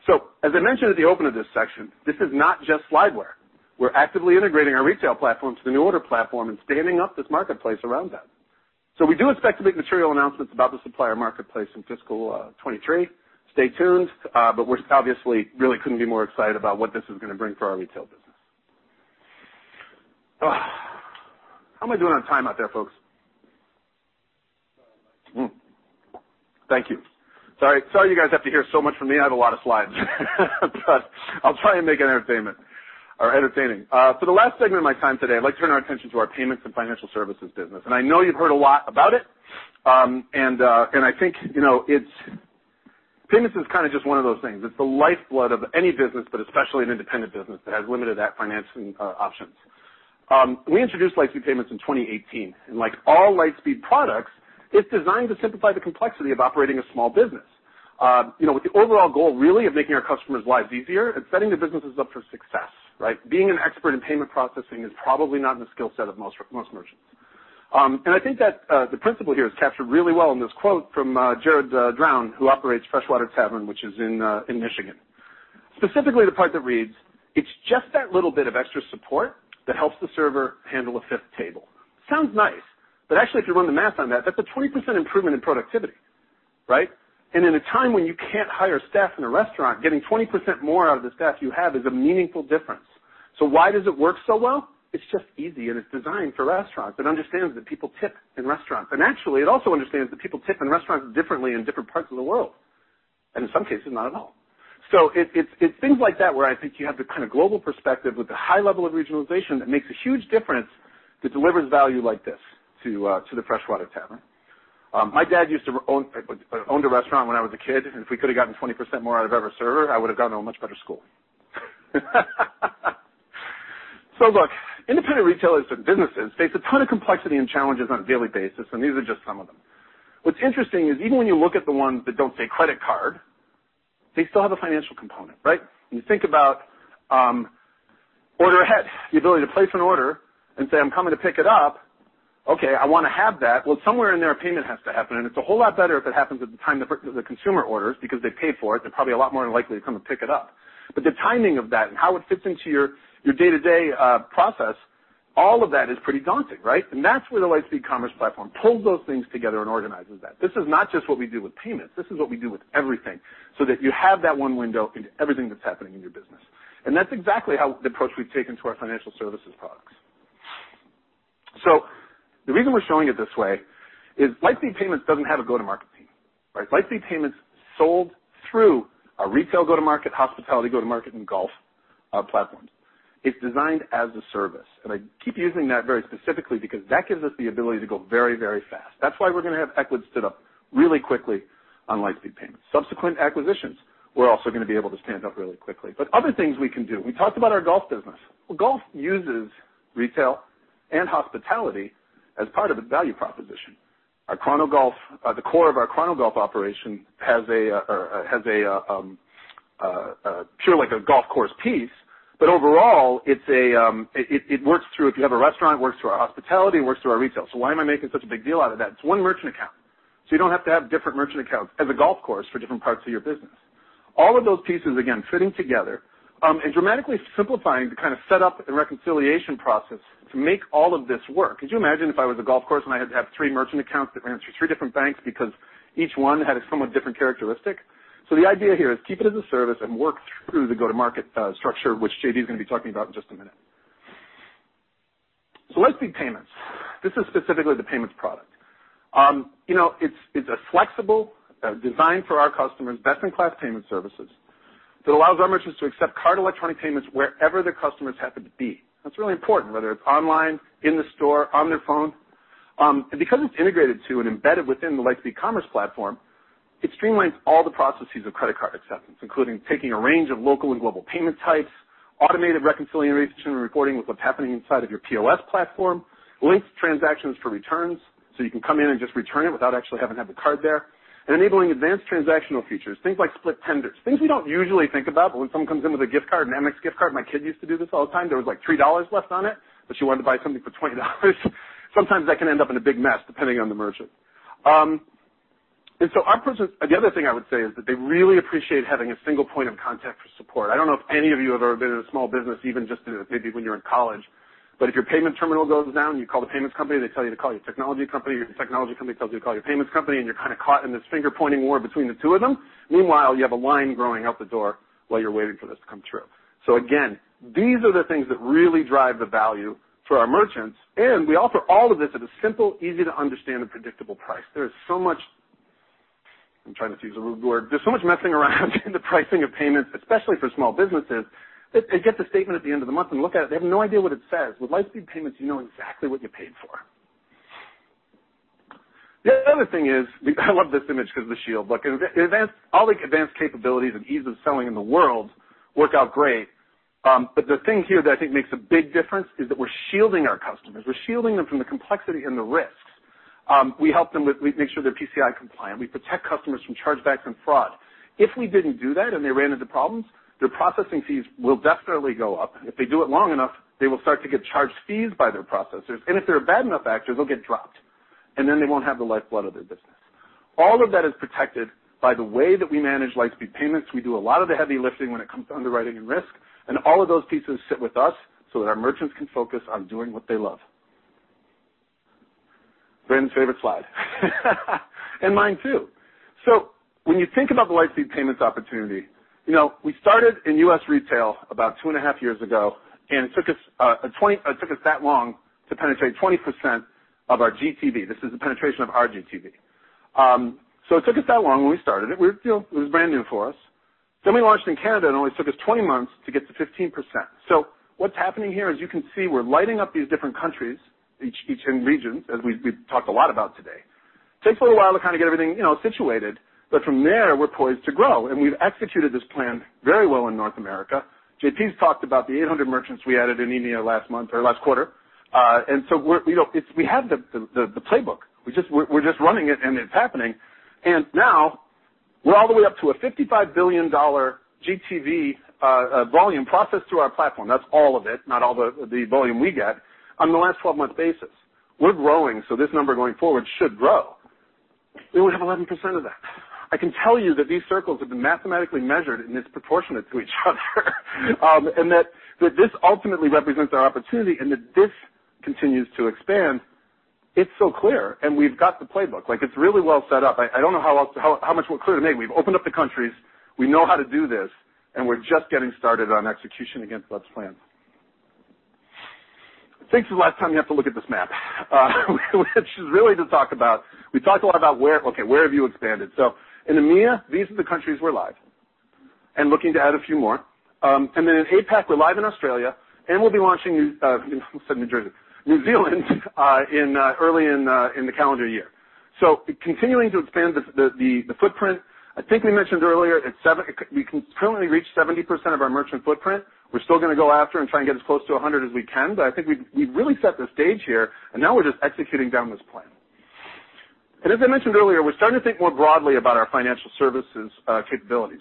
As I mentioned at the open of this section, this is not just slideware. We're actively integrating our retail platform to the NuORDER platform and standing up this marketplace around that. We do expect to make material announcements about the supplier marketplace in fiscal 2023. Stay tuned. We're obviously really couldn't be more excited about what this is gonna bring for our retail business. How am I doing on time out there, folks? Thank you. Sorry you guys have to hear so much from me. I have a lot of slides, but I'll try and make it entertainment or entertaining. For the last segment of my time today, I'd like to turn our attention to our payments and financial services business. I know you've heard a lot about it, and I think, you know, it's payments is kinda just one of those things. It's the lifeblood of any business, but especially an independent business that has limited financing options. We introduced Lightspeed Payments in 2018, and like all Lightspeed products, it's designed to simplify the complexity of operating a small business. You know, with the overall goal really of making our customers' lives easier and setting their businesses up for success, right? Being an expert in payment processing is probably not in the skill set of most merchants. I think that the principle here is captured really well in this quote from Jarred Drown, who operates Freshwater Tavern, which is in Michigan. Specifically, the part that reads, "It's just that little bit of extra support that helps the server handle a fifth table." Sounds nice, but actually, if you run the math on that's a 20% improvement in productivity, right? In a time when you can't hire staff in a restaurant, getting 20% more out of the staff you have is a meaningful difference. Why does it work so well? It's just easy, and it's designed for restaurants. It understands that people tip in restaurants. Actually, it also understands that people tip in restaurants differently in different parts of the world, and in some cases, not at all. It's things like that where I think you have the kinda global perspective with the high level of regionalization that makes a huge difference, that delivers value like this to the Freshwater Tavern. My dad owned a restaurant when I was a kid, and if we could have gotten 20% more out of every server, I would have gone to a much better school. Look, independent retailers and businesses face a ton of complexity and challenges on a daily basis, and these are just some of them. What's interesting is even when you look at the ones that don't say credit card, they still have a financial component, right? When you think about order ahead, the ability to place an order and say, "I'm coming to pick it up." Okay, I wanna have that. Well, somewhere in there a payment has to happen, and it's a whole lot better if it happens at the time the consumer orders because they've paid for it, they're probably a lot more than likely to come and pick it up. The timing of that and how it fits into your day-to-day process, all of that is pretty daunting, right? That's where the Lightspeed Commerce platform pulls those things together and organizes that. This is not just what we do with payments, this is what we do with everything, so that you have that one window into everything that's happening in your business. That's exactly how the approach we've taken to our financial services products. The reason we're showing it this way is Lightspeed Payments doesn't have a go-to-market team, right? Lightspeed Payments sold through our retail go-to-market, hospitality go-to-market, and golf platforms. It's designed as a service, and I keep using that very specifically because that gives us the ability to go very, very fast. That's why we're gonna have Ecwid stood up really quickly on Lightspeed Payments. Subsequent acquisitions, we're also gonna be able to stand up really quickly. Other things we can do. We talked about our golf business. Well, golf uses retail and hospitality as part of the value proposition. Our Chronogolf, the core of our Chronogolf operation has, like, a golf course piece. Overall, it works through if you have a restaurant, it works through our hospitality, it works through our retail. Why am I making such a big deal out of that? It's one merchant account, so you don't have to have different merchant accounts as a golf course for different parts of your business. All of those pieces, again, fitting together, and dramatically simplifying the kind of set up and reconciliation process to make all of this work. Could you imagine if I was a golf course and I had to have three merchant accounts that ran through three different banks because each one had a somewhat different characteristic? The idea here is keep it as a service and work through the go-to-market structure, which JP is gonna be talking about in just a minute. Lightspeed Payments. This is specifically the payments product. You know, it's a flexible, designed for our customers, best-in-class payment services that allows our merchants to accept card electronic payments wherever their customers happen to be. That's really important, whether it's online, in the store, on their phone. And because it's integrated to and embedded within the Lightspeed Commerce platform, it streamlines all the processes of credit card acceptance, including taking a range of local and global payment types, automated reconciliation and reporting with what's happening inside of your POS platform, links transactions for returns, so you can come in and just return it without actually having to have the card there. Enabling advanced transactional features, things like split tenders. Things we don't usually think about, but when someone comes in with a gift card, an Amex gift card, my kid used to do this all the time, there was like $3 left on it, but she wanted to buy something for $20. Sometimes that can end up in a big mess, depending on the merchant. The other thing I would say is that they really appreciate having a single point of contact for support. I don't know if any of you have ever been in a small business, even just maybe when you're in college, but if your payment terminal goes down, you call the payments company, they tell you to call your technology company, your technology company tells you to call your payments company, and you're kinda caught in this finger-pointing war between the two of them. Meanwhile, you have a line growing out the door while you're waiting for this to come through. Again, these are the things that really drive the value for our merchants, and we offer all of this at a simple, easy to understand and predictable price. There is so much. I'm trying to choose a rude word. There's so much messing around in the pricing of payments, especially for small businesses, that they get the statement at the end of the month and look at it, they have no idea what it says. With Lightspeed Payments, you know exactly what you're paying for. The other thing is, I love this image because of the shield. Look, all the advanced capabilities and ease of selling in the world work out great, but the thing here that I think makes a big difference is that we're shielding our customers. We're shielding them from the complexity and the risks. We help them with. We make sure they're PCI compliant. We protect customers from chargebacks and fraud. If we didn't do that and they ran into problems, their processing fees will definitely go up. If they do it long enough, they will start to get charged fees by their processors. If they're a bad enough actor, they'll get dropped, and then they won't have the lifeblood of their business. All of that is protected by the way that we manage Lightspeed Payments. We do a lot of the heavy lifting when it comes to underwriting and risk, and all of those pieces sit with us so that our merchants can focus on doing what they love. Brandon's favorite slide. Mine too. When you think about the Lightspeed Payments opportunity, you know, we started in U.S. retail about 2.5 years ago, and it took us that long to penetrate 20% of our GTV. This is the penetration of our GTV. It took us that long when we started. It was, you know, it was brand new for us. We launched in Canada, and it only took us 20 months to get to 15%. What's happening here is you can see we're lighting up these different countries, each in regions, as we've talked a lot about today. It takes a little while to kind of get everything, you know, situated, but from there, we're poised to grow. We've executed this plan very well in North America. JP's talked about the 800 merchants we added in EMEA last month or last quarter. We're, you know. It's. We have the playbook. We're just running it and it's happening. Now we're all the way up to a $55 billion GTV volume processed through our platform. That's all of it, not all the volume we get, on the last 12-month basis. We're growing, so this number going forward should grow. We have 11% of that. I can tell you that these circles have been mathematically measured and it's proportionate to each other, that this ultimately represents our opportunity and that this continues to expand. It's so clear, and we've got the playbook. Like, it's really well set up. I don't know how else, how much more clear to make. We've opened up the countries, we know how to do this, and we're just getting started on execution against Webb's plan. I think it's the last time you have to look at this map, which is really to talk about. We talked a lot about where have you expanded? In EMEA, these are the countries we're live, and looking to add a few more. Then in APAC, we're live in Australia, and we'll be launching, I almost said New Jersey, New Zealand, in early in the calendar year. Continuing to expand the footprint. I think we mentioned earlier at 70% we can currently reach 70% of our merchant footprint. We're still gonna go after and try and get as close to 100 as we can, but I think we've really set the stage here, and now we're just executing down this plan. As I mentioned earlier, we're starting to think more broadly about our financial services capabilities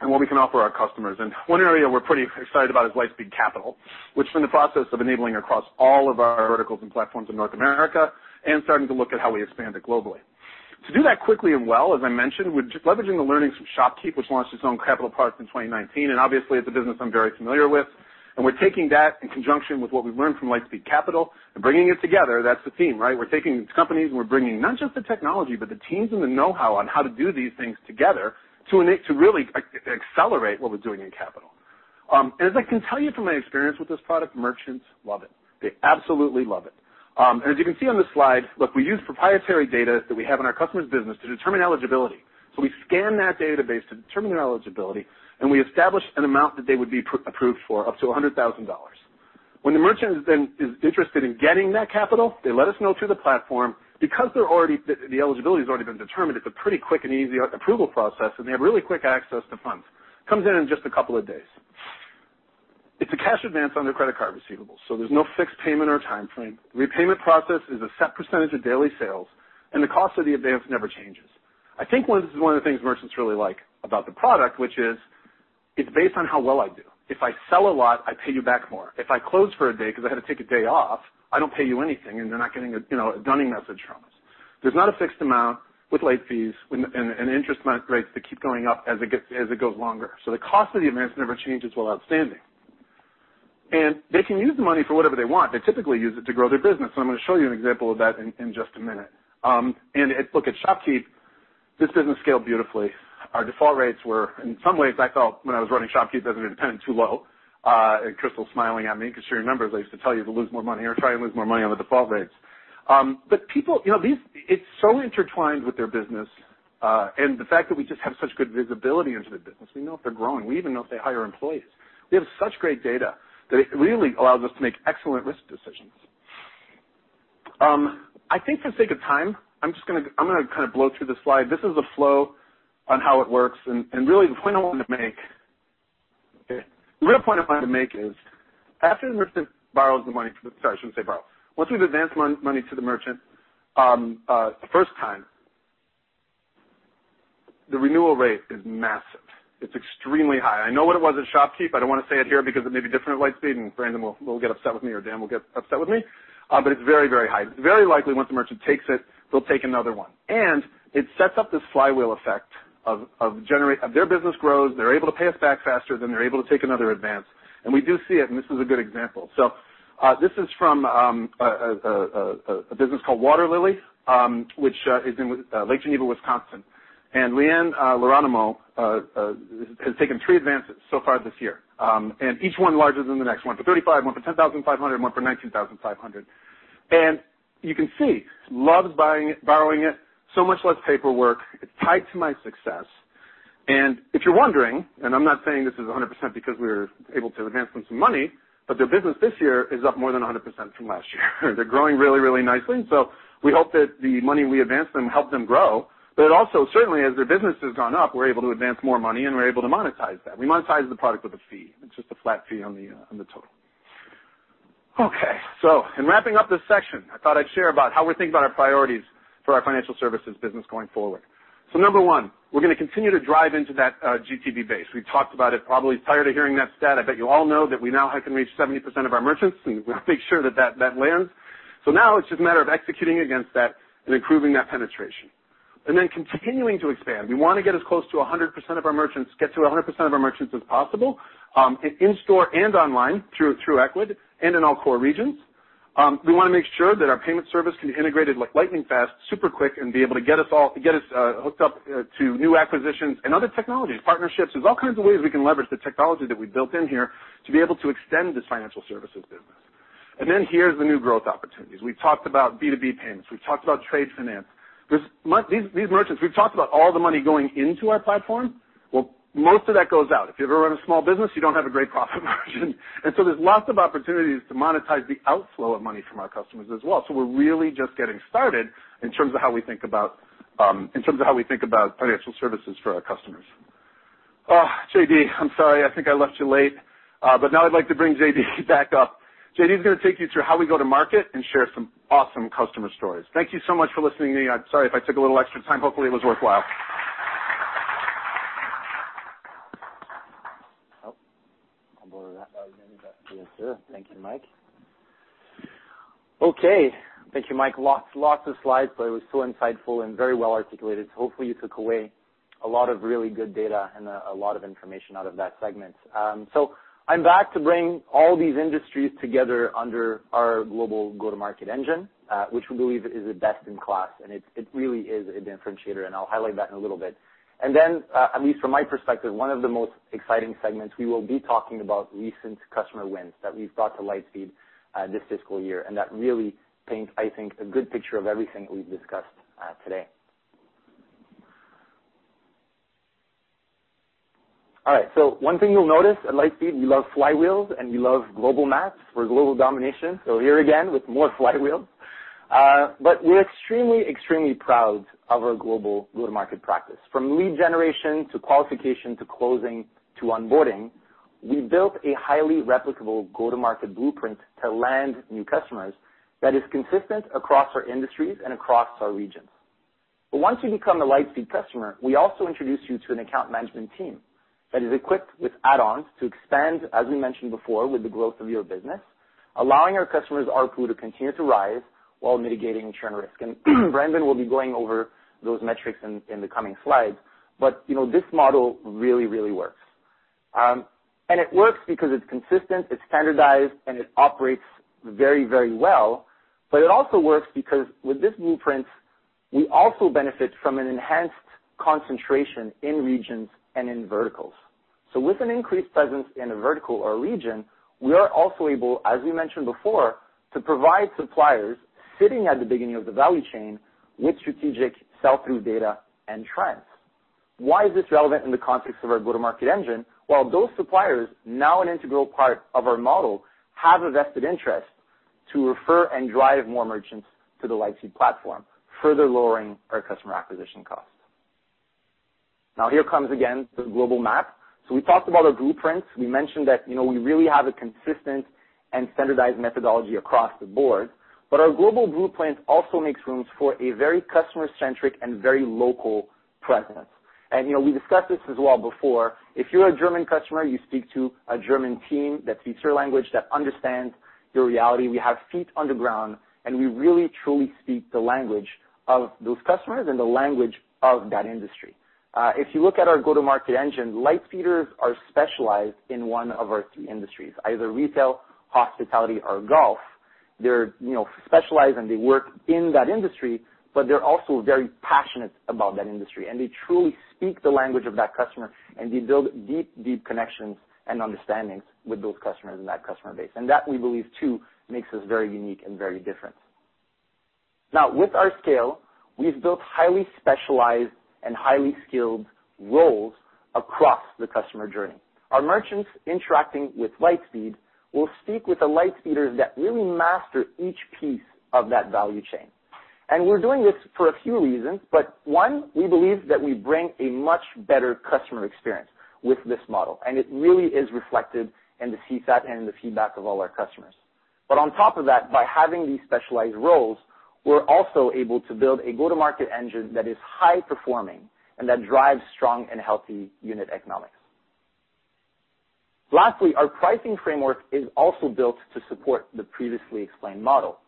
and what we can offer our customers. One area we're pretty excited about is Lightspeed Capital, which is in the process of enabling across all of our verticals and platforms in North America and starting to look at how we expand it globally. To do that quickly and well, as I mentioned, we're just leveraging the learnings from ShopKeep, which launched its own capital products in 2019, and obviously, it's a business I'm very familiar with. We're taking that in conjunction with what we've learned from Lightspeed Capital and bringing it together. That's the theme, right? We're taking these companies, and we're bringing not just the technology, but the teams and the know-how on how to do these things together to really accelerate what we're doing in capital. As I can tell you from my experience with this product, merchants love it. They absolutely love it. As you can see on the slide, look, we use proprietary data that we have in our customer's business to determine eligibility. We scan that database to determine their eligibility, and we establish an amount that they would be pre-approved for up to $100,000. When the merchant is interested in getting that capital, they let us know through the platform. Because the eligibility has already been determined, it's a pretty quick and easy approval process, and they have really quick access to funds that come in just a couple of days. It's a cash advance on their credit card receivables, so there's no fixed payment or timeframe. Repayment process is a set percentage of daily sales, and the cost of the advance never changes. I think this is one of the things merchants really like about the product, which is it's based on how well I do. If I sell a lot, I pay you back more. If I close for a day because I had to take a day off, I don't pay you anything, and they're not getting a, you know, a dunning message from us. There's not a fixed amount with late fees and interest amount rates that keep going up as it goes longer. So the cost of the advance never changes while outstanding. And they can use the money for whatever they want. They typically use it to grow their business, and I'm gonna show you an example of that in just a minute. Look, at ShopKeep, this business scaled beautifully. Our default rates were in some ways, I felt when I was running ShopKeep, as an independent, too low. Crystal's smiling at me because she remembers I used to tell you to lose more money or try and lose more money on the default rates. People, you know, these, it's so intertwined with their business, and the fact that we just have such good visibility into their business. We know if they're growing. We even know if they hire employees. We have such great data that it really allows us to make excellent risk decisions. I think for the sake of time, I'm just gonna kind of blow through this slide. This is a flow on how it works. Really the point I wanted to make. The real point I plan to make is after the merchant borrows the money. Sorry, I shouldn't say borrow. Once we've advanced money to the merchant the first time, the renewal rate is massive. It's extremely high. I know what it was at ShopKeep. I don't wanna say it here because it may be different at Lightspeed, and Brandon will get upset with me or Dan will get upset with me. But it's very high. Very likely once the merchant takes it, they'll take another one. It sets up this flywheel effect of their business grows, they're able to pay us back faster, then they're able to take another advance. We do see it, and this is a good example. This is from a business called Waterlilly, which is in Lake Geneva, Wisconsin. Leanne Brown has taken three advances so far this year, and each one larger than the next one. One for $35, one for $10,500, one for $19,500. You can see, loves borrowing it, so much less paperwork. It's tied to my success. If you're wondering, and I'm not saying this is 100% because we're able to advance them some money, but their business this year is up more than 100% from last year. They're growing really, really nicely, and so we hope that the money we advanced them helped them grow. Also, certainly, as their business has gone up, we're able to advance more money, and we're able to monetize that. We monetize the product with a fee. It's just a flat fee on the total. In wrapping up this section, I thought I'd share about how we're thinking about our priorities for our financial services business going forward. Number one, we're gonna continue to drive into that GTV base. We've talked about it probably tired of hearing that stat. I bet you all know that we now can reach 70% of our merchants, and we wanna make sure that that lands. Now it's just a matter of executing against that and improving that penetration, continuing to expand. We wanna get as close to 100% of our merchants, get to 100% of our merchants as possible, in store and online through Ecwid and in all core regions. We wanna make sure that our payment service can be integrated like lightning fast, super quick, and be able to get us hooked up to new acquisitions and other technologies, partnerships. There's all kinds of ways we can leverage the technology that we built in here to be able to extend this financial services business. Then here's the new growth opportunities. We've talked about B2B payments. We've talked about trade finance. These merchants, we've talked about all the money going into our platform. Well, most of that goes out. If you've ever run a small business, you don't have a great profit margin. There's lots of opportunities to monetize the outflow of money from our customers as well. We're really just getting started in terms of how we think about financial services for our customers. Oh, JD, I'm sorry. I think I left you last. Now I'd like to bring JD back up. JD's gonna take you through how we go to market and share some awesome customer stories. Thank you so much for listening to me. I'm sorry if I took a little extra time. Hopefully, it was worthwhile. Oh. I'll borrow that while you're getting back to us here. Thank you, Mike. Okay. Thank you, Mike. Lots of slides, but it was so insightful and very well articulated, so hopefully, you took away a lot of really good data and a lot of information out of that segment. I'm back to bring all these industries together under our global go-to-market engine, which we believe is the best in class, and it really is a differentiator, and I'll highlight that in a little bit. Then, at least from my perspective, one of the most exciting segments, we will be talking about recent customer wins that we've brought to Lightspeed, this fiscal year. That really paints, I think, a good picture of everything we've discussed today. One thing you'll notice at Lightspeed, we love flywheels and we love global maps for global domination. Here again with more flywheels. But we're extremely proud of our global go-to-market practice. From lead generation to qualification to closing to onboarding, we built a highly replicable go-to-market blueprint to land new customers that is consistent across our industries and across our regions. But once you become a Lightspeed customer, we also introduce you to an account management team that is equipped with add-ons to expand, as we mentioned before, with the growth of your business, allowing our customers ARPU to continue to rise while mitigating churn risk. Brandon will be going over those metrics in the coming slides, but you know, this model really works. It works because it's consistent, it's standardized, and it operates very, very well. It also works because with this blueprint, we also benefit from an enhanced concentration in regions and in verticals. With an increased presence in a vertical or region, we are also able, as we mentioned before, to provide suppliers sitting at the beginning of the value chain with strategic sell-through data and trends. Why is this relevant in the context of our go-to-market engine? While those suppliers, now an integral part of our model, have a vested interest to refer and drive more merchants to the Lightspeed platform, further lowering our customer acquisition costs. Now, here's the global map again. We talked about our blueprints. We mentioned that, you know, we really have a consistent and standardized methodology across the board. Our global blueprint also makes room for a very customer-centric and very local presence. You know, we discussed this as well before. If you're a German customer, you speak to a German team that speaks your language, that understands your reality. We have feet on the ground, and we really truly speak the language of those customers and the language of that industry. If you look at our go-to-market engine, Lightspeeders are specialized in one of our three industries, either retail, hospitality or golf. They're, you know, specialized and they work in that industry, but they're also very passionate about that industry. They truly speak the language of that customer, and they build deep, deep connections and understandings with those customers and that customer base. That we believe too makes us very unique and very different. Now with our scale, we've built highly specialized and highly skilled roles across the customer journey. Our merchants interacting with Lightspeed will speak with the Lightspeeders that really master each piece of that value chain. We're doing this for a few reasons, but one, we believe that we bring a much better customer experience with this model, and it really is reflected in the CSAT and the feedback of all our customers. On top of that, by having these specialized roles, we're also able to build a go-to-market engine that is high performing and that drives strong and healthy unit economics. Lastly, our pricing framework is also built to support the previously explained model.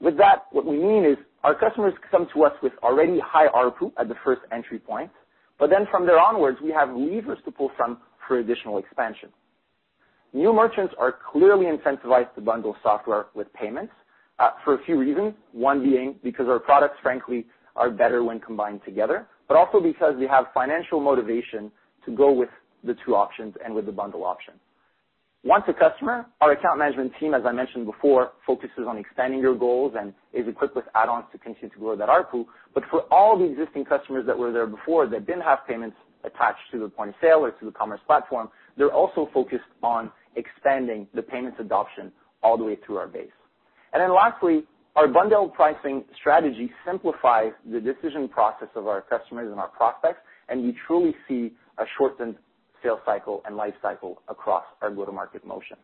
With that, what we mean is our customers come to us with already high ARPU at the first entry point, but then from there onwards, we have levers to pull from for additional expansion. New merchants are clearly incentivized to bundle software with payments for a few reasons, one being because our products, frankly, are better when combined together, but also because they have financial motivation to go with the two options and with the bundle option. Once a customer, our account management team, as I mentioned before, focuses on expanding your goals and is equipped with add-ons to continue to grow that ARPU. For all the existing customers that were there before that didn't have payments attached to the point of sale or to the commerce platform, they're also focused on expanding the payments adoption all the way through our base. Then lastly, our bundled pricing strategy simplifies the decision process of our customers and our prospects, and we truly see a shortened sales cycle and life cycle across our go-to-market motion.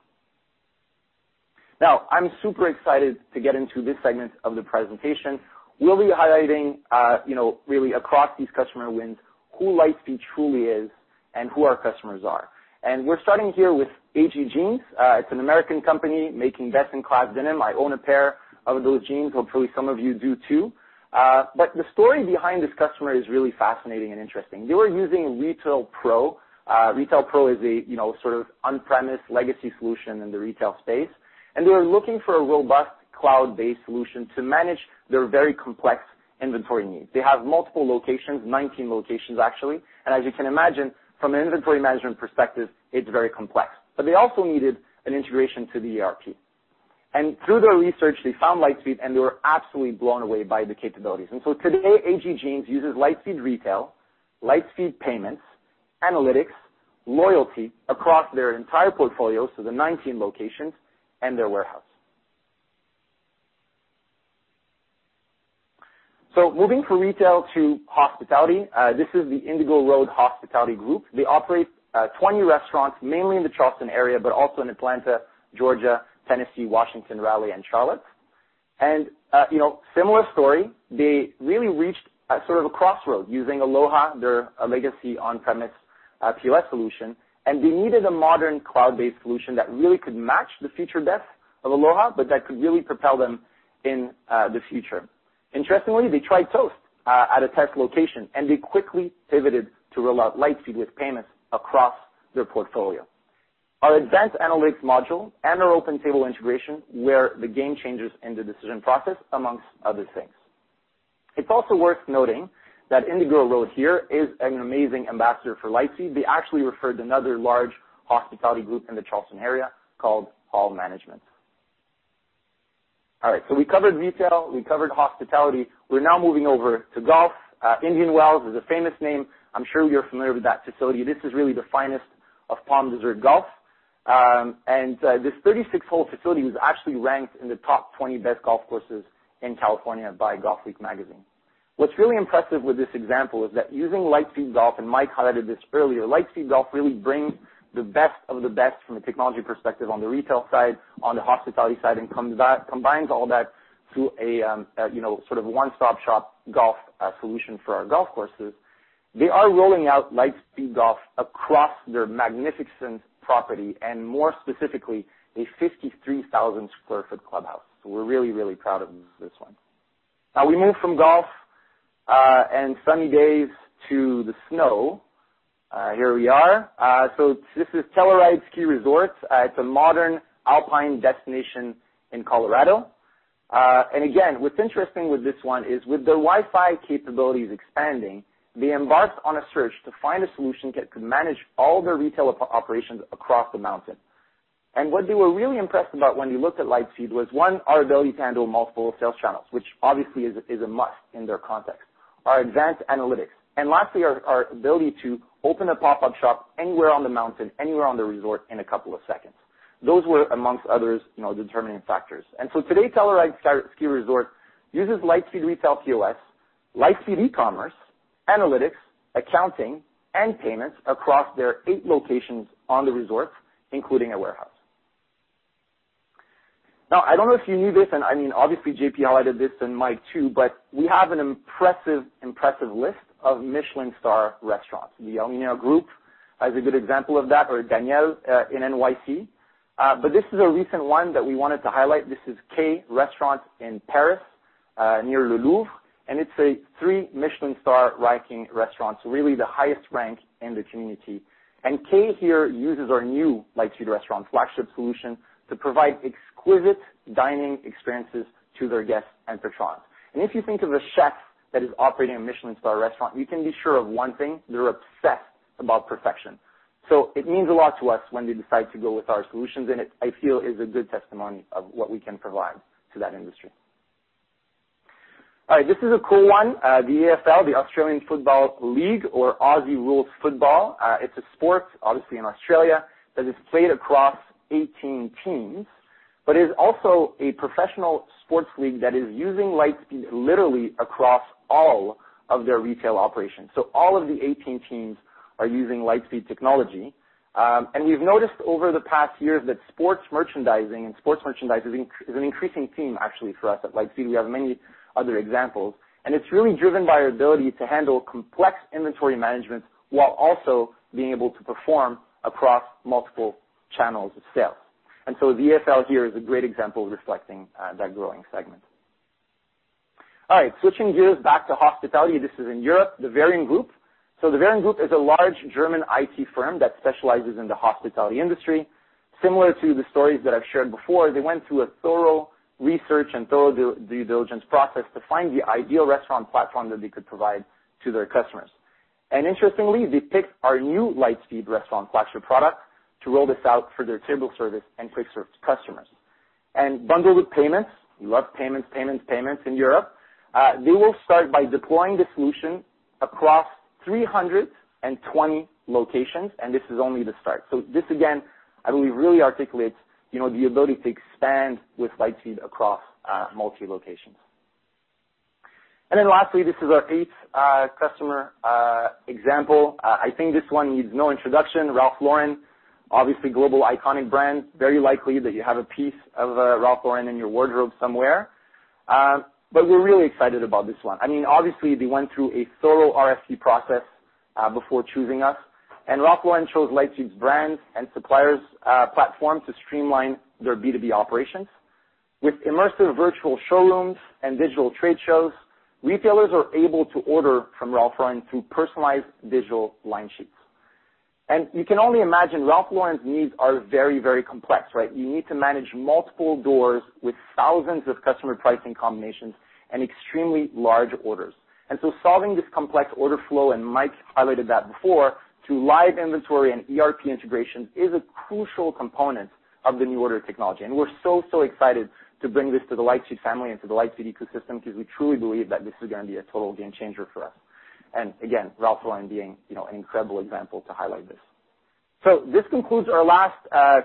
Now, I'm super excited to get into this segment of the presentation. We'll be highlighting, you know, really across these customer wins, who Lightspeed truly is and who our customers are. We're starting here with AG Jeans. It's an American company making best-in-class denim. I own a pair of those jeans. Hopefully, some of you do too. The story behind this customer is really fascinating and interesting. They were using Retail Pro. Retail Pro is a, you know, sort of on-premise legacy solution in the retail space, and they were looking for a robust cloud-based solution to manage their very complex inventory needs. They have multiple locations, 19 locations, actually. As you can imagine, from an inventory management perspective, it's very complex. They also needed an integration to the ERP. Through their research, they found Lightspeed, and they were absolutely blown away by the capabilities. Today, AG Jeans uses Lightspeed Retail, Lightspeed Payments, Analytics, Loyalty across their entire portfolio, so the 19 locations and their warehouse. Moving from retail to hospitality, this is The Indigo Road Hospitality Group. They operate 20 restaurants, mainly in the Charleston area, but also in Atlanta, Georgia, Tennessee, Washington, Raleigh, and Charlotte. You know, similar story, they really reached a sort of a crossroad using Aloha, their legacy on-premise POS solution, and they needed a modern cloud-based solution that really could match the future depth of Aloha, but that could really propel them in the future. Interestingly, they tried Toast at a test location, and they quickly pivoted to roll out Lightspeed with payments across their portfolio. Our advanced analytics module and our OpenTable integration were the game changers in the decision process, amongst other things. It's also worth noting that Indigo Road here is an amazing ambassador for Lightspeed. They actually referred another large hospitality group in the Charleston area called Hall Management. All right, so we covered retail, we covered hospitality. We're now moving over to golf. Indian Wells is a famous name. I'm sure you're familiar with that facility. This is really the finest of Palm Desert golf. This 36-hole facility was actually ranked in the top 20 best golf courses in California by Golfweek magazine. What's really impressive with this example is that using Lightspeed Golf, and Mike highlighted this earlier, Lightspeed Golf really brings the best of the best from a technology perspective on the retail side, on the hospitality side, and combines all that to a sort of one-stop shop golf solution for our golf courses. They are rolling out Lightspeed Golf across their magnificent property and more specifically, a 53,000 sq ft clubhouse. We're really proud of this one. Now we move from golf and sunny days to the snow. Here we are. This is Telluride Ski Resort. It's a modern alpine destination in Colorado. Again, what's interesting with this one is with their Wi-Fi capabilities expanding, they embarked on a search to find a solution that could manage all of their retail operations across the mountain. What they were really impressed about when they looked at Lightspeed was, one, our ability to handle multiple sales channels, which obviously is a must in their context, our advanced analytics, and lastly, our ability to open a pop-up shop anywhere on the mountain, anywhere on the resort in a couple of seconds. Those were amongst others, you know, determining factors. Today, Telluride Ski Resort uses Lightspeed Retail POS, Lightspeed eCommerce, analytics, accounting, and payments across their 8 locations on the resort, including a warehouse. I don't know if you knew this, and I mean, obviously JP highlighted this and Mike too, but we have an impressive list of Michelin-star restaurants. The Dinex Group is a good example of that, or Daniel, in N.Y.C. But this is a recent one that we wanted to highlight. This is Kei Restaurant in Paris, near the Louvre, and it's a three Michelin star ranking restaurant, so really the highest rank in the community. Kei here uses our new Lightspeed Restaurant flagship solution to provide exquisite dining experiences to their guests and patrons. If you think of a chef that is operating a Michelin star restaurant, you can be sure of one thing, they're obsessed about perfection. It means a lot to us when they decide to go with our solutions, and it, I feel, is a good testimony of what we can provide to that industry. All right, this is a cool one, the AFL, the Australian Football League, or Aussie Rules Football. It's a sport, obviously in Australia, that is played across 18 teams, but is also a professional sports league that is using Lightspeed literally across all of their retail operations. All of the 18 teams are using Lightspeed technology. We've noticed over the past years that sports merchandising and sports merchandise is an increasing theme actually for us at Lightspeed. We have many other examples, and it's really driven by our ability to handle complex inventory management while also being able to perform across multiple channels of sales. The AFL here is a great example reflecting that growing segment. Switching gears back to hospitality. This is in Europe, the Varian Group. The Varian Group is a large German IT firm that specializes in the hospitality industry. Similar to the stories that I've shared before, they went through a thorough research and thorough due diligence process to find the ideal restaurant platform that they could provide to their customers. Interestingly, they picked our new Lightspeed restaurant flagship product to roll this out for their table service and quick service customers. Bundled with payments, we love payments in Europe. They will start by deploying the solution across 320 locations, and this is only the start. This again, I believe, really articulates, you know, the ability to expand with Lightspeed across multi-locations. Then lastly, this is our eighth customer example. I think this one needs no introduction. Ralph Lauren, obviously global iconic brand, very likely that you have a piece of Ralph Lauren in your wardrobe somewhere. We're really excited about this one. I mean, obviously, they went through a thorough RFP process before choosing us, and Ralph Lauren chose Lightspeed's brand and suppliers platform to streamline their B2B operations. With immersive virtual showrooms and digital trade shows, retailers are able to order from Ralph Lauren through personalized digital line sheets. You can only imagine Ralph Lauren's needs are very, very complex, right? You need to manage multiple doors with thousands of customer pricing combinations and extremely large orders. Solving this complex order flow, and Mike highlighted that before, through live inventory and ERP integration is a crucial component of the NeuORDER technology. We're so excited to bring this to the Lightspeed family and to the Lightspeed ecosystem because we truly believe that this is gonna be a total game changer for us. Again, Ralph Lauren being, you know, an incredible example to highlight this. This concludes our last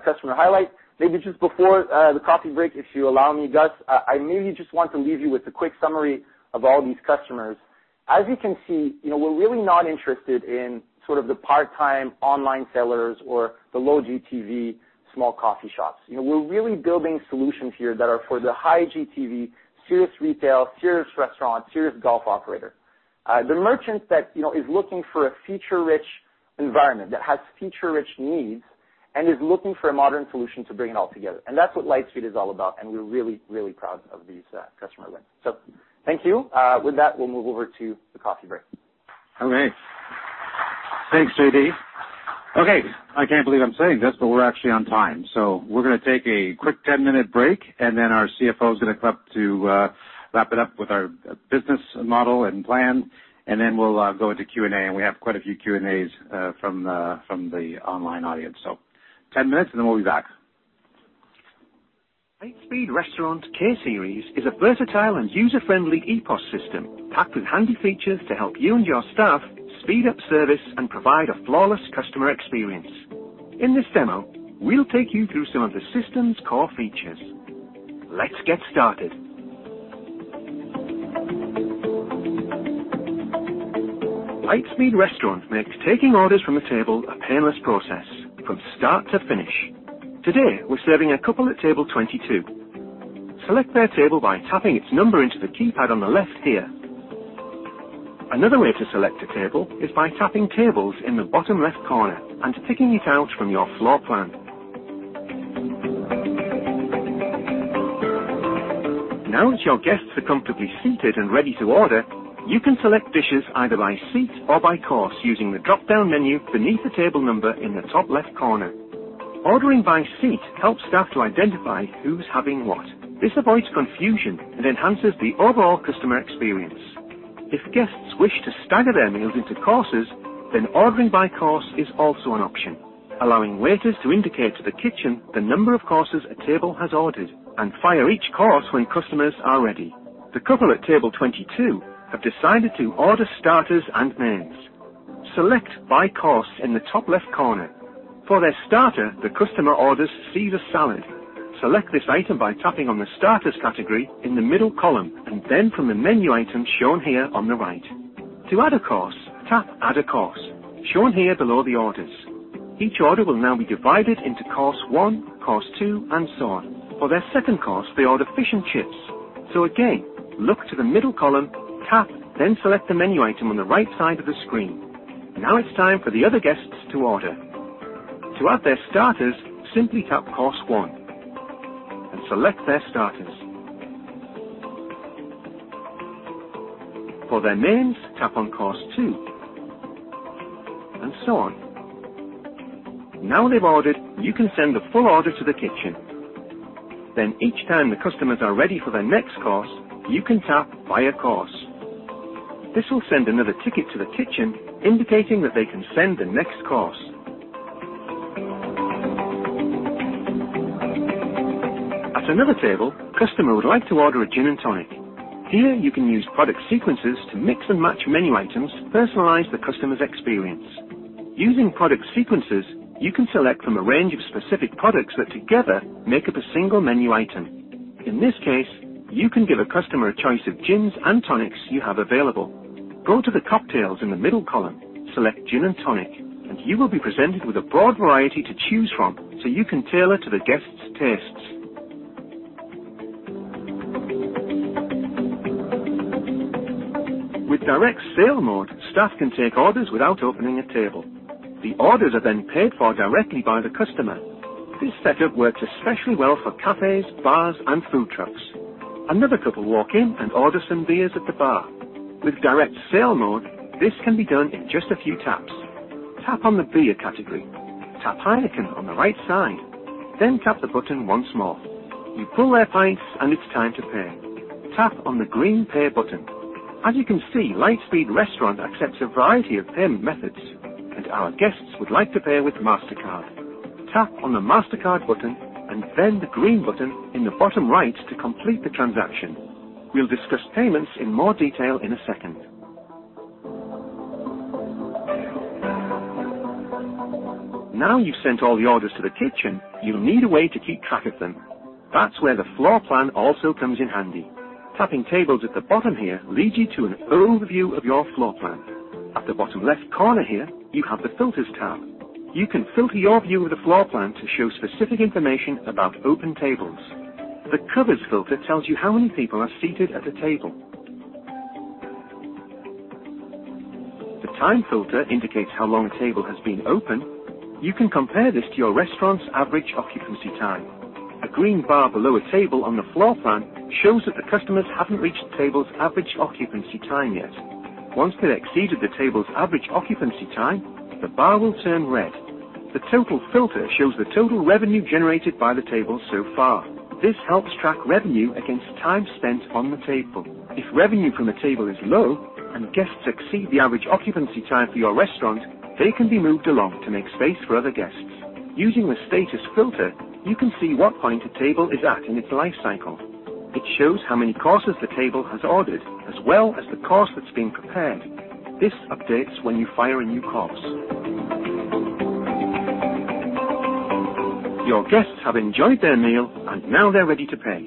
customer highlight. Maybe just before the coffee break, if you allow me, Gus, I mainly just want to leave you with a quick summary of all these customers. As you can see, you know, we're really not interested in sort of the part-time online sellers or the low GTV small coffee shops. You know, we're really building solutions here that are for the high GTV, serious retail, serious restaurant, serious golf operator. The merchant that, you know, is looking for a feature-rich environment that has feature-rich needs and is looking for a modern solution to bring it all together. That's what Lightspeed is all about, and we're really, really proud of these customer wins. Thank you. With that, we'll move over to the coffee break. All right. Thanks, JD. Okay, I can't believe I'm saying this, but we're actually on time. We're gonna take a quick 10-minute break, and then our CFO is gonna come up to wrap it up with our business model and plan. Then we'll go into Q&A, and we have quite a few Q&As from the online audience. 10 minutes and then we'll be back. Lightspeed Restaurant (K-Series) is a versatile and user-friendly EPOS system packed with handy features to help you and your staff speed up service and provide a flawless customer experience. In this demo, we'll take you through some of the system's core features. Let's get started. Lightspeed Restaurant makes taking orders from a table a painless process from start to finish. Today, we're serving a couple at table 22. Select their table by tapping its number into the keypad on the left here. Another way to select a table is by tapping Tables in the bottom left corner and picking it out from your floor plan. Now that your guests are comfortably seated and ready to order, you can select dishes either by seat or by course using the dropdown menu beneath the table number in the top left corner. Ordering by seat helps staff to identify who's having what. This avoids confusion and enhances the overall customer experience. If guests wish to stagger their meals into courses, then ordering by course is also an option, allowing waiters to indicate to the kitchen the number of courses a table has ordered and fire each course when customers are ready. The couple at table 22 have decided to order starters and mains. Select By Course in the top left corner. For their starter, the customer orders Caesar salad. Select this item by tapping on the Starters category in the middle column and then from the menu item shown here on the right. To add a course, tap Add a Course, shown here below the orders. Each order will now be divided into course 1, course 2, and so on. For their second course, they order fish and chips. Again, look to the middle column, tap, then select the menu item on the right side of the screen. Now it's time for the other guests to order. To add their starters, simply tap Course One and select their starters. For their mains, tap on Course Two, and so on. Now they've ordered, you can send the full order to the kitchen. Each time the customers are ready for their next course, you can tap Bump a Course. This will send another ticket to the kitchen indicating that they can send the next course. At another table, a customer would like to order a gin and tonic. Here, you can use product sequences to mix and match menu items to personalize the customer's experience. Using product sequences, you can select from a range of specific products that together make up a single menu item. In this case, you can give a customer a choice of gins and tonics you have available. Go to the cocktails in the middle column, select Gin and Tonic, and you will be presented with a broad variety to choose from so you can tailor to the guest's tastes. With Direct Sale Mode, staff can take orders without opening a table. The orders are then paid for directly by the customer. This setup works especially well for cafes, bars, and food trucks. Another couple walk in and order some beers at the bar. With Direct Sale Mode, this can be done in just a few taps. Tap on the Beer category. Tap Heineken on the right side, then tap the button once more. You pull their pints and it's time to pay. Tap on the green Pay button. As you can see, Lightspeed Restaurant accepts a variety of payment methods, and our guests would like to pay with Mastercard. Tap on the Mastercard button and then the green button in the bottom right to complete the transaction. We'll discuss payments in more detail in a second. Now you've sent all the orders to the kitchen, you'll need a way to keep track of them. That's where the floor plan also comes in handy. Tapping Tables at the bottom here leads you to an overview of your floor plan. At the bottom left corner here, you have the Filters tab. You can filter your view of the floor plan to show specific information about open tables. The Covers filter tells you how many people are seated at a table. The Time filter indicates how long a table has been open. You can compare this to your restaurant's average occupancy time. A green bar below a table on the floor plan shows that the customers haven't reached the table's average occupancy time yet. Once they've exceeded the table's average occupancy time, the bar will turn red. The Total filter shows the total revenue generated by the table so far. This helps track revenue against time spent on the table. If revenue from a table is low and guests exceed the average occupancy time for your restaurant, they can be moved along to make space for other guests. Using the Status filter, you can see what point a table is at in its life cycle. It shows how many courses the table has ordered, as well as the course that's being prepared. This updates when you fire a new course. Your guests have enjoyed their meal and now they're ready to pay.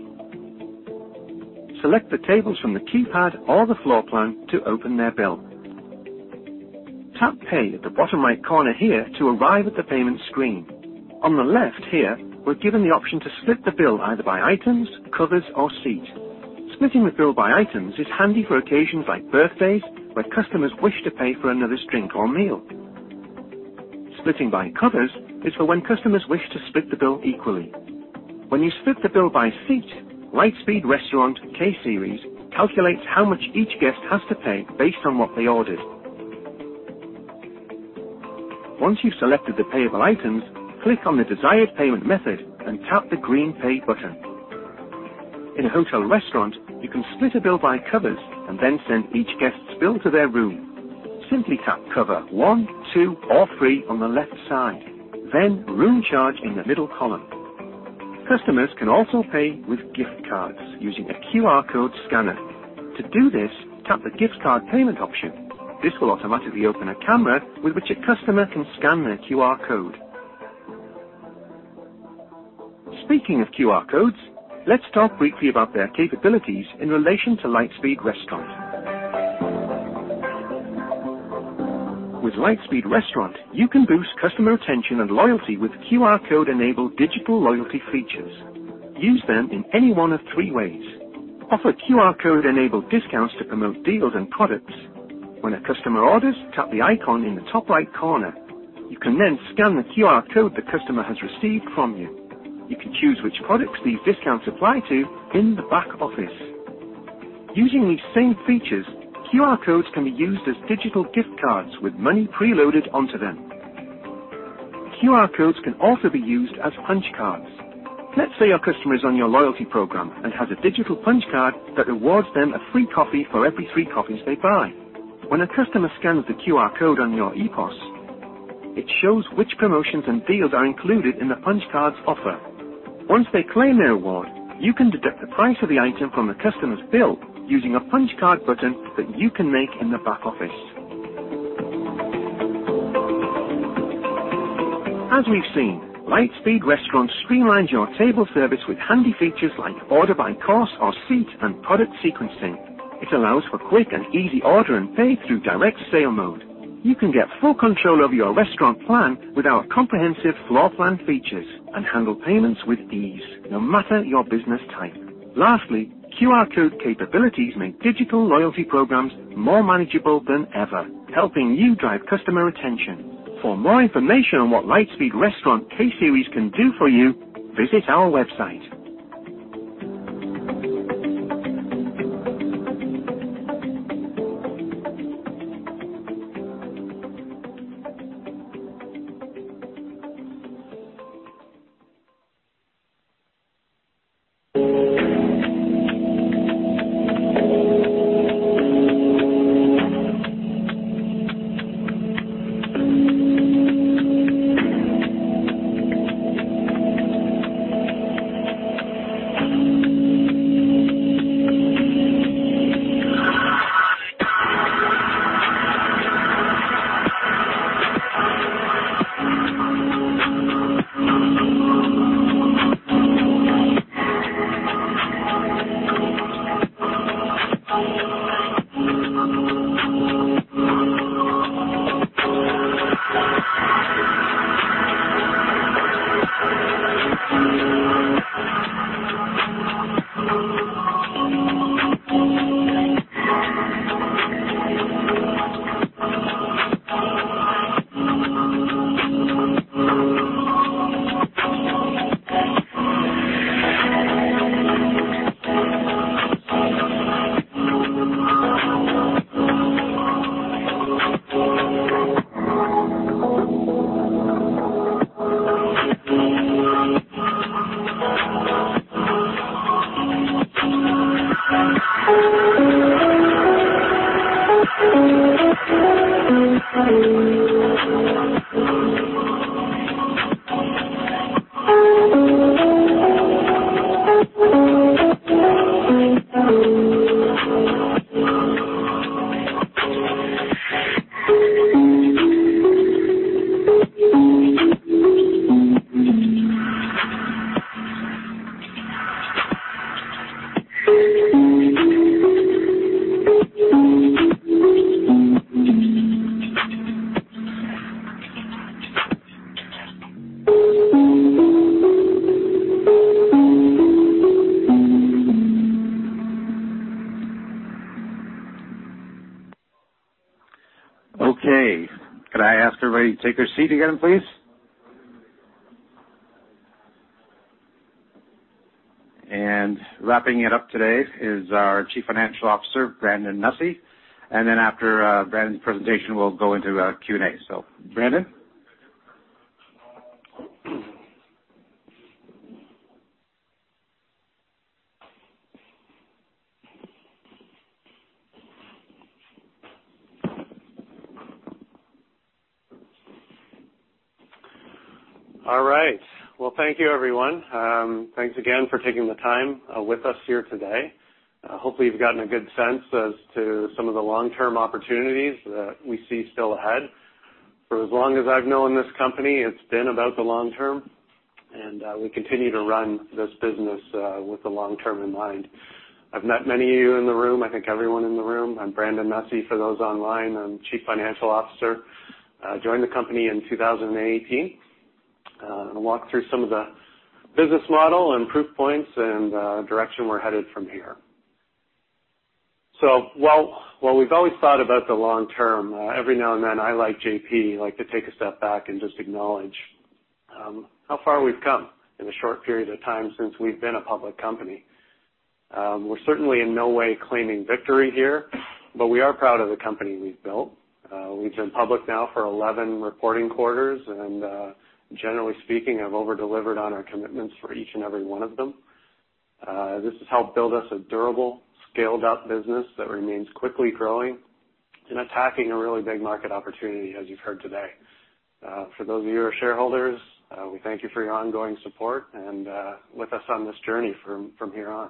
Select the tables from the keypad or the floor plan to open their bill. Tap Pay at the bottom right corner here to arrive at the payment screen. On the left here, we're given the option to split the bill either by items, covers, or seat. Splitting the bill by items is handy for occasions like birthdays, where customers wish to pay for another's drink or meal. Splitting by covers is for when customers wish to split the bill equally. When you split the bill by seat, Lightspeed Restaurant (K-Series) calculates how much each guest has to pay based on what they ordered. Once you've selected the payable items, click on the desired payment method and tap the green Pay button. In a hotel restaurant, you can split a bill by covers and then send each guest's bill to their room. Simply tap Cover one, two, or three on the left side, then Room Charge in the middle column. Customers can also pay with gift cards using a QR code scanner. To do this, tap the Gift Card Payment option. This will automatically open a camera with which a customer can scan their QR code. Speaking of QR codes, let's talk briefly about their capabilities in relation to Lightspeed Restaurant. With Lightspeed Restaurant, you can boost customer retention and loyalty with QR code-enabled digital loyalty features. Use them in any one of three ways. Offer QR code-enabled discounts to promote deals and products. When a customer orders, tap the icon in the top right corner. You can then scan the QR code the customer has received from you. You can choose which products these discounts apply to in the back office. Using these same features, QR codes can be used as digital gift cards with money preloaded onto them. QR codes can also be used as punch cards. Let's say your customer is on your loyalty program and has a digital punch card that rewards them a free coffee for every three coffees they buy. When a customer scans the QR code on your EPOS, it shows which promotions and deals are included in the punch card's offer. Once they claim their award, you can deduct the price of the item from the customer's bill using a punch card button that you can make in the back office. As we've seen, Lightspeed Restaurant streamlines your table service with handy features like order by course or seat and product sequencing. It allows for quick and easy order and pay through direct sale mode. You can get full control of your restaurant plan with our comprehensive floor plan features and handle payments with ease, no matter your business type. Lastly, QR code capabilities make digital loyalty programs more manageable than ever, helping you drive customer retention. For more information on what Lightspeed Restaurant (K-Series) can do for you, visit our website. Okay. Could I ask everybody to take their seat again, please? Wrapping it up today is our Chief Financial Officer, Brandon Nussey. Then after Brandon's presentation, we'll go into Q&A. Brandon. All right. Well, thank you, everyone. Thanks again for taking the time with us here today. Hopefully you've gotten a good sense as to some of the long-term opportunities that we see still ahead. For as long as I've known this company, it's been about the long term, and we continue to run this business with the long term in mind. I've met many of you in the room. I think everyone in the room. I'm Brandon Nussey. For those online, I'm Chief Financial Officer. I joined the company in 2018. Walk through some of the business model and proof points and direction we're headed from here. While we've always thought about the long term, every now and then, I like JP like to take a step back and just acknowledge how far we've come in a short period of time since we've been a public company. We're certainly in no way claiming victory here. We are proud of the company we've built. We've been public now for 11 reporting quarters, and generally speaking, have over-delivered on our commitments for each and every one of them. This has helped build us a durable, scaled-up business that remains quickly growing and attacking a really big market opportunity, as you've heard today. For those of you who are shareholders, we thank you for your ongoing support and with us on this journey from here on.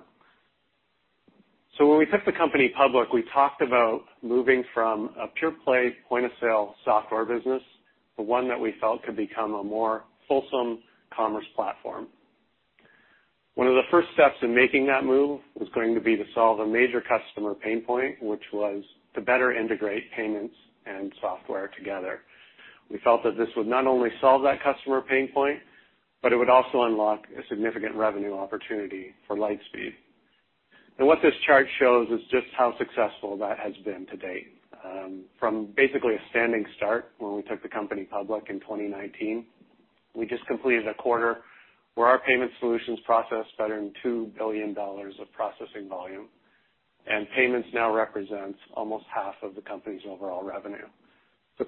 When we took the company public, we talked about moving from a pure play point-of-sale software business to one that we felt could become a more fulsome commerce platform. One of the first steps in making that move was going to be to solve a major customer pain point, which was to better integrate payments and software together. We felt that this would not only solve that customer pain point, but it would also unlock a significant revenue opportunity for Lightspeed. What this chart shows is just how successful that has been to date. From basically a standing start when we took the company public in 2019, we just completed a quarter where our payment solutions processed better than $2 billion of processing volume, and payments now represents almost half of the company's overall revenue.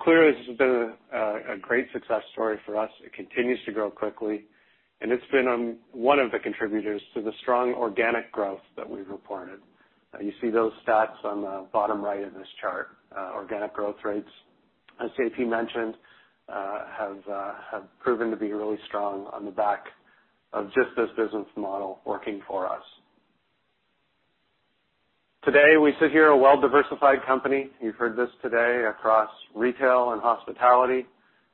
Clearly, this has been a great success story for us. It continues to grow quickly, and it's been one of the contributors to the strong organic growth that we've reported. You see those stats on the bottom right of this chart. Organic growth rates, as JP mentioned, have proven to be really strong on the back of just this business model working for us. Today, we sit here a well-diversified company, you've heard this today, across retail and hospitality,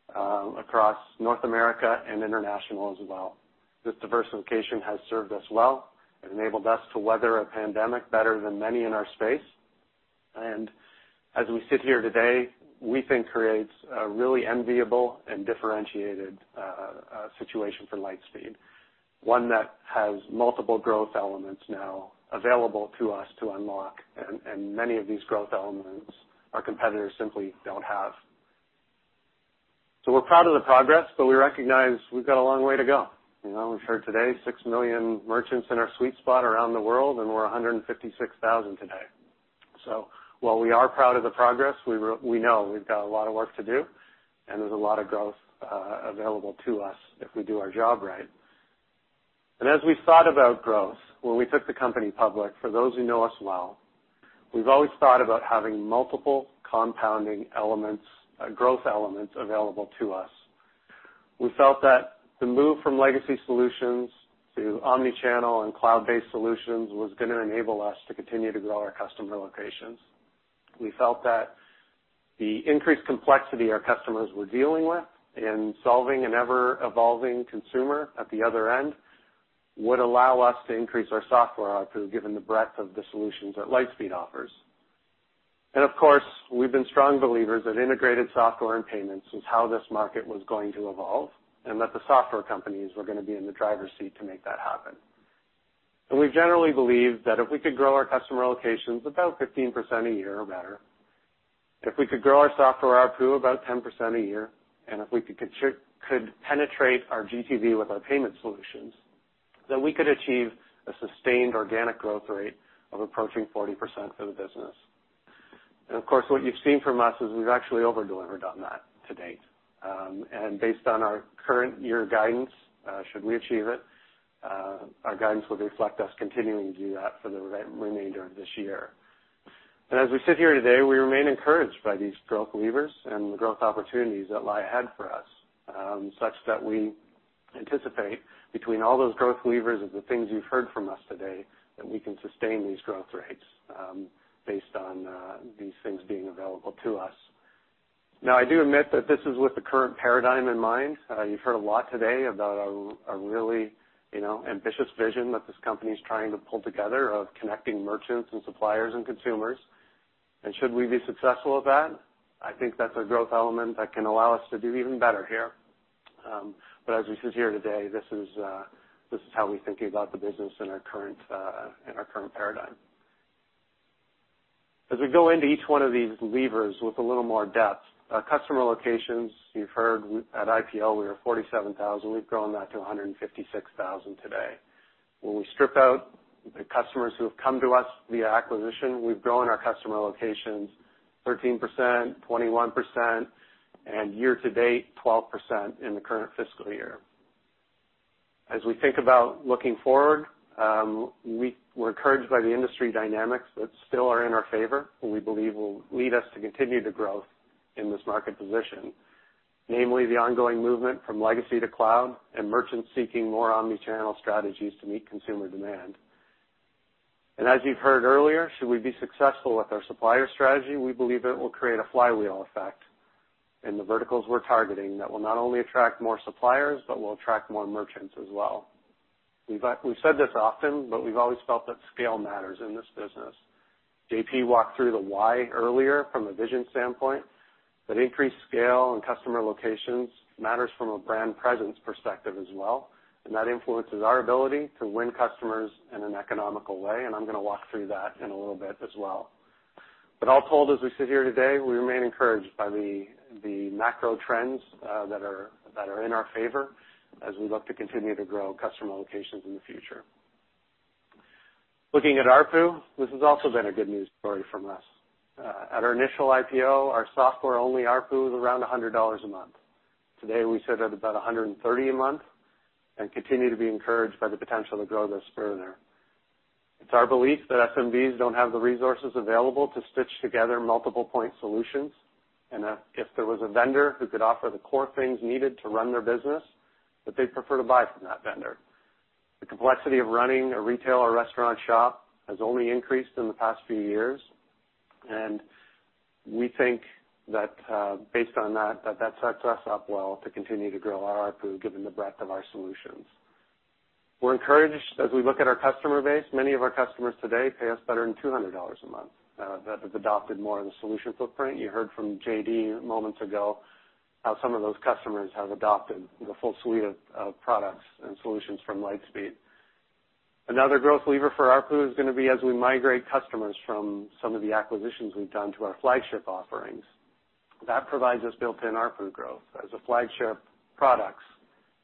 across North America and international as well. This diversification has served us well. It enabled us to weather a pandemic better than many in our space. As we sit here today, we think creates a really enviable and differentiated situation for Lightspeed, one that has multiple growth elements now available to us to unlock, and many of these growth elements our competitors simply don't have. We're proud of the progress, but we recognize we've got a long way to go. You know, we've heard today 6 million merchants in our sweet spot around the world, and we're 156,000 today. While we are proud of the progress, we know we've got a lot of work to do, and there's a lot of growth available to us if we do our job right. As we thought about growth when we took the company public, for those who know us well, we've always thought about having multiple compounding elements, growth elements available to us. We felt that the move from legacy solutions to omni-channel and cloud-based solutions was gonna enable us to continue to grow our customer locations. We felt that the increased complexity our customers were dealing with in solving an ever-evolving consumer at the other end would allow us to increase our software output, given the breadth of the solutions that Lightspeed offers. Of course, we've been strong believers that integrated software and payments is how this market was going to evolve, and that the software companies were gonna be in the driver's seat to make that happen. We generally believed that if we could grow our customer locations about 15% a year or better, if we could grow our software ARPU about 10% a year, and if we could penetrate our GTV with our payment solutions, then we could achieve a sustained organic growth rate of approaching 40% for the business. Of course, what you've seen from us is we've actually over-delivered on that to date. Based on our current year guidance, our guidance will reflect us continuing to do that for the remainder of this year. As we sit here today, we remain encouraged by these growth levers and the growth opportunities that lie ahead for us, such that we anticipate between all those growth levers of the things you've heard from us today, that we can sustain these growth rates, based on these things being available to us. Now, I do admit that this is with the current paradigm in mind. You've heard a lot today about a really, you know, ambitious vision that this company's trying to pull together of connecting merchants and suppliers and consumers. Should we be successful at that, I think that's a growth element that can allow us to do even better here. As we sit here today, this is how we're thinking about the business in our current paradigm. As we go into each one of these levers with a little more depth, customer locations, you've heard at IPO, we were 47,000. We've grown that to 156,000 today. When we strip out the customers who have come to us via acquisition, we've grown our customer locations 13%, 21%, and year to date, 12% in the current fiscal year. As we think about looking forward, we're encouraged by the industry dynamics that still are in our favor, and we believe will lead us to continue to growth in this market position, namely the ongoing movement from legacy to cloud and merchants seeking more omni-channel strategies to meet consumer demand. As you've heard earlier, should we be successful with our supplier strategy, we believe it will create a flywheel effect in the verticals we're targeting that will not only attract more suppliers, but will attract more merchants as well. We've said this often, but we've always felt that scale matters in this business. JP walked through the why earlier from a vision standpoint, but increased scale and customer locations matters from a brand presence perspective as well, and that influences our ability to win customers in an economical way, and I'm gonna walk through that in a little bit as well. All told, as we sit here today, we remain encouraged by the macro trends that are in our favor as we look to continue to grow customer locations in the future. Looking at ARPU, this has also been a good news story from us. At our initial IPO, our software-only ARPU was around $100 a month. Today, we sit at about $130 a month and continue to be encouraged by the potential to grow this further. It's our belief that SMBs don't have the resources available to stitch together multiple point solutions, and if there was a vendor who could offer the core things needed to run their business, that they'd prefer to buy from that vendor. The complexity of running a retail or restaurant shop has only increased in the past few years, and we think that, based on that sets us up well to continue to grow our ARPU given the breadth of our solutions. We're encouraged as we look at our customer base. Many of our customers today pay us better than $200 a month, that have adopted more of the solution footprint. You heard from JD moments ago how some of those customers have adopted the full suite of products and solutions from Lightspeed. Another growth lever for ARPU is gonna be as we migrate customers from some of the acquisitions we've done to our flagship offerings. That provides us built-in ARPU growth, as the flagship products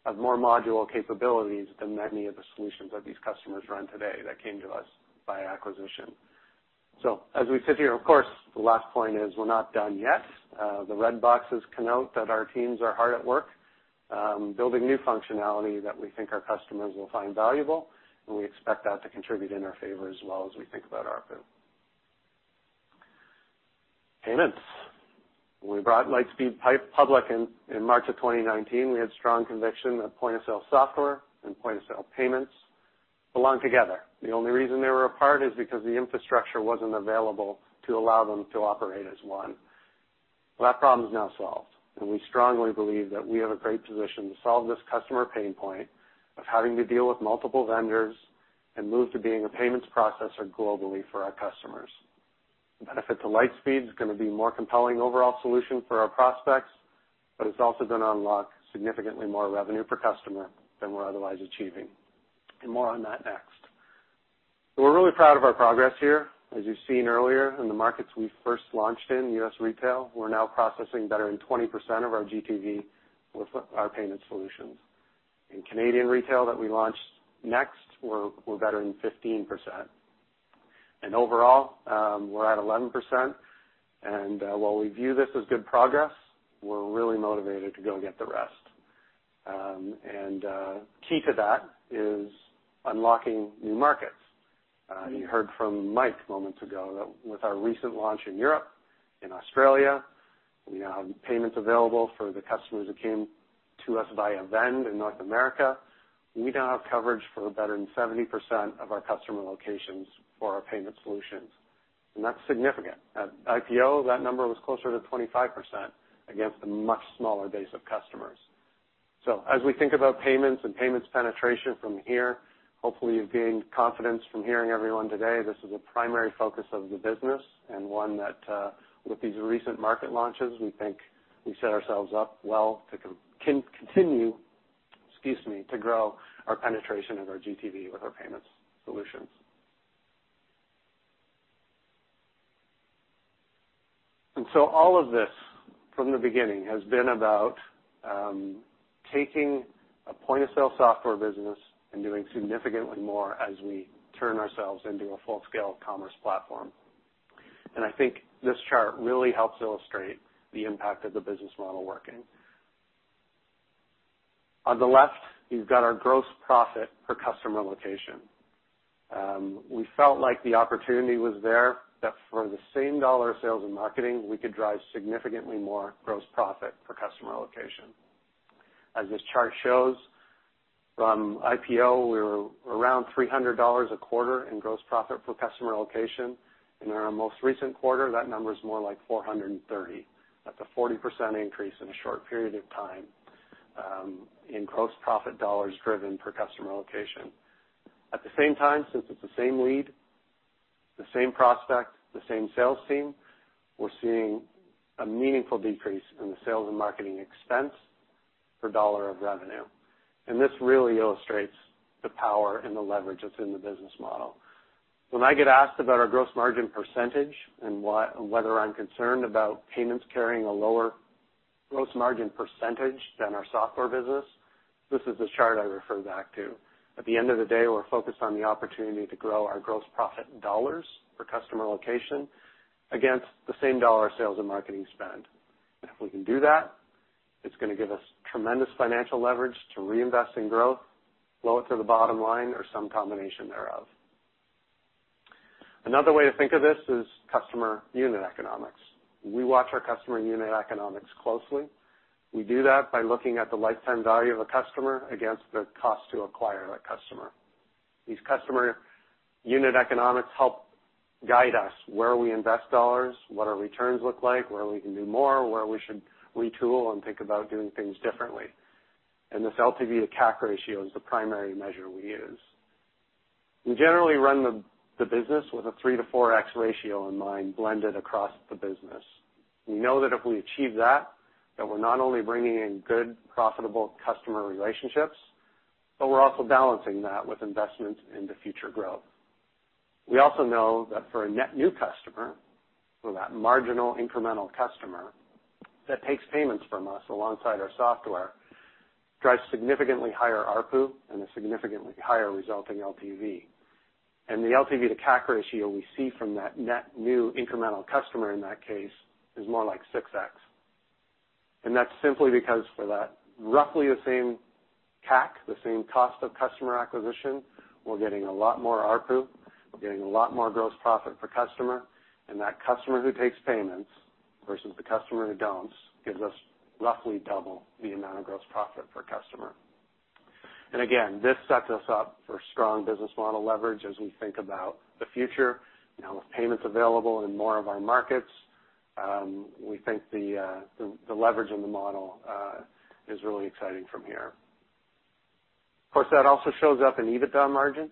have more module capabilities than many of the solutions that these customers run today that came to us via acquisition. As we sit here, of course, the last point is we're not done yet. The red boxes connote that our teams are hard at work building new functionality that we think our customers will find valuable, and we expect that to contribute in our favor as well as we think about ARPU. Payments. When we brought Lightspeed IPO public in March 2019, we had strong conviction that point-of-sale software and point-of-sale payments belong together. The only reason they were apart is because the infrastructure wasn't available to allow them to operate as one. Well, that problem's now solved, and we strongly believe that we have a great position to solve this customer pain point of having to deal with multiple vendors and move to being a payments processor globally for our customers. The benefit to Lightspeed is gonna be more compelling overall solution for our prospects, but it's also gonna unlock significantly more revenue per customer than we're otherwise achieving. More on that next. We're really proud of our progress here. As you've seen earlier, in the markets we first launched in, U.S. retail, we're now processing better than 20% of our GTV with our payment solutions. In Canadian retail that we launched next, we're better than 15%. Overall, we're at 11%, and while we view this as good progress, we're really motivated to go get the rest. Key to that is unlocking new markets. You heard from Mike moments ago that with our recent launch in Europe, in Australia, we now have payments available for the customers that came to us via Vend in North America. We now have coverage for better than 70% of our customer locations for our payment solutions, and that's significant. At IPO, that number was closer to 25% against a much smaller base of customers. As we think about payments and payments penetration from here, hopefully you've gained confidence from hearing everyone today. This is a primary focus of the business and one that, with these recent market launches, we think we set ourselves up well to continue to grow our penetration of our GTV with our payments solutions. All of this, from the beginning, has been about taking a point-of-sale software business and doing significantly more as we turn ourselves into a full-scale commerce platform. I think this chart really helps illustrate the impact of the business model working. On the left, you've got our gross profit per customer location. We felt like the opportunity was there, that for the same dollar of sales and marketing, we could drive significantly more gross profit per customer location. As this chart shows, from IPO, we were around $300 a quarter in gross profit per customer location. In our most recent quarter, that number is more like $430. That's a 40% increase in a short period of time, in gross profit dollars driven per customer location. At the same time, since it's the same lead, the same prospect, the same sales team, we're seeing a meaningful decrease in the sales and marketing expense per dollar of revenue. This really illustrates the power and the leverage that's in the business model. When I get asked about our gross margin percentage and why, whether I'm concerned about payments carrying a lower gross margin percentage than our software business, this is the chart I refer back to. At the end of the day, we're focused on the opportunity to grow our gross profit dollars per customer location against the same dollar of sales and marketing spend. If we can do that, it's gonna give us tremendous financial leverage to reinvest in growth, blow it to the bottom line, or some combination thereof. Another way to think of this is customer unit economics. We watch our customer unit economics closely. We do that by looking at the lifetime value of a customer against the cost to acquire that customer. These customer unit economics help guide us where we invest dollars, what our returns look like, where we can do more, where we should retool and think about doing things differently. This LTV to CAC ratio is the primary measure we use. We generally run the business with a 3-4x ratio in mind blended across the business. We know that if we achieve that, we're not only bringing in good, profitable customer relationships, but we're also balancing that with investment into future growth. We also know that for a net new customer, for that marginal incremental customer that takes payments from us alongside our software, drives significantly higher ARPU and a significantly higher resulting LTV. The LTV to CAC ratio we see from that net new incremental customer in that case is more like 6x. That's simply because for that roughly the same CAC, the same cost of customer acquisition, we're getting a lot more ARPU, we're getting a lot more gross profit per customer, and that customer who takes payments versus the customer who don't, gives us roughly double the amount of gross profit per customer. Again, this sets us up for strong business model leverage as we think about the future. Now with payments available in more of our markets, we think the leverage in the model is really exciting from here. Of course, that also shows up in EBITDA margin.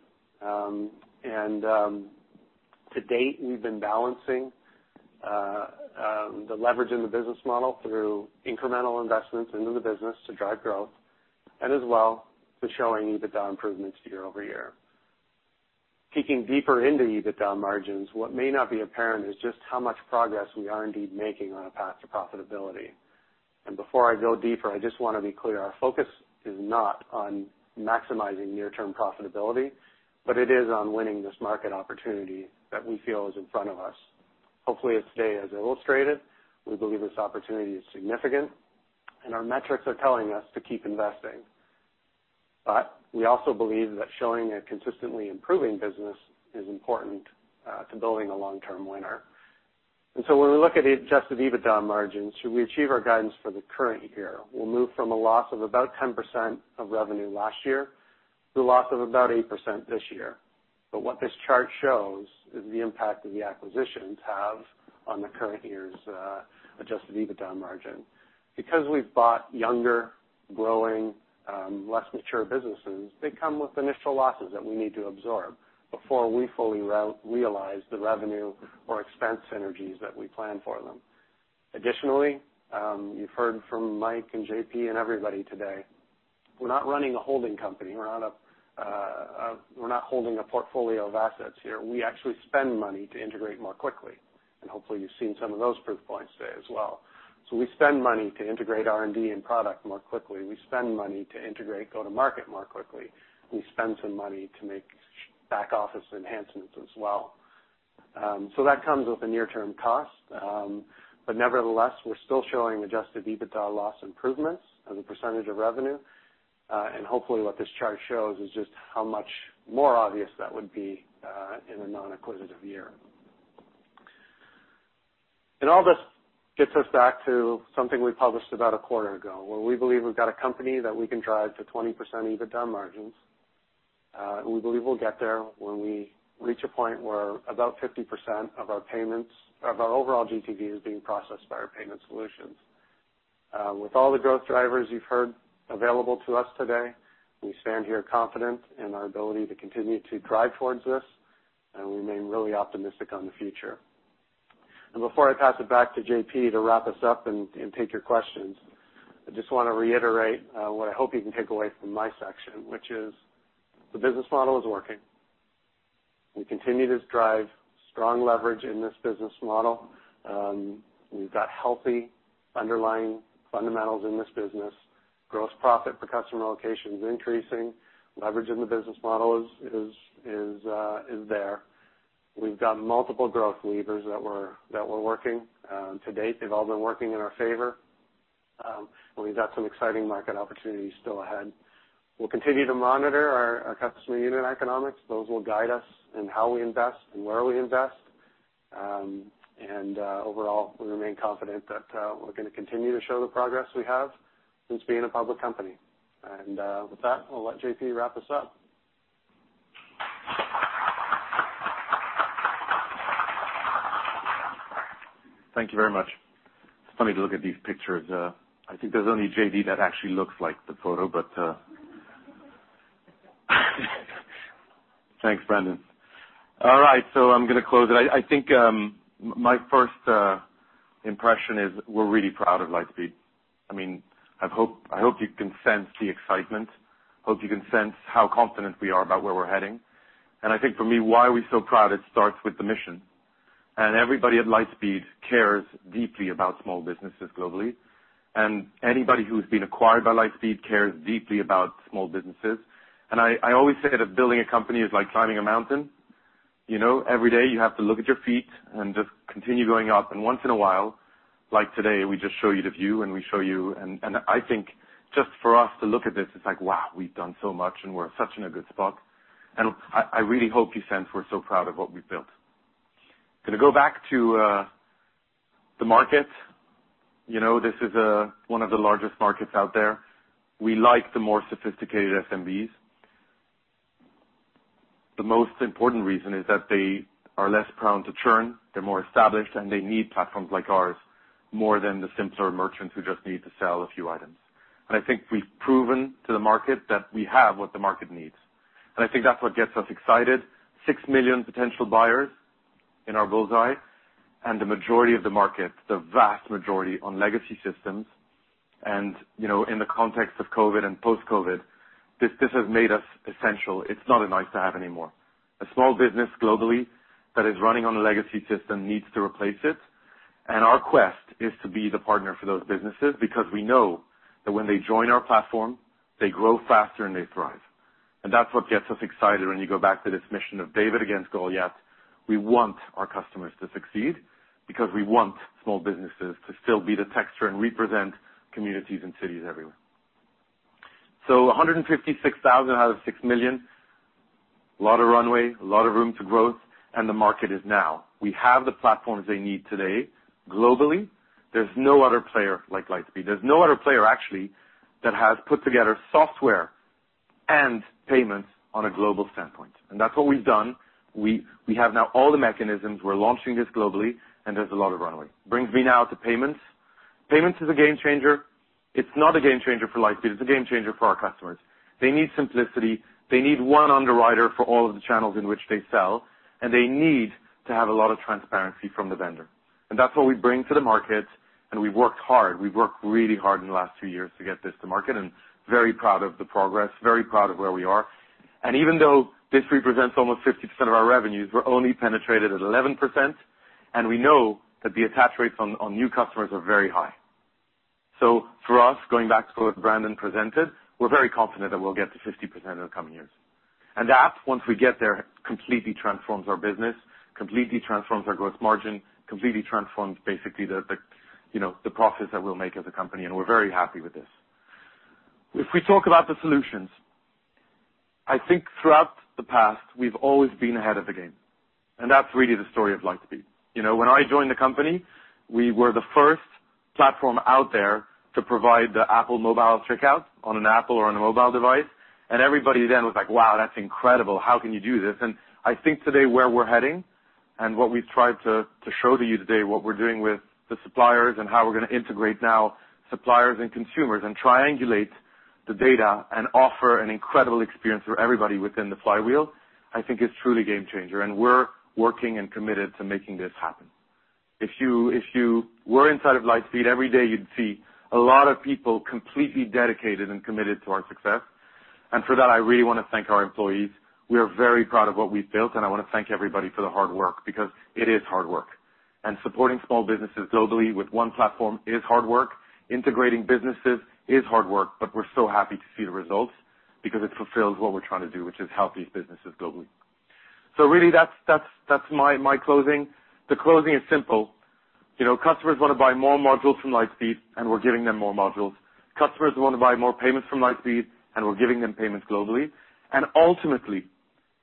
To date, we've been balancing the leverage in the business model through incremental investments into the business to drive growth, and as well as showing EBITDA improvements year-over-year. Peering deeper into EBITDA margins, what may not be apparent is just how much progress we are indeed making on a path to profitability. Before I go deeper, I just wanna be clear, our focus is not on maximizing near-term profitability, but it is on winning this market opportunity that we feel is in front of us. Hopefully, as today has illustrated, we believe this opportunity is significant and our metrics are telling us to keep investing. We also believe that showing a consistently improving business is important to building a long-term winner. When we look at the adjusted EBITDA margins, should we achieve our guidance for the current year? We'll move from a loss of about 10% of revenue last year to a loss of about 8% this year. What this chart shows is the impact that the acquisitions have on the current year's adjusted EBITDA margin. Because we've bought younger, growing, less mature businesses, they come with initial losses that we need to absorb before we fully re-realize the revenue or expense synergies that we plan for them. Additionally, you've heard from Mike and JP and everybody today, we're not running a holding company. We're not holding a portfolio of assets here. We actually spend money to integrate more quickly, and hopefully you've seen some of those proof points today as well. We spend money to integrate R&D and product more quickly. We spend money to integrate go-to-market more quickly. We spend some money to make back office enhancements as well. That comes with a near-term cost. Nevertheless, we're still showing adjusted EBITDA loss improvements as a percentage of revenue. Hopefully what this chart shows is just how much more obvious that would be in a non-acquisitive year. All this gets us back to something we published about a quarter ago, where we believe we've got a company that we can drive to 20% EBITDA margins. We believe we'll get there when we reach a point where about 50% of our payments, of our overall GTV is being processed by our payment solutions. With all the growth drivers you've heard available to us today, we stand here confident in our ability to continue to drive towards this, and we remain really optimistic on the future. Before I pass it back to JP to wrap us up and take your questions, I just wanna reiterate what I hope you can take away from my section, which is the business model is working. We continue to drive strong leverage in this business model. We've got healthy underlying fundamentals in this business. Gross profit per customer location is increasing. Leverage in the business model is there. We've got multiple growth levers that we're working. To date, they've all been working in our favor. We've got some exciting market opportunities still ahead. We'll continue to monitor our customer unit economics. Those will guide us in how we invest and where we invest. Overall, we remain confident that we're gonna continue to show the progress we have since being a public company. With that, I'll let JP wrap us up. Thank you very much. It's funny to look at these pictures. I think there's only JD that actually looks like the photo, but thanks, Brandon. All right, so I'm gonna close it. I think my first impression is we're really proud of Lightspeed. I mean, I hope you can sense the excitement. I hope you can sense how confident we are about where we're heading. I think for me, why are we so proud? It starts with the mission. Everybody at Lightspeed cares deeply about small businesses globally. Anybody who's been acquired by Lightspeed cares deeply about small businesses. I always say that building a company is like climbing a mountain. You know, every day you have to look at your feet and just continue going up. Once in a while, like today, we just show you the view and we show you. I think just for us to look at this, it's like, wow, we've done so much and we're in such a good spot. I really hope you sense we're so proud of what we've built. Gonna go back to the market. You know, this is one of the largest markets out there. We like the more sophisticated SMBs. The most important reason is that they are less prone to churn, they're more established, and they need platforms like ours more than the simpler merchants who just need to sell a few items. I think we've proven to the market that we have what the market needs. I think that's what gets us excited. 6 million potential buyers in our bull's-eye, and the majority of the market, the vast majority on legacy systems. You know, in the context of COVID and post-COVID, this has made us essential. It's not a nice-to-have anymore. A small business globally that is running on a legacy system needs to replace it. Our quest is to be the partner for those businesses because we know that when they join our platform, they grow faster, and they thrive. That's what gets us excited when you go back to this mission of David against Goliath. We want our customers to succeed because we want small businesses to still be the texture and represent communities and cities everywhere. 156,000 out of 6 million, a lot of runway, a lot of room for growth, and the market is now. We have the platforms they need today. Globally, there's no other player like Lightspeed. There's no other player actually that has put together software and payments on a global standpoint. That's what we've done. We have now all the mechanisms. We're launching this globally, and there's a lot of runway. Brings me now to payments. Payments is a game-changer. It's not a game-changer for Lightspeed, it's a game-changer for our customers. They need simplicity, they need one underwriter for all of the channels in which they sell, and they need to have a lot of transparency from the vendor. That's what we bring to the market, and we've worked hard. We've worked really hard in the last two years to get this to market and very proud of the progress, very proud of where we are. Even though this represents almost 50% of our revenues, we're only penetrated at 11%, and we know that the attach rates on new customers are very high. For us, going back to what Brandon presented, we're very confident that we'll get to 50% in the coming years. That, once we get there, completely transforms our business, completely transforms our growth margin, completely transforms basically you know, the profits that we'll make as a company, and we're very happy with this. If we talk about the solutions, I think throughout the past, we've always been ahead of the game, and that's really the story of Lightspeed. You know, when I joined the company, we were the first platform out there to provide the Apple Mobile checkout on an Apple or on a mobile device. Everybody then was like, "Wow, that's incredible. How can you do this?" I think today, where we're heading and what we've tried to show to you today, what we're doing with the suppliers and how we're gonna integrate now suppliers and consumers and triangulate the data and offer an incredible experience for everybody within the flywheel, I think is truly game-changer. We're working and committed to making this happen. If you were inside of Lightspeed, every day you'd see a lot of people completely dedicated and committed to our success. For that, I really wanna thank our employees. We are very proud of what we've built, and I wanna thank everybody for the hard work because it is hard work. Supporting small businesses globally with one platform is hard work. Integrating businesses is hard work. We're so happy to see the results because it fulfills what we're trying to do, which is help these businesses globally. Really, that's my closing. The closing is simple. You know, customers wanna buy more modules from Lightspeed, and we're giving them more modules. Customers wanna buy more payments from Lightspeed, and we're giving them payments globally. Ultimately,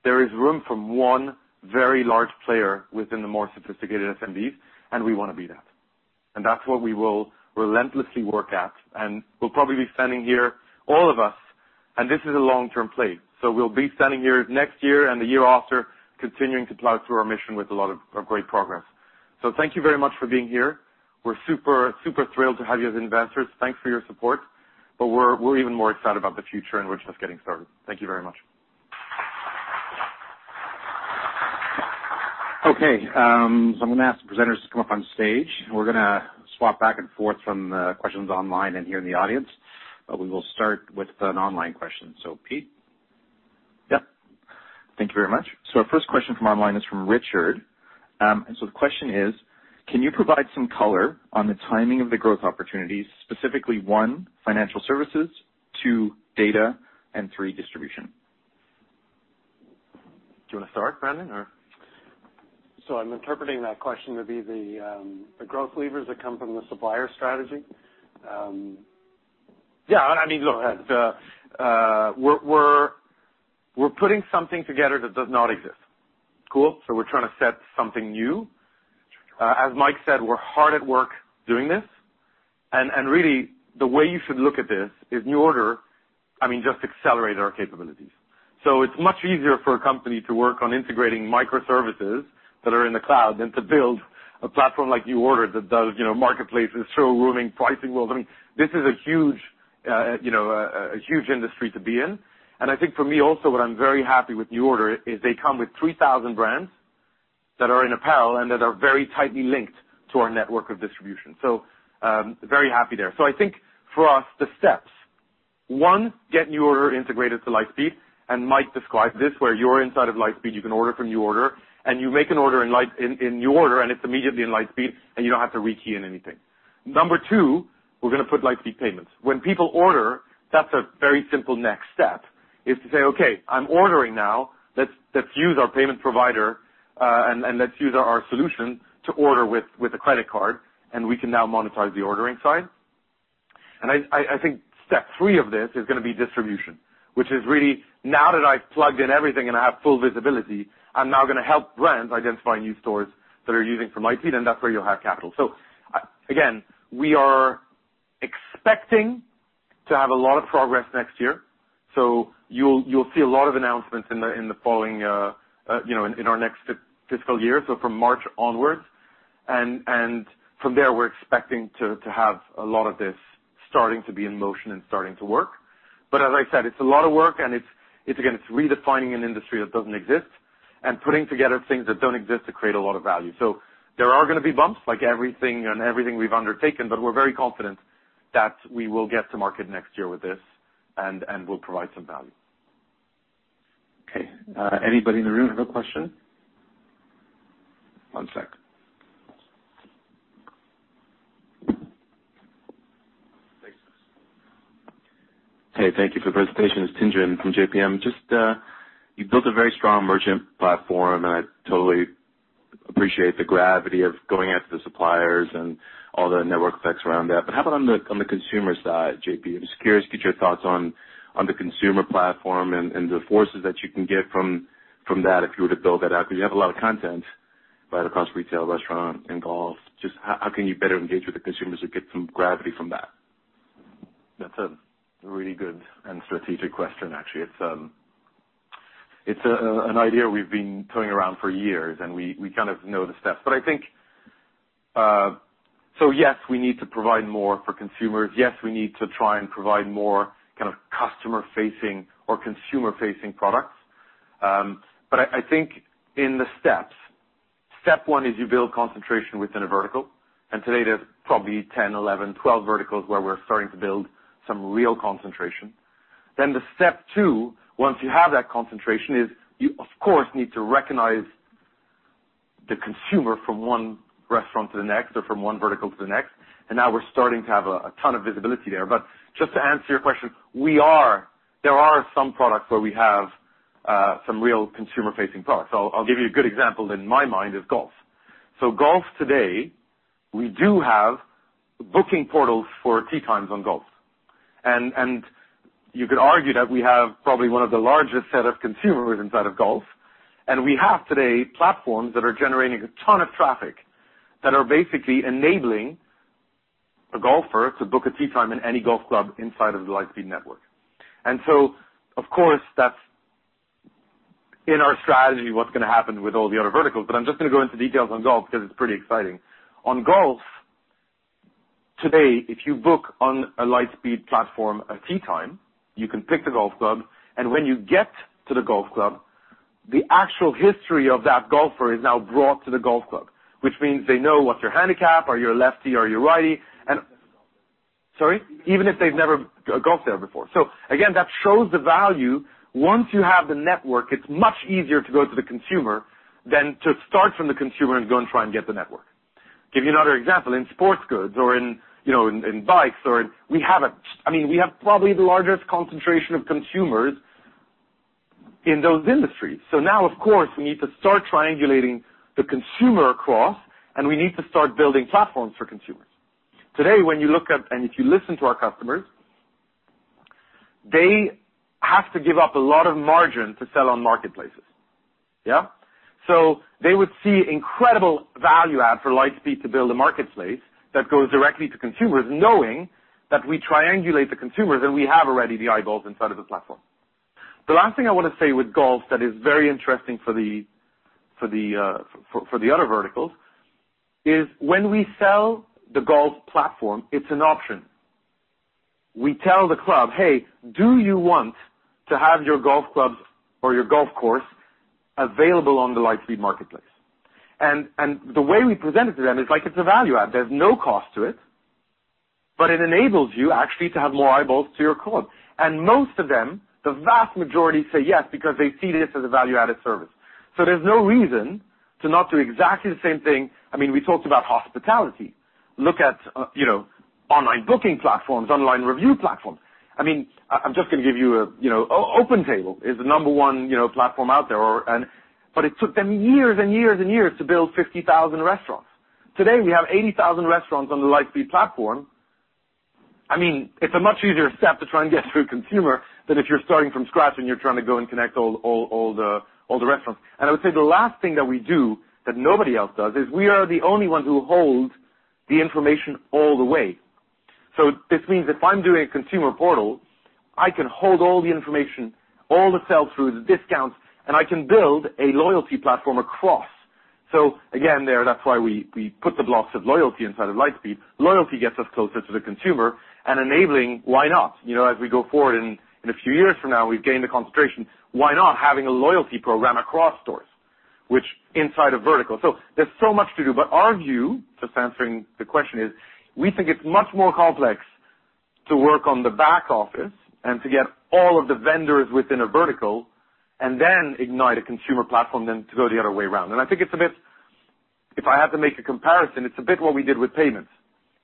there is room for one very large player within the more sophisticated SMBs, and we wanna be that. That's what we will relentlessly work at, and we'll probably be standing here, all of us, and this is a long-term play. We'll be standing here next year and the year after, continuing to plow through our mission with a lot of great progress. Thank you very much for being here. We're super thrilled to have you as investors. Thanks for your support, but we're even more excited about the future, and we're just getting started. Thank you very much. Okay. I'm gonna ask the presenters to come up on stage. We're gonna swap back and forth from the questions online and here in the audience, but we will start with an online question. Pete? Yep. Thank you very much. Our first question from online is from Richard. The question is: Can you provide some color on the timing of the growth opportunities, specifically, one, financial services, two, data, and three, distribution? Do you wanna start, Brandon, or? I'm interpreting that question to be the growth levers that come from the supplier strategy. Yeah. I mean, look, we're putting something together that does not exist. Cool? We're trying to set something new. As Mike said, we're hard at work doing this. Really, the way you should look at this is NuORDER, I mean, just accelerated our capabilities. It's much easier for a company to work on integrating microservices that are in the cloud than to build a platform like NuORDER that does, you know, marketplaces, showrooming, pricing world. I mean, this is a huge, you know, a huge industry to be in. I think for me also, what I'm very happy with NuORDER is they come with 3,000 brands that are in apparel and that are very tightly linked to our network of distribution. Very happy there. I think for us, the steps, one, get NuORDER integrated to Lightspeed, and Mike described this, where you're inside of Lightspeed, you can order from NuORDER, and you make an order in NuORDER, and it's immediately in Lightspeed, and you don't have to rekey in anything. Number two, we're gonna put Lightspeed Payments. When people order, that's a very simple next step, is to say, "Okay, I'm ordering now. Let's use our payment provider, and let's use our solution to order with a credit card, and we can now monetize the ordering side." I think step three of this is gonna be distribution, which is really now that I've plugged in everything and I have full visibility, I'm now gonna help brands identify new stores that are using from Lightspeed, and that's where you'll have capital. Again, we are expecting to have a lot of progress next year. You'll see a lot of announcements in the following, you know, in our next fiscal year, so from March onwards. From there, we're expecting to have a lot of this starting to be in motion and starting to work. As I said, it's a lot of work, and it's again redefining an industry that doesn't exist and putting together things that don't exist to create a lot of value. There are gonna be bumps, like everything, on everything we've undertaken, but we're very confident that we will get to market next year with this and we'll provide some value. Okay. Anybody in the room have a question? One sec. Hey, thank you for the presentation. It's Tien-tsin Huang from JPM. Just you built a very strong merchant platform, and I totally appreciate the gravity of going after the suppliers and all the network effects around that. How about on the consumer side, JP? I'm just curious to get your thoughts on the consumer platform and the forces that you can get from that if you were to build that out. 'Cause you have a lot of content right across retail, restaurant, and golf. Just how can you better engage with the consumers to get some gravity from that? That's a really good and strategic question, actually. It's an idea we've been toying around for years, and we kind of know the steps. I think, yes, we need to provide more for consumers. Yes, we need to try and provide more kind of customer-facing or consumer-facing products. I think in the steps, step one is you build concentration within a vertical. Today, there's probably 10, 11, 12 verticals where we're starting to build some real concentration. The step two, once you have that concentration, is you, of course, need to recognize the consumer from one restaurant to the next or from one vertical to the next. Now we're starting to have a ton of visibility there. Just to answer your question, there are some products where we have some real consumer-facing products. I'll give you a good example in my mind is golf. Golf today, we do have booking portals for tee times on golf. You could argue that we have probably one of the largest set of consumers inside of golf. We have today platforms that are generating a ton of traffic that are basically enabling a golfer to book a tee time in any golf club inside of the Lightspeed network. Of course, that's in our strategy, what's gonna happen with all the other verticals, but I'm just gonna go into details on golf 'cause it's pretty exciting. On golf today, if you book on a Lightspeed platform a tee time, you can pick the golf club, and when you get to the golf club, the actual history of that golfer is now brought to the golf club, which means they know what's your handicap? Are you a lefty? Are you a righty? Even if they've never golfed there before. Sorry? Even if they've never golfed there before. Again, that shows the value. Once you have the network, it's much easier to go to the consumer than to start from the consumer and go and try and get the network. Give you another example, in sports goods or in bikes. I mean, we have probably the largest concentration of consumers in those industries. Now, of course, we need to start triangulating the consumer across, and we need to start building platforms for consumers. Today, when you look at, and if you listen to our customers, they have to give up a lot of margin to sell on marketplaces. Yeah? They would see incredible value add for Lightspeed to build a marketplace that goes directly to consumers, knowing that we triangulate the consumers, and we have already the eyeballs inside of the platform. The last thing I wanna say with golf that is very interesting for the other verticals is when we sell the golf platform, it's an option. We tell the club, "Hey, do you want to have your golf clubs or your golf course available on the Lightspeed marketplace?" The way we present it to them is like it's a value add. There's no cost to it, but it enables you actually to have more eyeballs to your club. Most of them, the vast majority say yes because they see this as a value-added service. There's no reason to not do exactly the same thing. I mean, we talked about hospitality. Look at, you know, online booking platforms, online review platforms. I mean, I'm just gonna give you a, you know. OpenTable is the number one, you know, platform out there or, and. It took them years and years and years to build 50,000 restaurants. Today, we have 80,000 restaurants on the Lightspeed platform. I mean, it's a much easier step to try and get to consumer than if you're starting from scratch and you're trying to go and connect all the restaurants. I would say the last thing that we do that nobody else does is we are the only one who holds the information all the way. This means if I'm doing a consumer portal, I can hold all the information, all the sell-throughs, the discounts, and I can build a loyalty platform across. Again, there, that's why we put the blocks of loyalty inside of Lightspeed. Loyalty gets us closer to the consumer and enabling, why not? You know, as we go forward in a few years from now, we've gained the concentration. Why not having a loyalty program across stores, which inside a vertical? There's so much to do. Our view, just answering the question, is we think it's much more complex to work on the back office and to get all of the vendors within a vertical and then ignite a consumer platform than to go the other way around. I think it's a bit. If I had to make a comparison, it's a bit what we did with payments.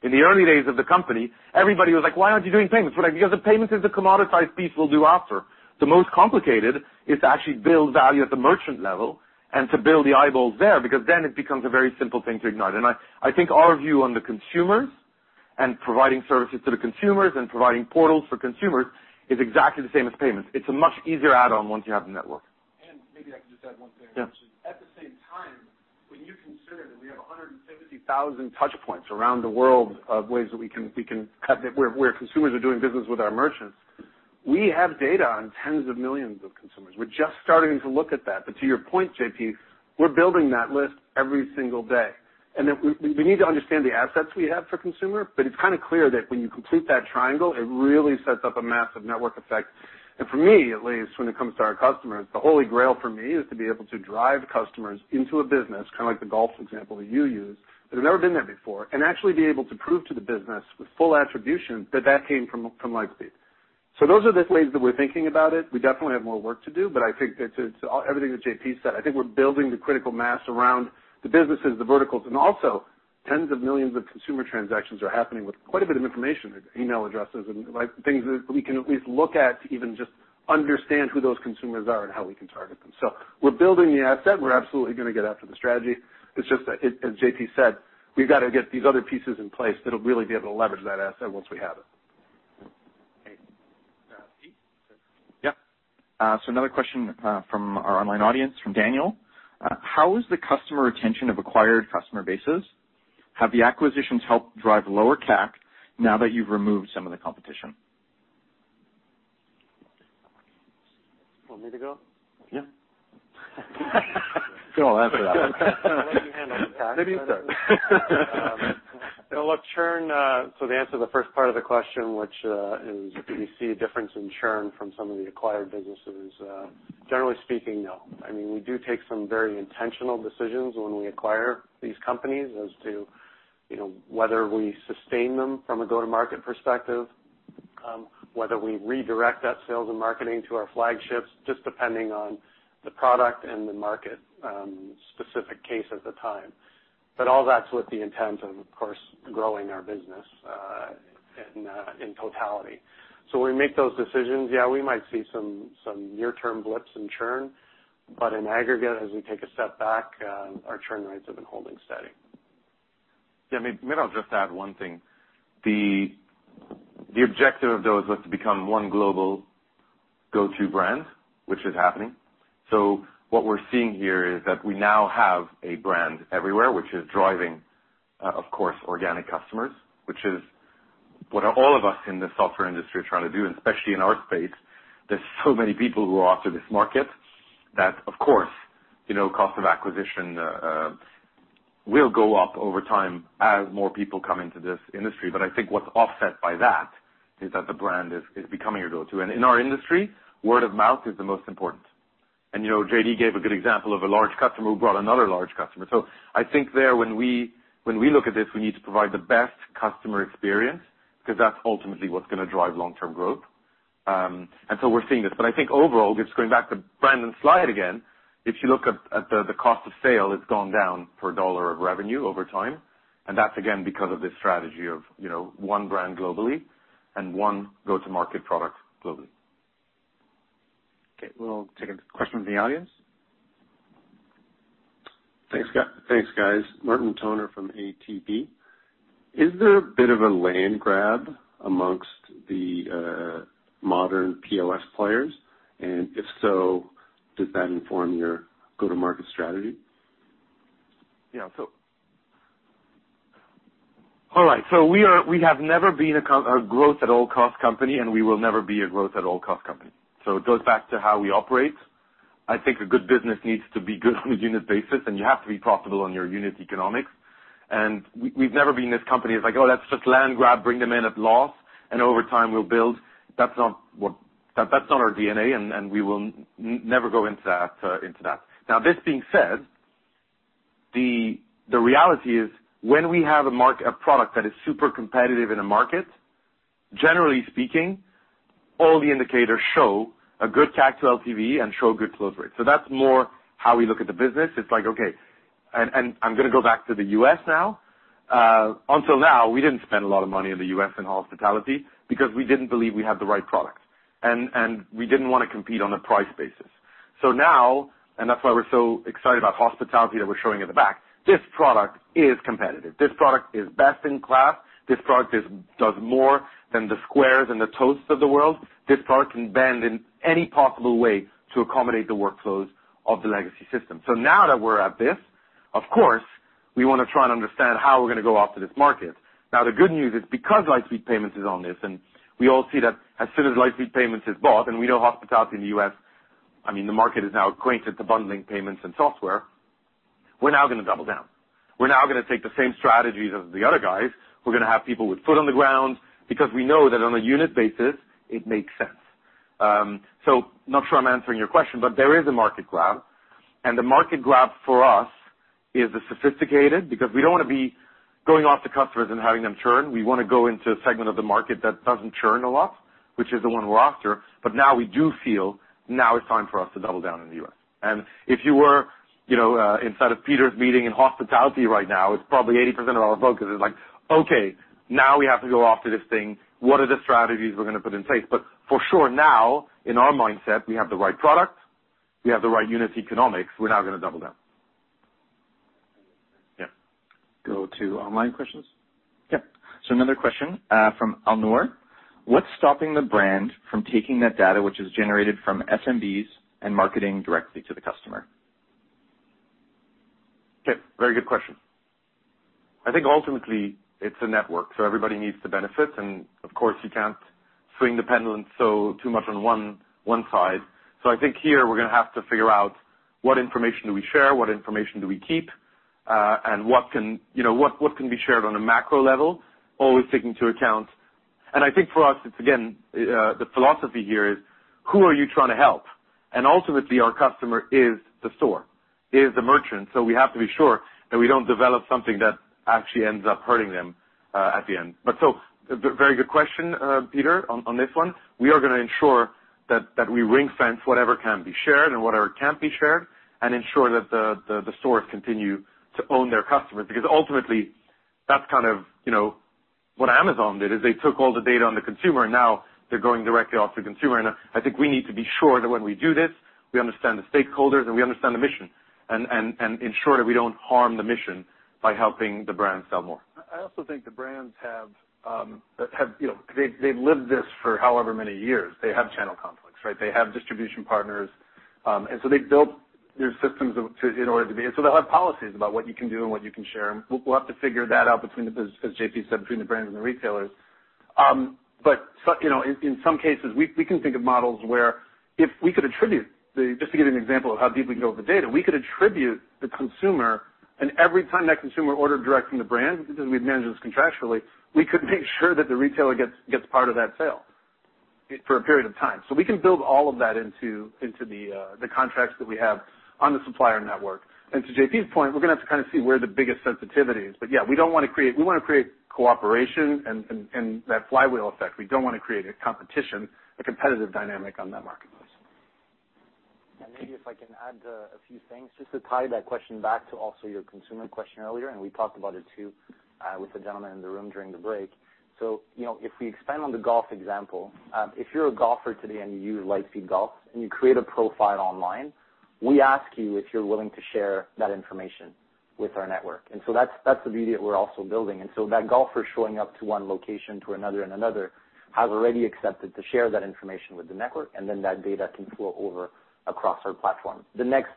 In the early days of the company, everybody was like, "Why aren't you doing payments?" We're like, "Yeah, the payments is the commoditized piece we'll do after." The most complicated is to actually build value at the merchant level and to build the eyeballs there because then it becomes a very simple thing to ignite. I think our view on the consumers and providing services to the consumers and providing portals for consumers is exactly the same as payments. It's a much easier add-on once you have the network. Maybe I can just add one thing. Yeah. Which is, at the same time, when you consider that we have 170,000 touchpoints around the world of ways that we can where consumers are doing business with our merchants. We have data on tens of millions of consumers. We're just starting to look at that. To your point, JP, we're building that list every single day. We need to understand the assets we have for consumer, but it's kind of clear that when you complete thattriangle, it really sets up a massive network effect. For me at least, when it comes to our customers, the holy grail for me is to be able to drive customers into a business, kind of like the golf example you use, that have never been there before, and actually be able to prove to the business with full attribution that that came from Lightspeed. Those are the ways that we're thinking about it. We definitely have more work to do, but I think it's everything that JP said. I think we're building the critical mass around the businesses, the verticals, and also tens of millions of consumer transactions are happening with quite a bit of information, email addresses and like things that we can at least look at to even just understand who those consumers are and how we can target them. We're building the asset. We're absolutely gonna get after the strategy. It's just that, as JP said, we've got to get these other pieces in place that'll really be able to leverage that asset once we have it. Okay. Pete? Yep. Another question from our online audience, from Daniel. How is the customer retention of acquired customer bases? Have the acquisitions helped drive lower CAC now that you've removed some of the competition? Want me to go? Yeah. Go answer that. I'll let you handle the CAC. Maybe you start. Look, churn. To answer the first part of the question, which is, do we see a difference in churn from some of the acquired businesses? Generally speaking, no. I mean, we do take some very intentional decisions when we acquire these companies as to, you know, whether we sustain them from a go-to-market perspective, whether we redirect that sales and marketing to our flagships, just depending on the product and the market, specific case at the time. All that's with the intent of course growing our business in totality. When we make those decisions, yeah, we might see some near-term blips in churn, but in aggregate, as we take a step back, our churn rates have been holding steady. Yeah. Maybe I'll just add one thing. The objective of those was to become one global go-to brand, which is happening. What we're seeing here is that we now have a brand everywhere, which is driving, of course, organic customers, which is what all of us in the software industry are trying to do, and especially in our space. There's so many people who are after this market that of course, you know, cost of acquisition will go up over time as more people come into this industry. I think what's offset by that is that the brand is becoming a go-to. In our industry, word of mouth is the most important. You know, JD gave a good example of a large customer who brought another large customer. I think when we look at this, we need to provide the best customer experience because that's ultimately what's gonna drive long-term growth. We're seeing this. I think overall, just going back to Brandon's slide again, if you look at the cost of sale, it's gone down for a dollar of revenue over time. That's again because of this strategy of, you know, one brand globally and one go-to market product globally. Okay, we'll take a question from the audience. Thanks, guys. Martin Toner from ATB. Is there a bit of a land grab amongst the modern POS players? If so, does that inform your go-to-market strategy? We have never been a growth at all cost company, and we will never be a growth at all cost company. It goes back to how we operate. I think a good business needs to be good on a unit basis, and you have to be profitable on your unit economics. We've never been this company that's like, oh, let's just land grab, bring them in at loss, and over time we'll build. That's not our DNA, and we will never go into that. Now this being said, the reality is when we have a product that is super competitive in a market, generally speaking, all the indicators show a good CAC to LTV and show good close rates. That's more how we look at the business. It's like, okay, I'm gonna go back to the U.S. now. Until now, we didn't spend a lot of money in the U.S. in hospitality because we didn't believe we had the right products and we didn't wanna compete on a price basis. Now that's why we're so excited about hospitality that we're showing in the back, this product is competitive. This product is best in class. This product is, does more than the Square and the Toast of the world. This product can bend in any possible way to accommodate the workflows of the legacy system. Now that we're at this, of course, we wanna try and understand how we're gonna go after this market. Now, the good news is because Lightspeed Payments is on this, and we all see that as soon as Lightspeed Payments is bought, and we know hospitality in the U.S., I mean, the market is now acquainted to bundling payments and software, we're now gonna double down. We're now gonna take the same strategies as the other guys. We're gonna have people with foot on the ground because we know that on a unit basis, it makes sense. So not sure I'm answering your question, but there is a market grab, and the market grab for us is the sophisticated because we don't wanna be going after customers and having them churn. We wanna go into a segment of the market that doesn't churn a lot, which is the one we're after. Now we do feel now it's time for us to double down in the U.S. If you were, you know, inside of Peter's meeting in hospitality right now, it's probably 80% of our focus is like, okay, now we have to go after this thing. What are the strategies we're gonna put in place? For sure, now in our mindset, we have the right product, we have the right unit economics, we're now gonna double down. Yeah. Go to online questions. Yeah. Another question from Anmol. What's stopping the brand from taking that data, which is generated from SMBs, and marketing directly to the customer? Okay. Very good question. I think ultimately it's a network, so everybody needs to benefit. Of course, you can't swing the pendulum so too much on one side. I think here we're gonna have to figure out what information do we share, what information do we keep, and what can be shared on a macro level, always taking into account. I think for us, it's again the philosophy here is who are you trying to help? Ultimately, our customer is the store, is the merchant. We have to be sure that we don't develop something that actually ends up hurting them at the end. Very good question, Peter, on this one. We are gonna ensure that we ring-fence whatever can be shared and whatever can't be shared and ensure that the stores continue to own their customers. Because ultimately, that's kind of, you know, what Amazon did, is they took all the data on the consumer, and now they're going directly off the consumer. I think we need to be sure that when we do this, we understand the stakeholders and we understand the mission and ensure that we don't harm the mission by helping the brand sell more. I also think the brands have, you know, they've lived this for however many years. They have channel conflicts, right? They have distribution partners, and so they've built their systems in order to be. They'll have policies about what you can do and what you can share, and we'll have to figure that out between, as JP said, the brands and the retailers. You know, in some cases, we can think of models where if we could attribute the consumer. Just to give you an example of how deep we can go with the data, we could attribute the consumer, and every time that consumer ordered direct from the brand, because we've managed this contractually, we could make sure that the retailer gets part of that sale for a period of time. We can build all of that into the contracts that we have on the supplier network. To JP's point, we're gonna have to kind of see where the biggest sensitivity is. Yeah, we don't wanna create. We wanna create cooperation and that flywheel effect. We don't wanna create a competition, a competitive dynamic on that marketplace. Maybe if I can add a few things, just to tie that question back to also your consumer question earlier, and we talked about it too, with the gentleman in the room during the break. You know, if we expand on the golf example, if you're a golfer today and you use Lightspeed Golf and you create a profile online, we ask you if you're willing to share that information with our network. That's the beauty that we're also building. That golfer showing up to one location to another and another has already accepted to share that information with the network, and then that data can flow over across our platform. The next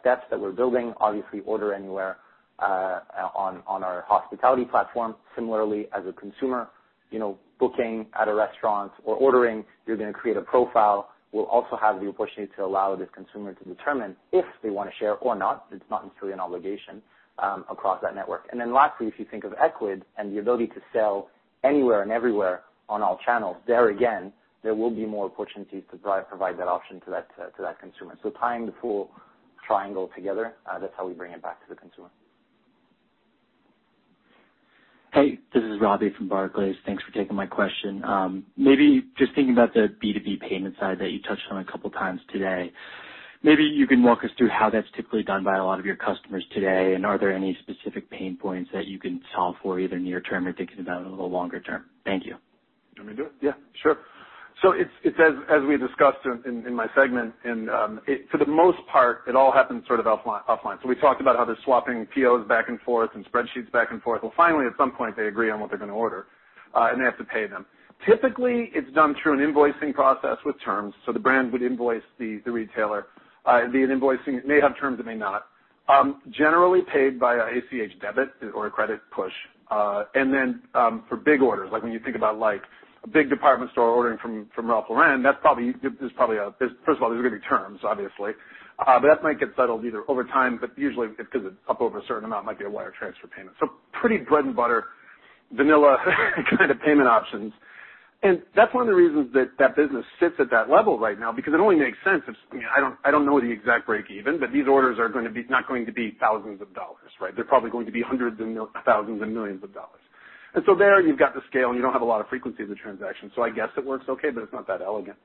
steps that we're building, obviously Order Anywhere, on our hospitality platform. Similarly, as a consumer, you know, booking at a restaurant or ordering, you're gonna create a profile. We'll also have the opportunity to allow this consumer to determine if they wanna share or not, it's not necessarily an obligation across that network. Then lastly, if you think of Ecwid and the ability to sell anywhere and everywhere on all channels, there again, there will be more opportunities to provide that option to that consumer. Tying the full triangle together, that's how we bring it back to the consumer. Hey, this is Robbie from Barclays. Thanks for taking my question. Maybe just thinking about the B2B payment side that you touched on a couple times today, maybe you can walk us through how that's typically done by a lot of your customers today, and are there any specific pain points that you can solve for either near term or thinking about a little longer term? Thank you. You want me to do it? Yeah, sure. It's as we discussed in my segment, and it for the most part all happens sort of offline. We talked about how they're swapping POs back and forth and spreadsheets back and forth. Well, finally, at some point they agree on what they're gonna order, and they have to pay them. Typically, it's done through an invoicing process with terms. The brand would invoice the retailer. Via an invoicing, it may have terms, it may not. Generally paid by ACH debit or a credit push. For big orders, like when you think about a big department store ordering from Ralph Lauren, first of all, there's gonna be terms, obviously. That might get settled either over time, but usually if it's up over a certain amount, it might be a wire transfer payment. Pretty bread and butter, vanilla kind of payment options. That's one of the reasons that that business sits at that level right now, because it only makes sense if I don't know the exact breakeven, but these orders are gonna be not going to be thousands of dollars, right? They're probably going to be hundreds and thousands and millions of dollars. There you've got the scale, and you don't have a lot of frequency of the transaction. I guess it works okay, but it's not that elegant.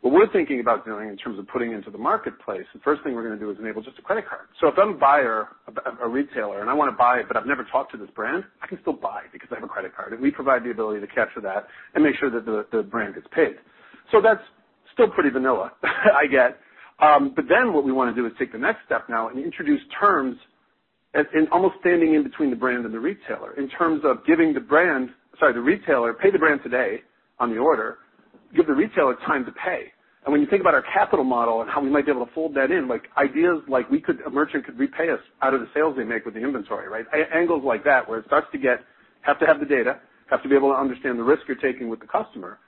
What we're thinking about doing in terms of putting into the marketplace, the first thing we're gonna do is enable just a credit card. If I'm a buyer, a retailer, and I wanna buy it, but I've never talked to this brand, I can still buy because I have a credit card, and we provide the ability to capture that and make sure that the brand gets paid. That's still pretty vanilla, I get. But then what we wanna do is take the next step now and introduce terms and almost standing in between the brand and the retailer in terms of giving the brand, sorry, the retailer, pay the brand today on the order, give the retailer time to pay. When you think about our capital model and how we might be able to fold that in, like ideas like a merchant could repay us out of the sales they make with the inventory, right? Angles like that, where it starts to get, have the data, have to be able to understand the risk you're taking with the customer.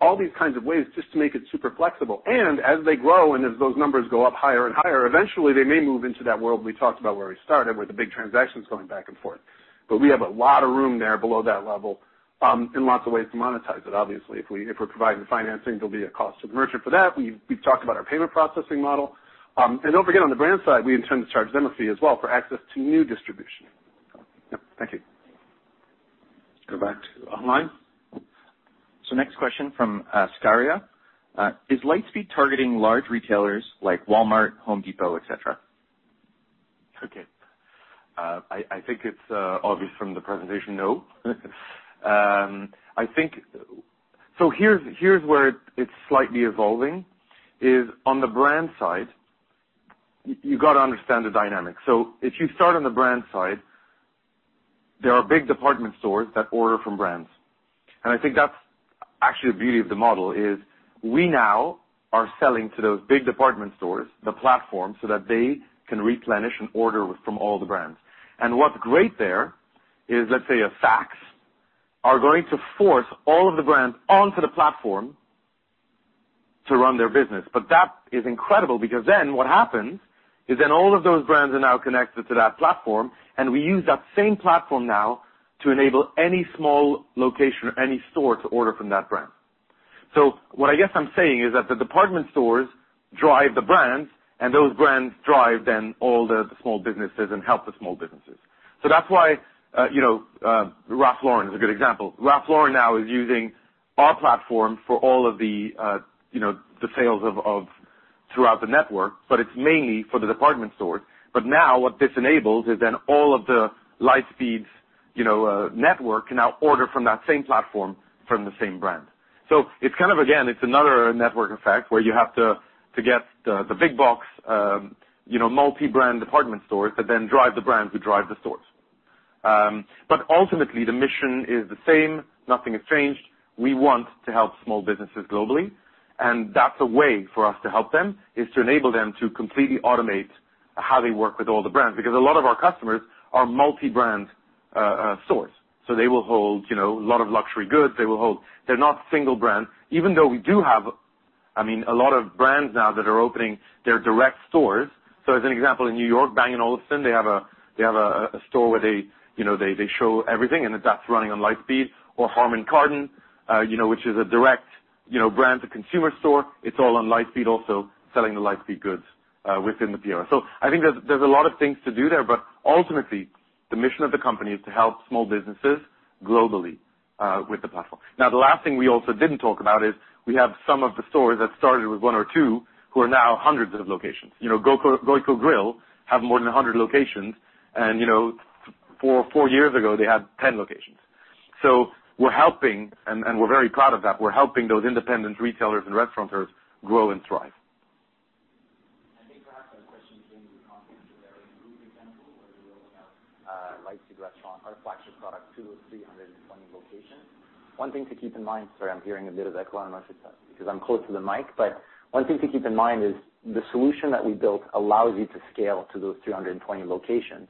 All these kinds of ways just to make it super flexible. As they grow and as those numbers go up higher and higher, eventually they may move into that world we talked about where we started, with the big transactions going back and forth. We have a lot of room there below that level, and lots of ways to monetize it, obviously. If we're providing financing, there'll be a cost to the merchant for that. We've talked about our payment processing model. Don't forget on the brand side, we intend to charge them a fee as well for access to new distribution. Yeah. Thank you. Go back to online. Next question from Scaria. Is Lightspeed targeting large retailers like Walmart, Home Depot, et cetera? I think it's obvious from the presentation. Here's where it's slightly evolving, on the brand side. You gotta understand the dynamics. If you start on the brand side, there are big department stores that order from brands. I think that's actually the beauty of the model, is we now are selling to those big department stores, the platform, so that they can replenish and order from all the brands. What's great there is, let's say, Saks is going to force all of the brands onto the platform to run their business. That is incredible because what happens is all of those brands are now connected to that platform, and we use that same platform now to enable any small location or any store to order from that brand. What I guess I'm saying is that the department stores drive the brands and those brands drive all of the small businesses and help the small businesses. That's why, you know, Ralph Lauren is a good example. Ralph Lauren now is using our platform for all of the sales of throughout the network, but it's mainly for the department stores. Now what this enables is all of the Lightspeed's network can now order from that same platform from the same brand. It's kind of again, it's another network effect where you have to get the big box multi-brand department stores that then drive the brands who drive the stores. Ultimately, the mission is the same. Nothing has changed. We want to help small businesses globally, and that's a way for us to help them, is to enable them to completely automate how they work with all the brands. Because a lot of our customers are multi-brand stores. They will hold, you know, a lot of luxury goods. They're not single brand. Even though we do have, I mean, a lot of brands now that are opening their direct stores. As an example, in New York, Bang & Olufsen, they have a store where they show everything, and that's running on Lightspeed. Or Harman Kardon, you know, which is a direct brand to consumer store. It's all on Lightspeed, also selling the Lightspeed goods within the POS. I think there's a lot of things to do there. Ultimately, the mission of the company is to help small businesses globally with the platform. Now, the last thing we also didn't talk about is we have some of the stores that started with 1 or 2 who are now hundreds of locations. You know, Goiko Grill has more than 100 locations. You know, 4 years ago, they had 10 locations. We're helping, and we're very proud of that. We're helping those independent retailers and restaurateurs grow and thrive. I think perhaps that question came from the confidence that they're a proven example where they're rolling out Lightspeed Restaurant, our flagship product to those 320 locations. One thing to keep in mind, sorry, I'm hearing a bit of echo on my setup because I'm close to the mic, but one thing to keep in mind is the solution that we built allows you to scale to those 320 locations,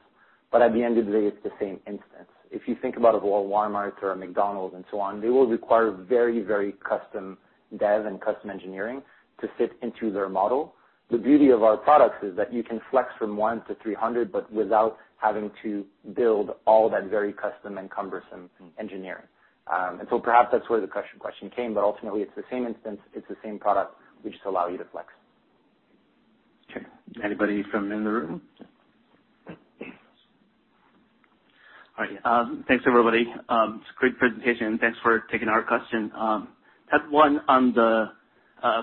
but at the end of the day, it's the same instance. If you think about a Walmart or a McDonald's and so on, they will require very, very custom dev and custom engineering to fit into their model. The beauty of our products is that you can flex from one to 300, but without having to build all that very custom and cumbersome engineering. Perhaps that's where the question came, but ultimately it's the same instance, it's the same product. We just allow you to flex. Sure. Anybody from in the room? All right. Thanks everybody. It's a great presentation. Thanks for taking our question. I have one on the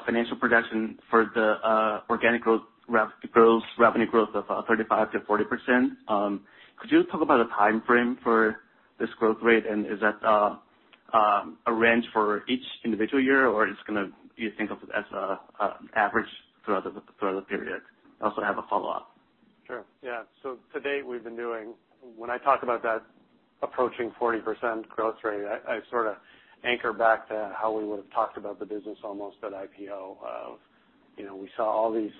financial projection for the organic growth, rev growth, revenue growth of 35%-40%. Could you talk about the timeframe for this growth rate? Is that a range for each individual year, or do you think of it as an average throughout the period? I also have a follow up. Sure, yeah. To date, we've been doing. When I talk about that approaching 40% growth rate, I sorta anchor back to how we would've talked about the business almost at IPO, you know, we saw all these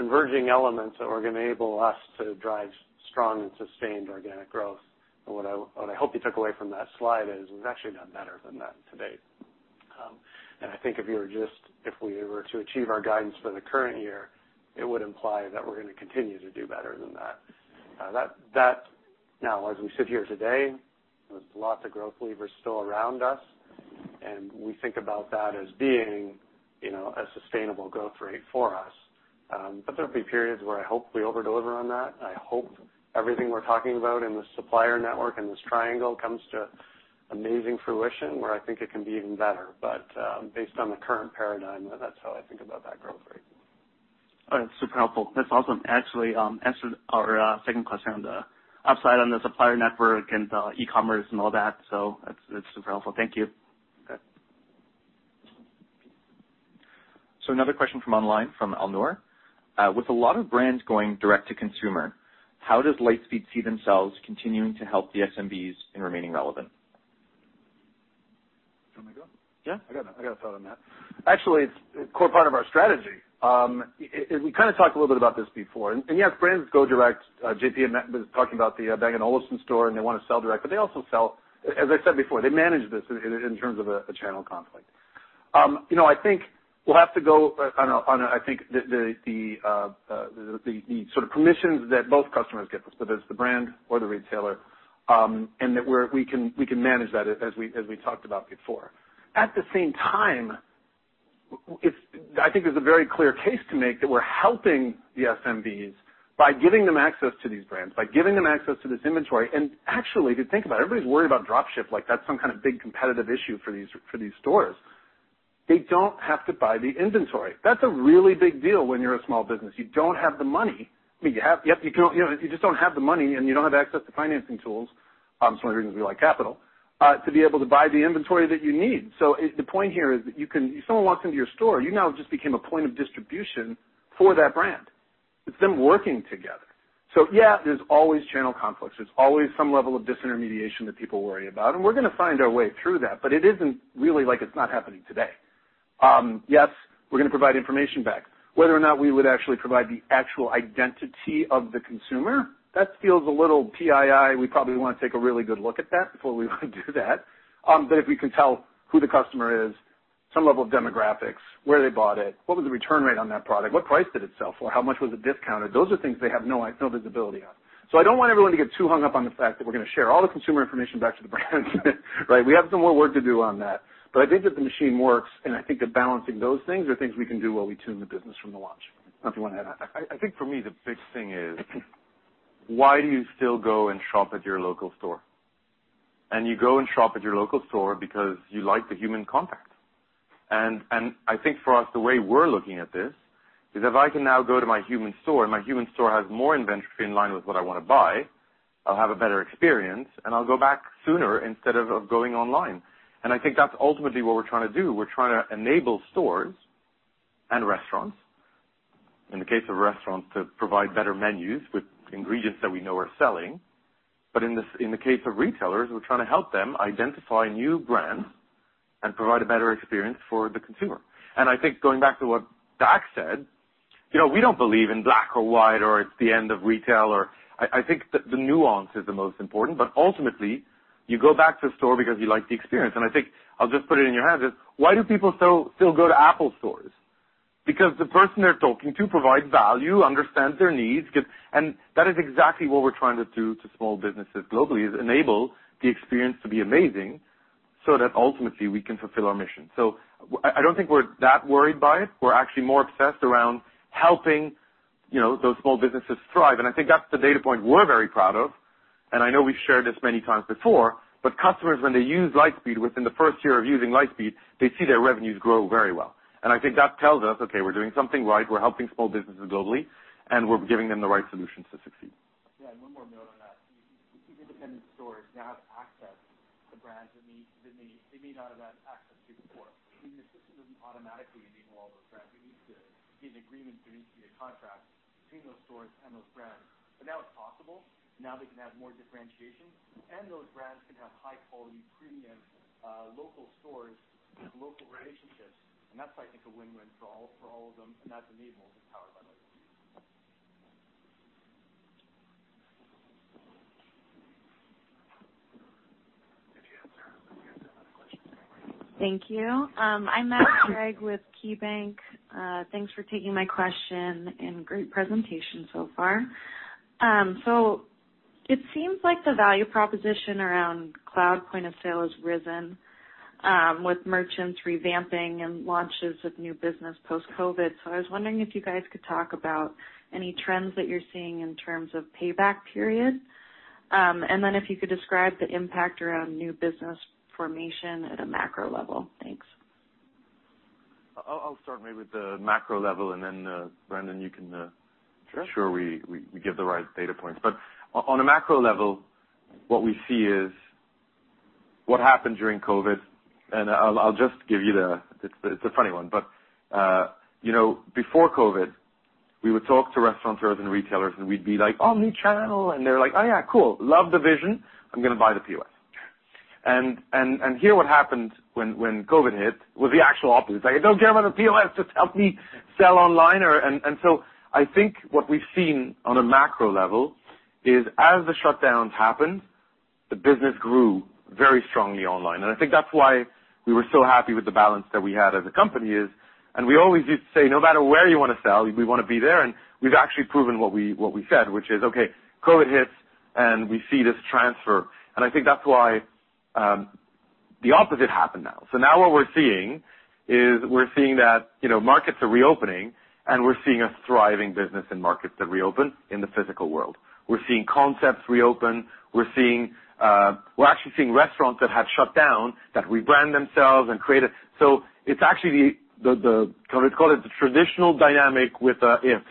converging elements that were gonna enable us to drive strong and sustained organic growth. What I hope you took away from that slide is we've actually done better than that to date. I think if we were to achieve our guidance for the current year, it would imply that we're gonna continue to do better than that. That now as we sit here today, there's lots of growth levers still around us, and we think about that as being, you know, a sustainable growth rate for us. There'll be periods where I hope we over deliver on that. I hope everything we're talking about in the supplier network and this triangle comes to amazing fruition where I think it can be even better. Based on the current paradigm, that's how I think about that growth rate. Oh, that's super helpful. That's awesome. Actually, answered our second question on the upside on the supplier network and e-commerce and all that. That's super helpful. Thank you. Okay. Another question from online from Alnor. With a lot of brands going direct to consumer, how does Lightspeed see themselves continuing to help the SMBs in remaining relevant? You want me to go? Yeah. I got a thought on that. Actually, it's a core part of our strategy. We kinda talked a little bit about this before. Yes, brands go direct. JP and Matt was talking about the Bang & Olufsen store, and they wanna sell direct, but they also sell. As I said before, they manage this in terms of a channel conflict. I think we'll have to go on a. I think the sort of permissions that both customers get, so there's the brand or the retailer, and that we can manage that as we talked about before. At the same time, I think there's a very clear case to make that we're helping the SMBs by giving them access to these brands, by giving them access to this inventory. Actually, if you think about it, everybody's worried about drop shipping, like that's some kind of big competitive issue for these stores. They don't have to buy the inventory. That's a really big deal when you're a small business. You don't have the money. I mean, you know, if you just don't have the money and you don't have access to financing tools, some of the reasons we like capital to be able to buy the inventory that you need. The point here is that you can if someone walks into your store, you now just became a point of distribution for that brand. It's them working together. Yeah, there's always channel conflicts. There's always some level of disintermediation that people worry about, and we're gonna find our way through that, but it isn't really like it's not happening today. Yes, we're gonna provide information back. Whether or not we would actually provide the actual identity of the consumer, that feels a little PII. We probably wanna take a really good look at that before we wanna do that. If we can tell who the customer is, some level of demographics, where they bought it, what was the return rate on that product, what price did it sell for, how much was it discounted, those are things they have no visibility on. I don't want everyone to get too hung up on the fact that we're gonna share all the consumer information back to the brands. Right? We have some more work to do on that. I think that the machine works, and I think that balancing those things are things we can do while we tune the business from the launch. If you wanna add. I think for me, the big thing is why do you still go and shop at your local store? You go and shop at your local store because you like the human contact. I think for us, the way we're looking at this is if I can now go to my human store, my human store has more inventory in line with what I wanna buy, I'll have a better experience, and I'll go back sooner instead of going online. I think that's ultimately what we're trying to do. We're trying to enable stores and restaurants, in the case of a restaurant, to provide better menus with ingredients that we know are selling. In the case of retailers, we're trying to help them identify new brands and provide a better experience for the consumer. I think going back to what Dax said, you know, we don't believe in black or white or it's the end of retail. I think the nuance is the most important. Ultimately, you go back to the store because you like the experience. I think I'll just put it in your hands is, why do people still go to Apple stores? Because the person they're talking to provides value, understands their needs, gives. That is exactly what we're trying to do to small businesses globally, is enable the experience to be amazing so that ultimately we can fulfill our mission. I don't think we're that worried by it. We're actually more obsessed around helping, you know, those small businesses thrive. I think that's the data point we're very proud of, and I know we've shared this many times before, but customers, when they use Lightspeed, within the first year of using Lightspeed, they see their revenues grow very well. I think that tells us, okay, we're doing something right, we're helping small businesses globally, and we're giving them the right solutions to succeed. Yeah, one more note on that. These independent stores now have access to brands that they may not have had access to before. I mean, the system doesn't automatically enable all those brands. We need to get an agreement. There needs to be a contract between those stores and those brands. But now it's possible. Now they can have more differentiation, and those brands can have high-quality, premium, local stores with local relationships. That's, I think, a win-win for all of them, and that's enabled and powered by Lightspeed. If you have some other questions, sir. Thank you. I'm [Margaret] with KeyBanc. Thanks for taking my question and great presentation so far. It seems like the value proposition around cloud point of sale has risen with merchants revamping and launches of new business post-COVID. I was wondering if you guys could talk about any trends that you're seeing in terms of payback period. Then if you could describe the impact around new business formation at a macro level. Thanks. I'll start maybe with the macro level and then, Brandon, you can Sure. Make sure we give the right data points. On a macro level, what we see is what happened during COVID. I'll just give you the. It's a funny one, but you know, before COVID, we would talk to restaurateurs and retailers, and we'd be like, "omni-channel." They're like, "Oh, yeah, cool. Love the vision. I'm gonna buy the POS." Here's what happened when COVID hit was the actual opposite. Like, I don't care about the POS, just help me sell online or. I think what we've seen on a macro level is as the shutdowns happened, the business grew very strongly online. I think that's why we were so happy with the balance that we had as a company, and we always used to say, no matter where you wanna sell, we wanna be there. We've actually proven what we said, which is, okay, COVID hits and we see this transfer. I think that's why the opposite happened now. Now what we're seeing is we're seeing that, you know, markets are reopening, and we're seeing a thriving business in markets that reopen in the physical world. We're seeing concepts reopen. We're actually seeing restaurants that have shut down that rebrand themselves and create a. It's actually the kind of call it the traditional dynamic with the ifs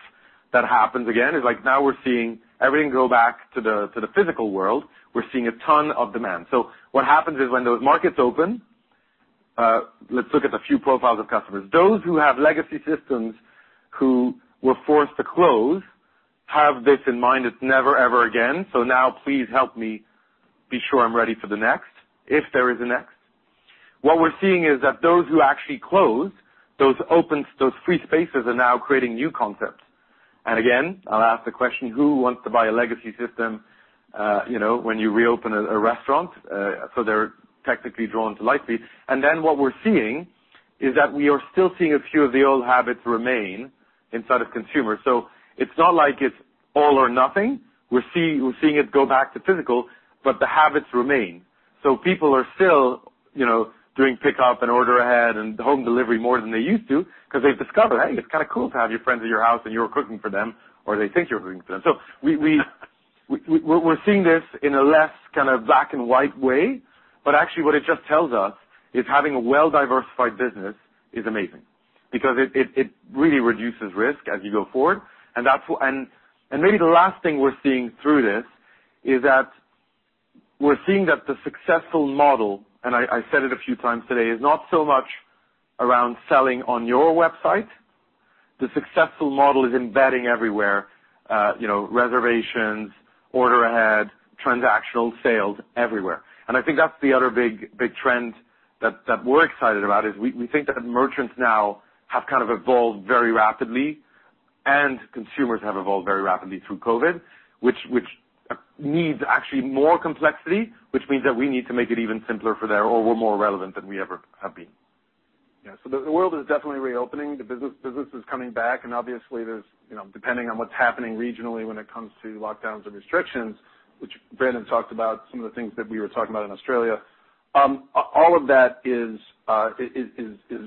that happens again, is like now we're seeing everything go back to the physical world. We're seeing a ton of demand. What happens is when those markets open, let's look at a few profiles of customers. Those who have legacy systems who were forced to close have this in mind, it's never ever again. Now please help me be sure I'm ready for the next, if there is a next. What we're seeing is that those who actually closed, those free spaces are now creating new concepts. Again, I'll ask the question, who wants to buy a legacy system, you know, when you reopen a restaurant? They're technically drawn to Lightspeed. Then what we're seeing is that we are still seeing a few of the old habits remain inside of consumers. It's not like it's all or nothing. We're seeing it go back to physical, but the habits remain. People are still, you know, doing pickup and order ahead and home delivery more than they used to 'cause they've discovered, hey, it's kinda cool to have your friends at your house and you're cooking for them, or they think you're cooking for them. We're seeing this in a less kind of black and white way. Actually what it just tells us is having a well-diversified business is amazing because it really reduces risk as you go forward. Maybe the last thing we're seeing through this is that the successful model, and I said it a few times today, is not so much around selling on your website. The successful model is embedding everywhere, you know, reservations, order ahead, transactional sales everywhere. I think that's the other big trend that we're excited about, is we think that merchants now have kind of evolved very rapidly, and consumers have evolved very rapidly through COVID, which needs actually more complexity, which means that we need to make it even simpler for their overall more relevant than we ever have been. Yeah. The world is definitely reopening, the business is coming back, and obviously, there's, you know, depending on what's happening regionally when it comes to lockdowns and restrictions, which Brandon talked about some of the things that we were talking about in Australia, all of that is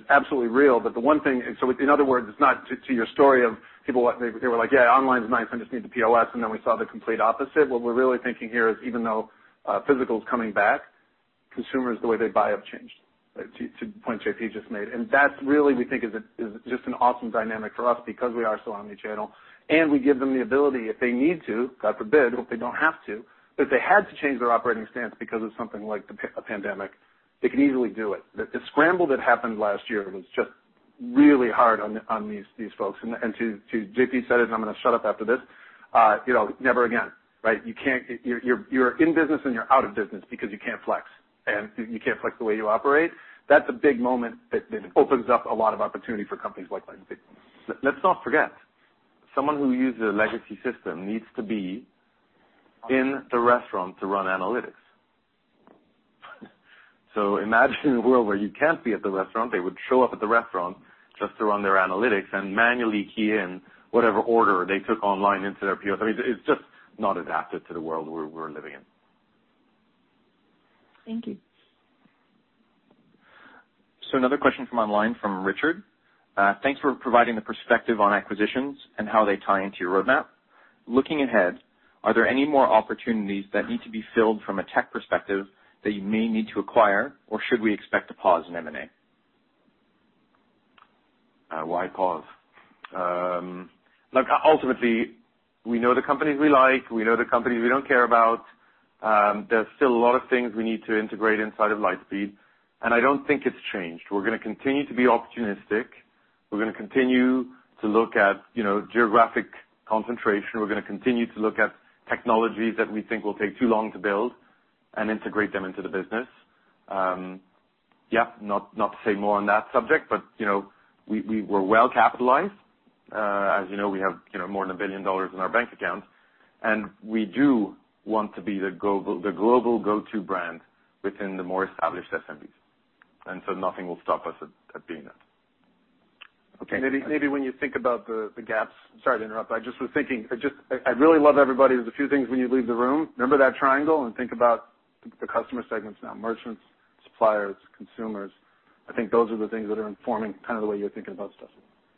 absolutely real. The one thing, in other words, it's not to your story of people were like, "Yeah, online is nice. I just need the POS." Then we saw the complete opposite. What we're really thinking here is, even though physical is coming back, consumers, the way they buy have changed, to the point JP just made. That's really, we think, just an awesome dynamic for us because we are so omni-channel, and we give them the ability, if they need to, God forbid, hope they don't have to. If they had to change their operating stance because of something like a pandemic, they can easily do it. The scramble that happened last year was just really hard on these folks. To JP said it, I'm gonna shut up after this. You know, never again, right? You're in business and you're out of business because you can't flex the way you operate. That's a big moment that opens up a lot of opportunity for companies like Lightspeed. Let's not forget, someone who uses a legacy system needs to be in the restaurant to run analytics. Imagine a world where you can't be at the restaurant, they would show up at the restaurant just to run their analytics and manually key in whatever order they took online into their POS. I mean, it's just not adapted to the world we're living in. Thank you. Another question from online from Richard. Thanks for providing the perspective on acquisitions and how they tie into your roadmap. Looking ahead, are there any more opportunities that need to be filled from a tech perspective that you may need to acquire, or should we expect a pause in M&A? Look, ultimately, we know the companies we like, we know the companies we don't care about. There's still a lot of things we need to integrate inside of Lightspeed, and I don't think it's changed. We're gonna continue to be opportunistic. We're gonna continue to look at, you know, geographic concentration. We're gonna continue to look at technologies that we think will take too long to build and integrate them into the business. Yeah, not to say more on that subject, but, you know, we were well capitalized. As you know, we have, you know, more than $1 billion in our bank account, and we do want to be the global go-to brand within the more established SMBs. Nothing will stop us at being that. Maybe when you think about the gaps. Sorry to interrupt. I just was thinking. I really love everybody. There's a few things when you leave the room. Remember that triangle and think about the customer segments now, merchants, suppliers, consumers. I think those are the things that are informing kind of the way you're thinking about stuff.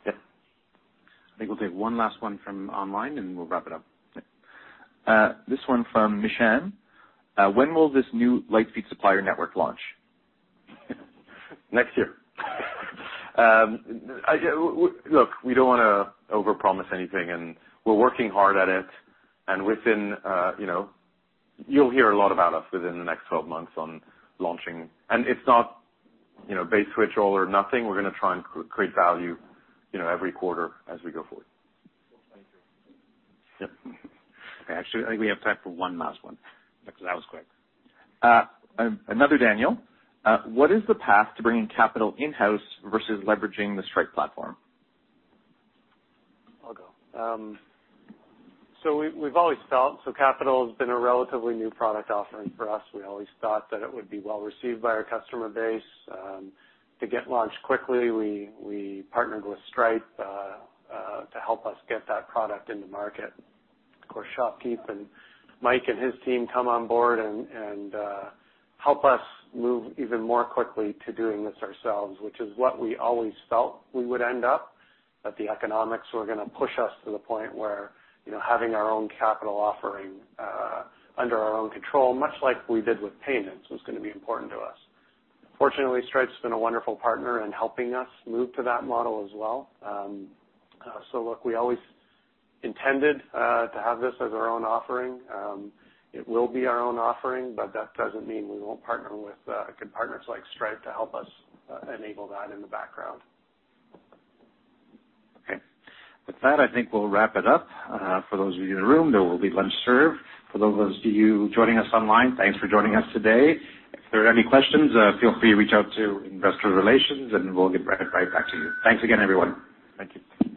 Yeah. I think we'll take one last one from online, and we'll wrap it up. This one from Mishan. When will this new Lightspeed Supplier Network launch? Next year. Look, we don't wanna overpromise anything, and we're working hard at it. You'll hear a lot about us within the next 12 months on launching. It's not base switch all or nothing. We're gonna try and create value every quarter as we go forward. Yep. Okay. Actually, I think we have time for one last one, because that was quick. Another Daniel. What is the path to bringing capital in-house versus leveraging the Stripe platform? I'll go. We've always felt capital has been a relatively new product offering for us. We always thought that it would be well received by our customer base. To get launched quickly, we partnered with Stripe to help us get that product in the market. Of course, ShopKeep and Mike and his team come on board and help us move even more quickly to doing this ourselves, which is what we always felt we would end up, that the economics were gonna push us to the point where, you know, having our own capital offering under our own control, much like we did with payments, was gonna be important to us. Fortunately, Stripe's been a wonderful partner in helping us move to that model as well. Look, we always intended to have this as our own offering. It will be our own offering, but that doesn't mean we won't partner with partners like Stripe to help us enable that in the background. Okay. With that, I think we'll wrap it up. For those of you in the room, there will be lunch served. For those of you joining us online, thanks for joining us today. If there are any questions, feel free to reach out to Investor Relations and we'll get right back to you. Thanks again, everyone. Thank you.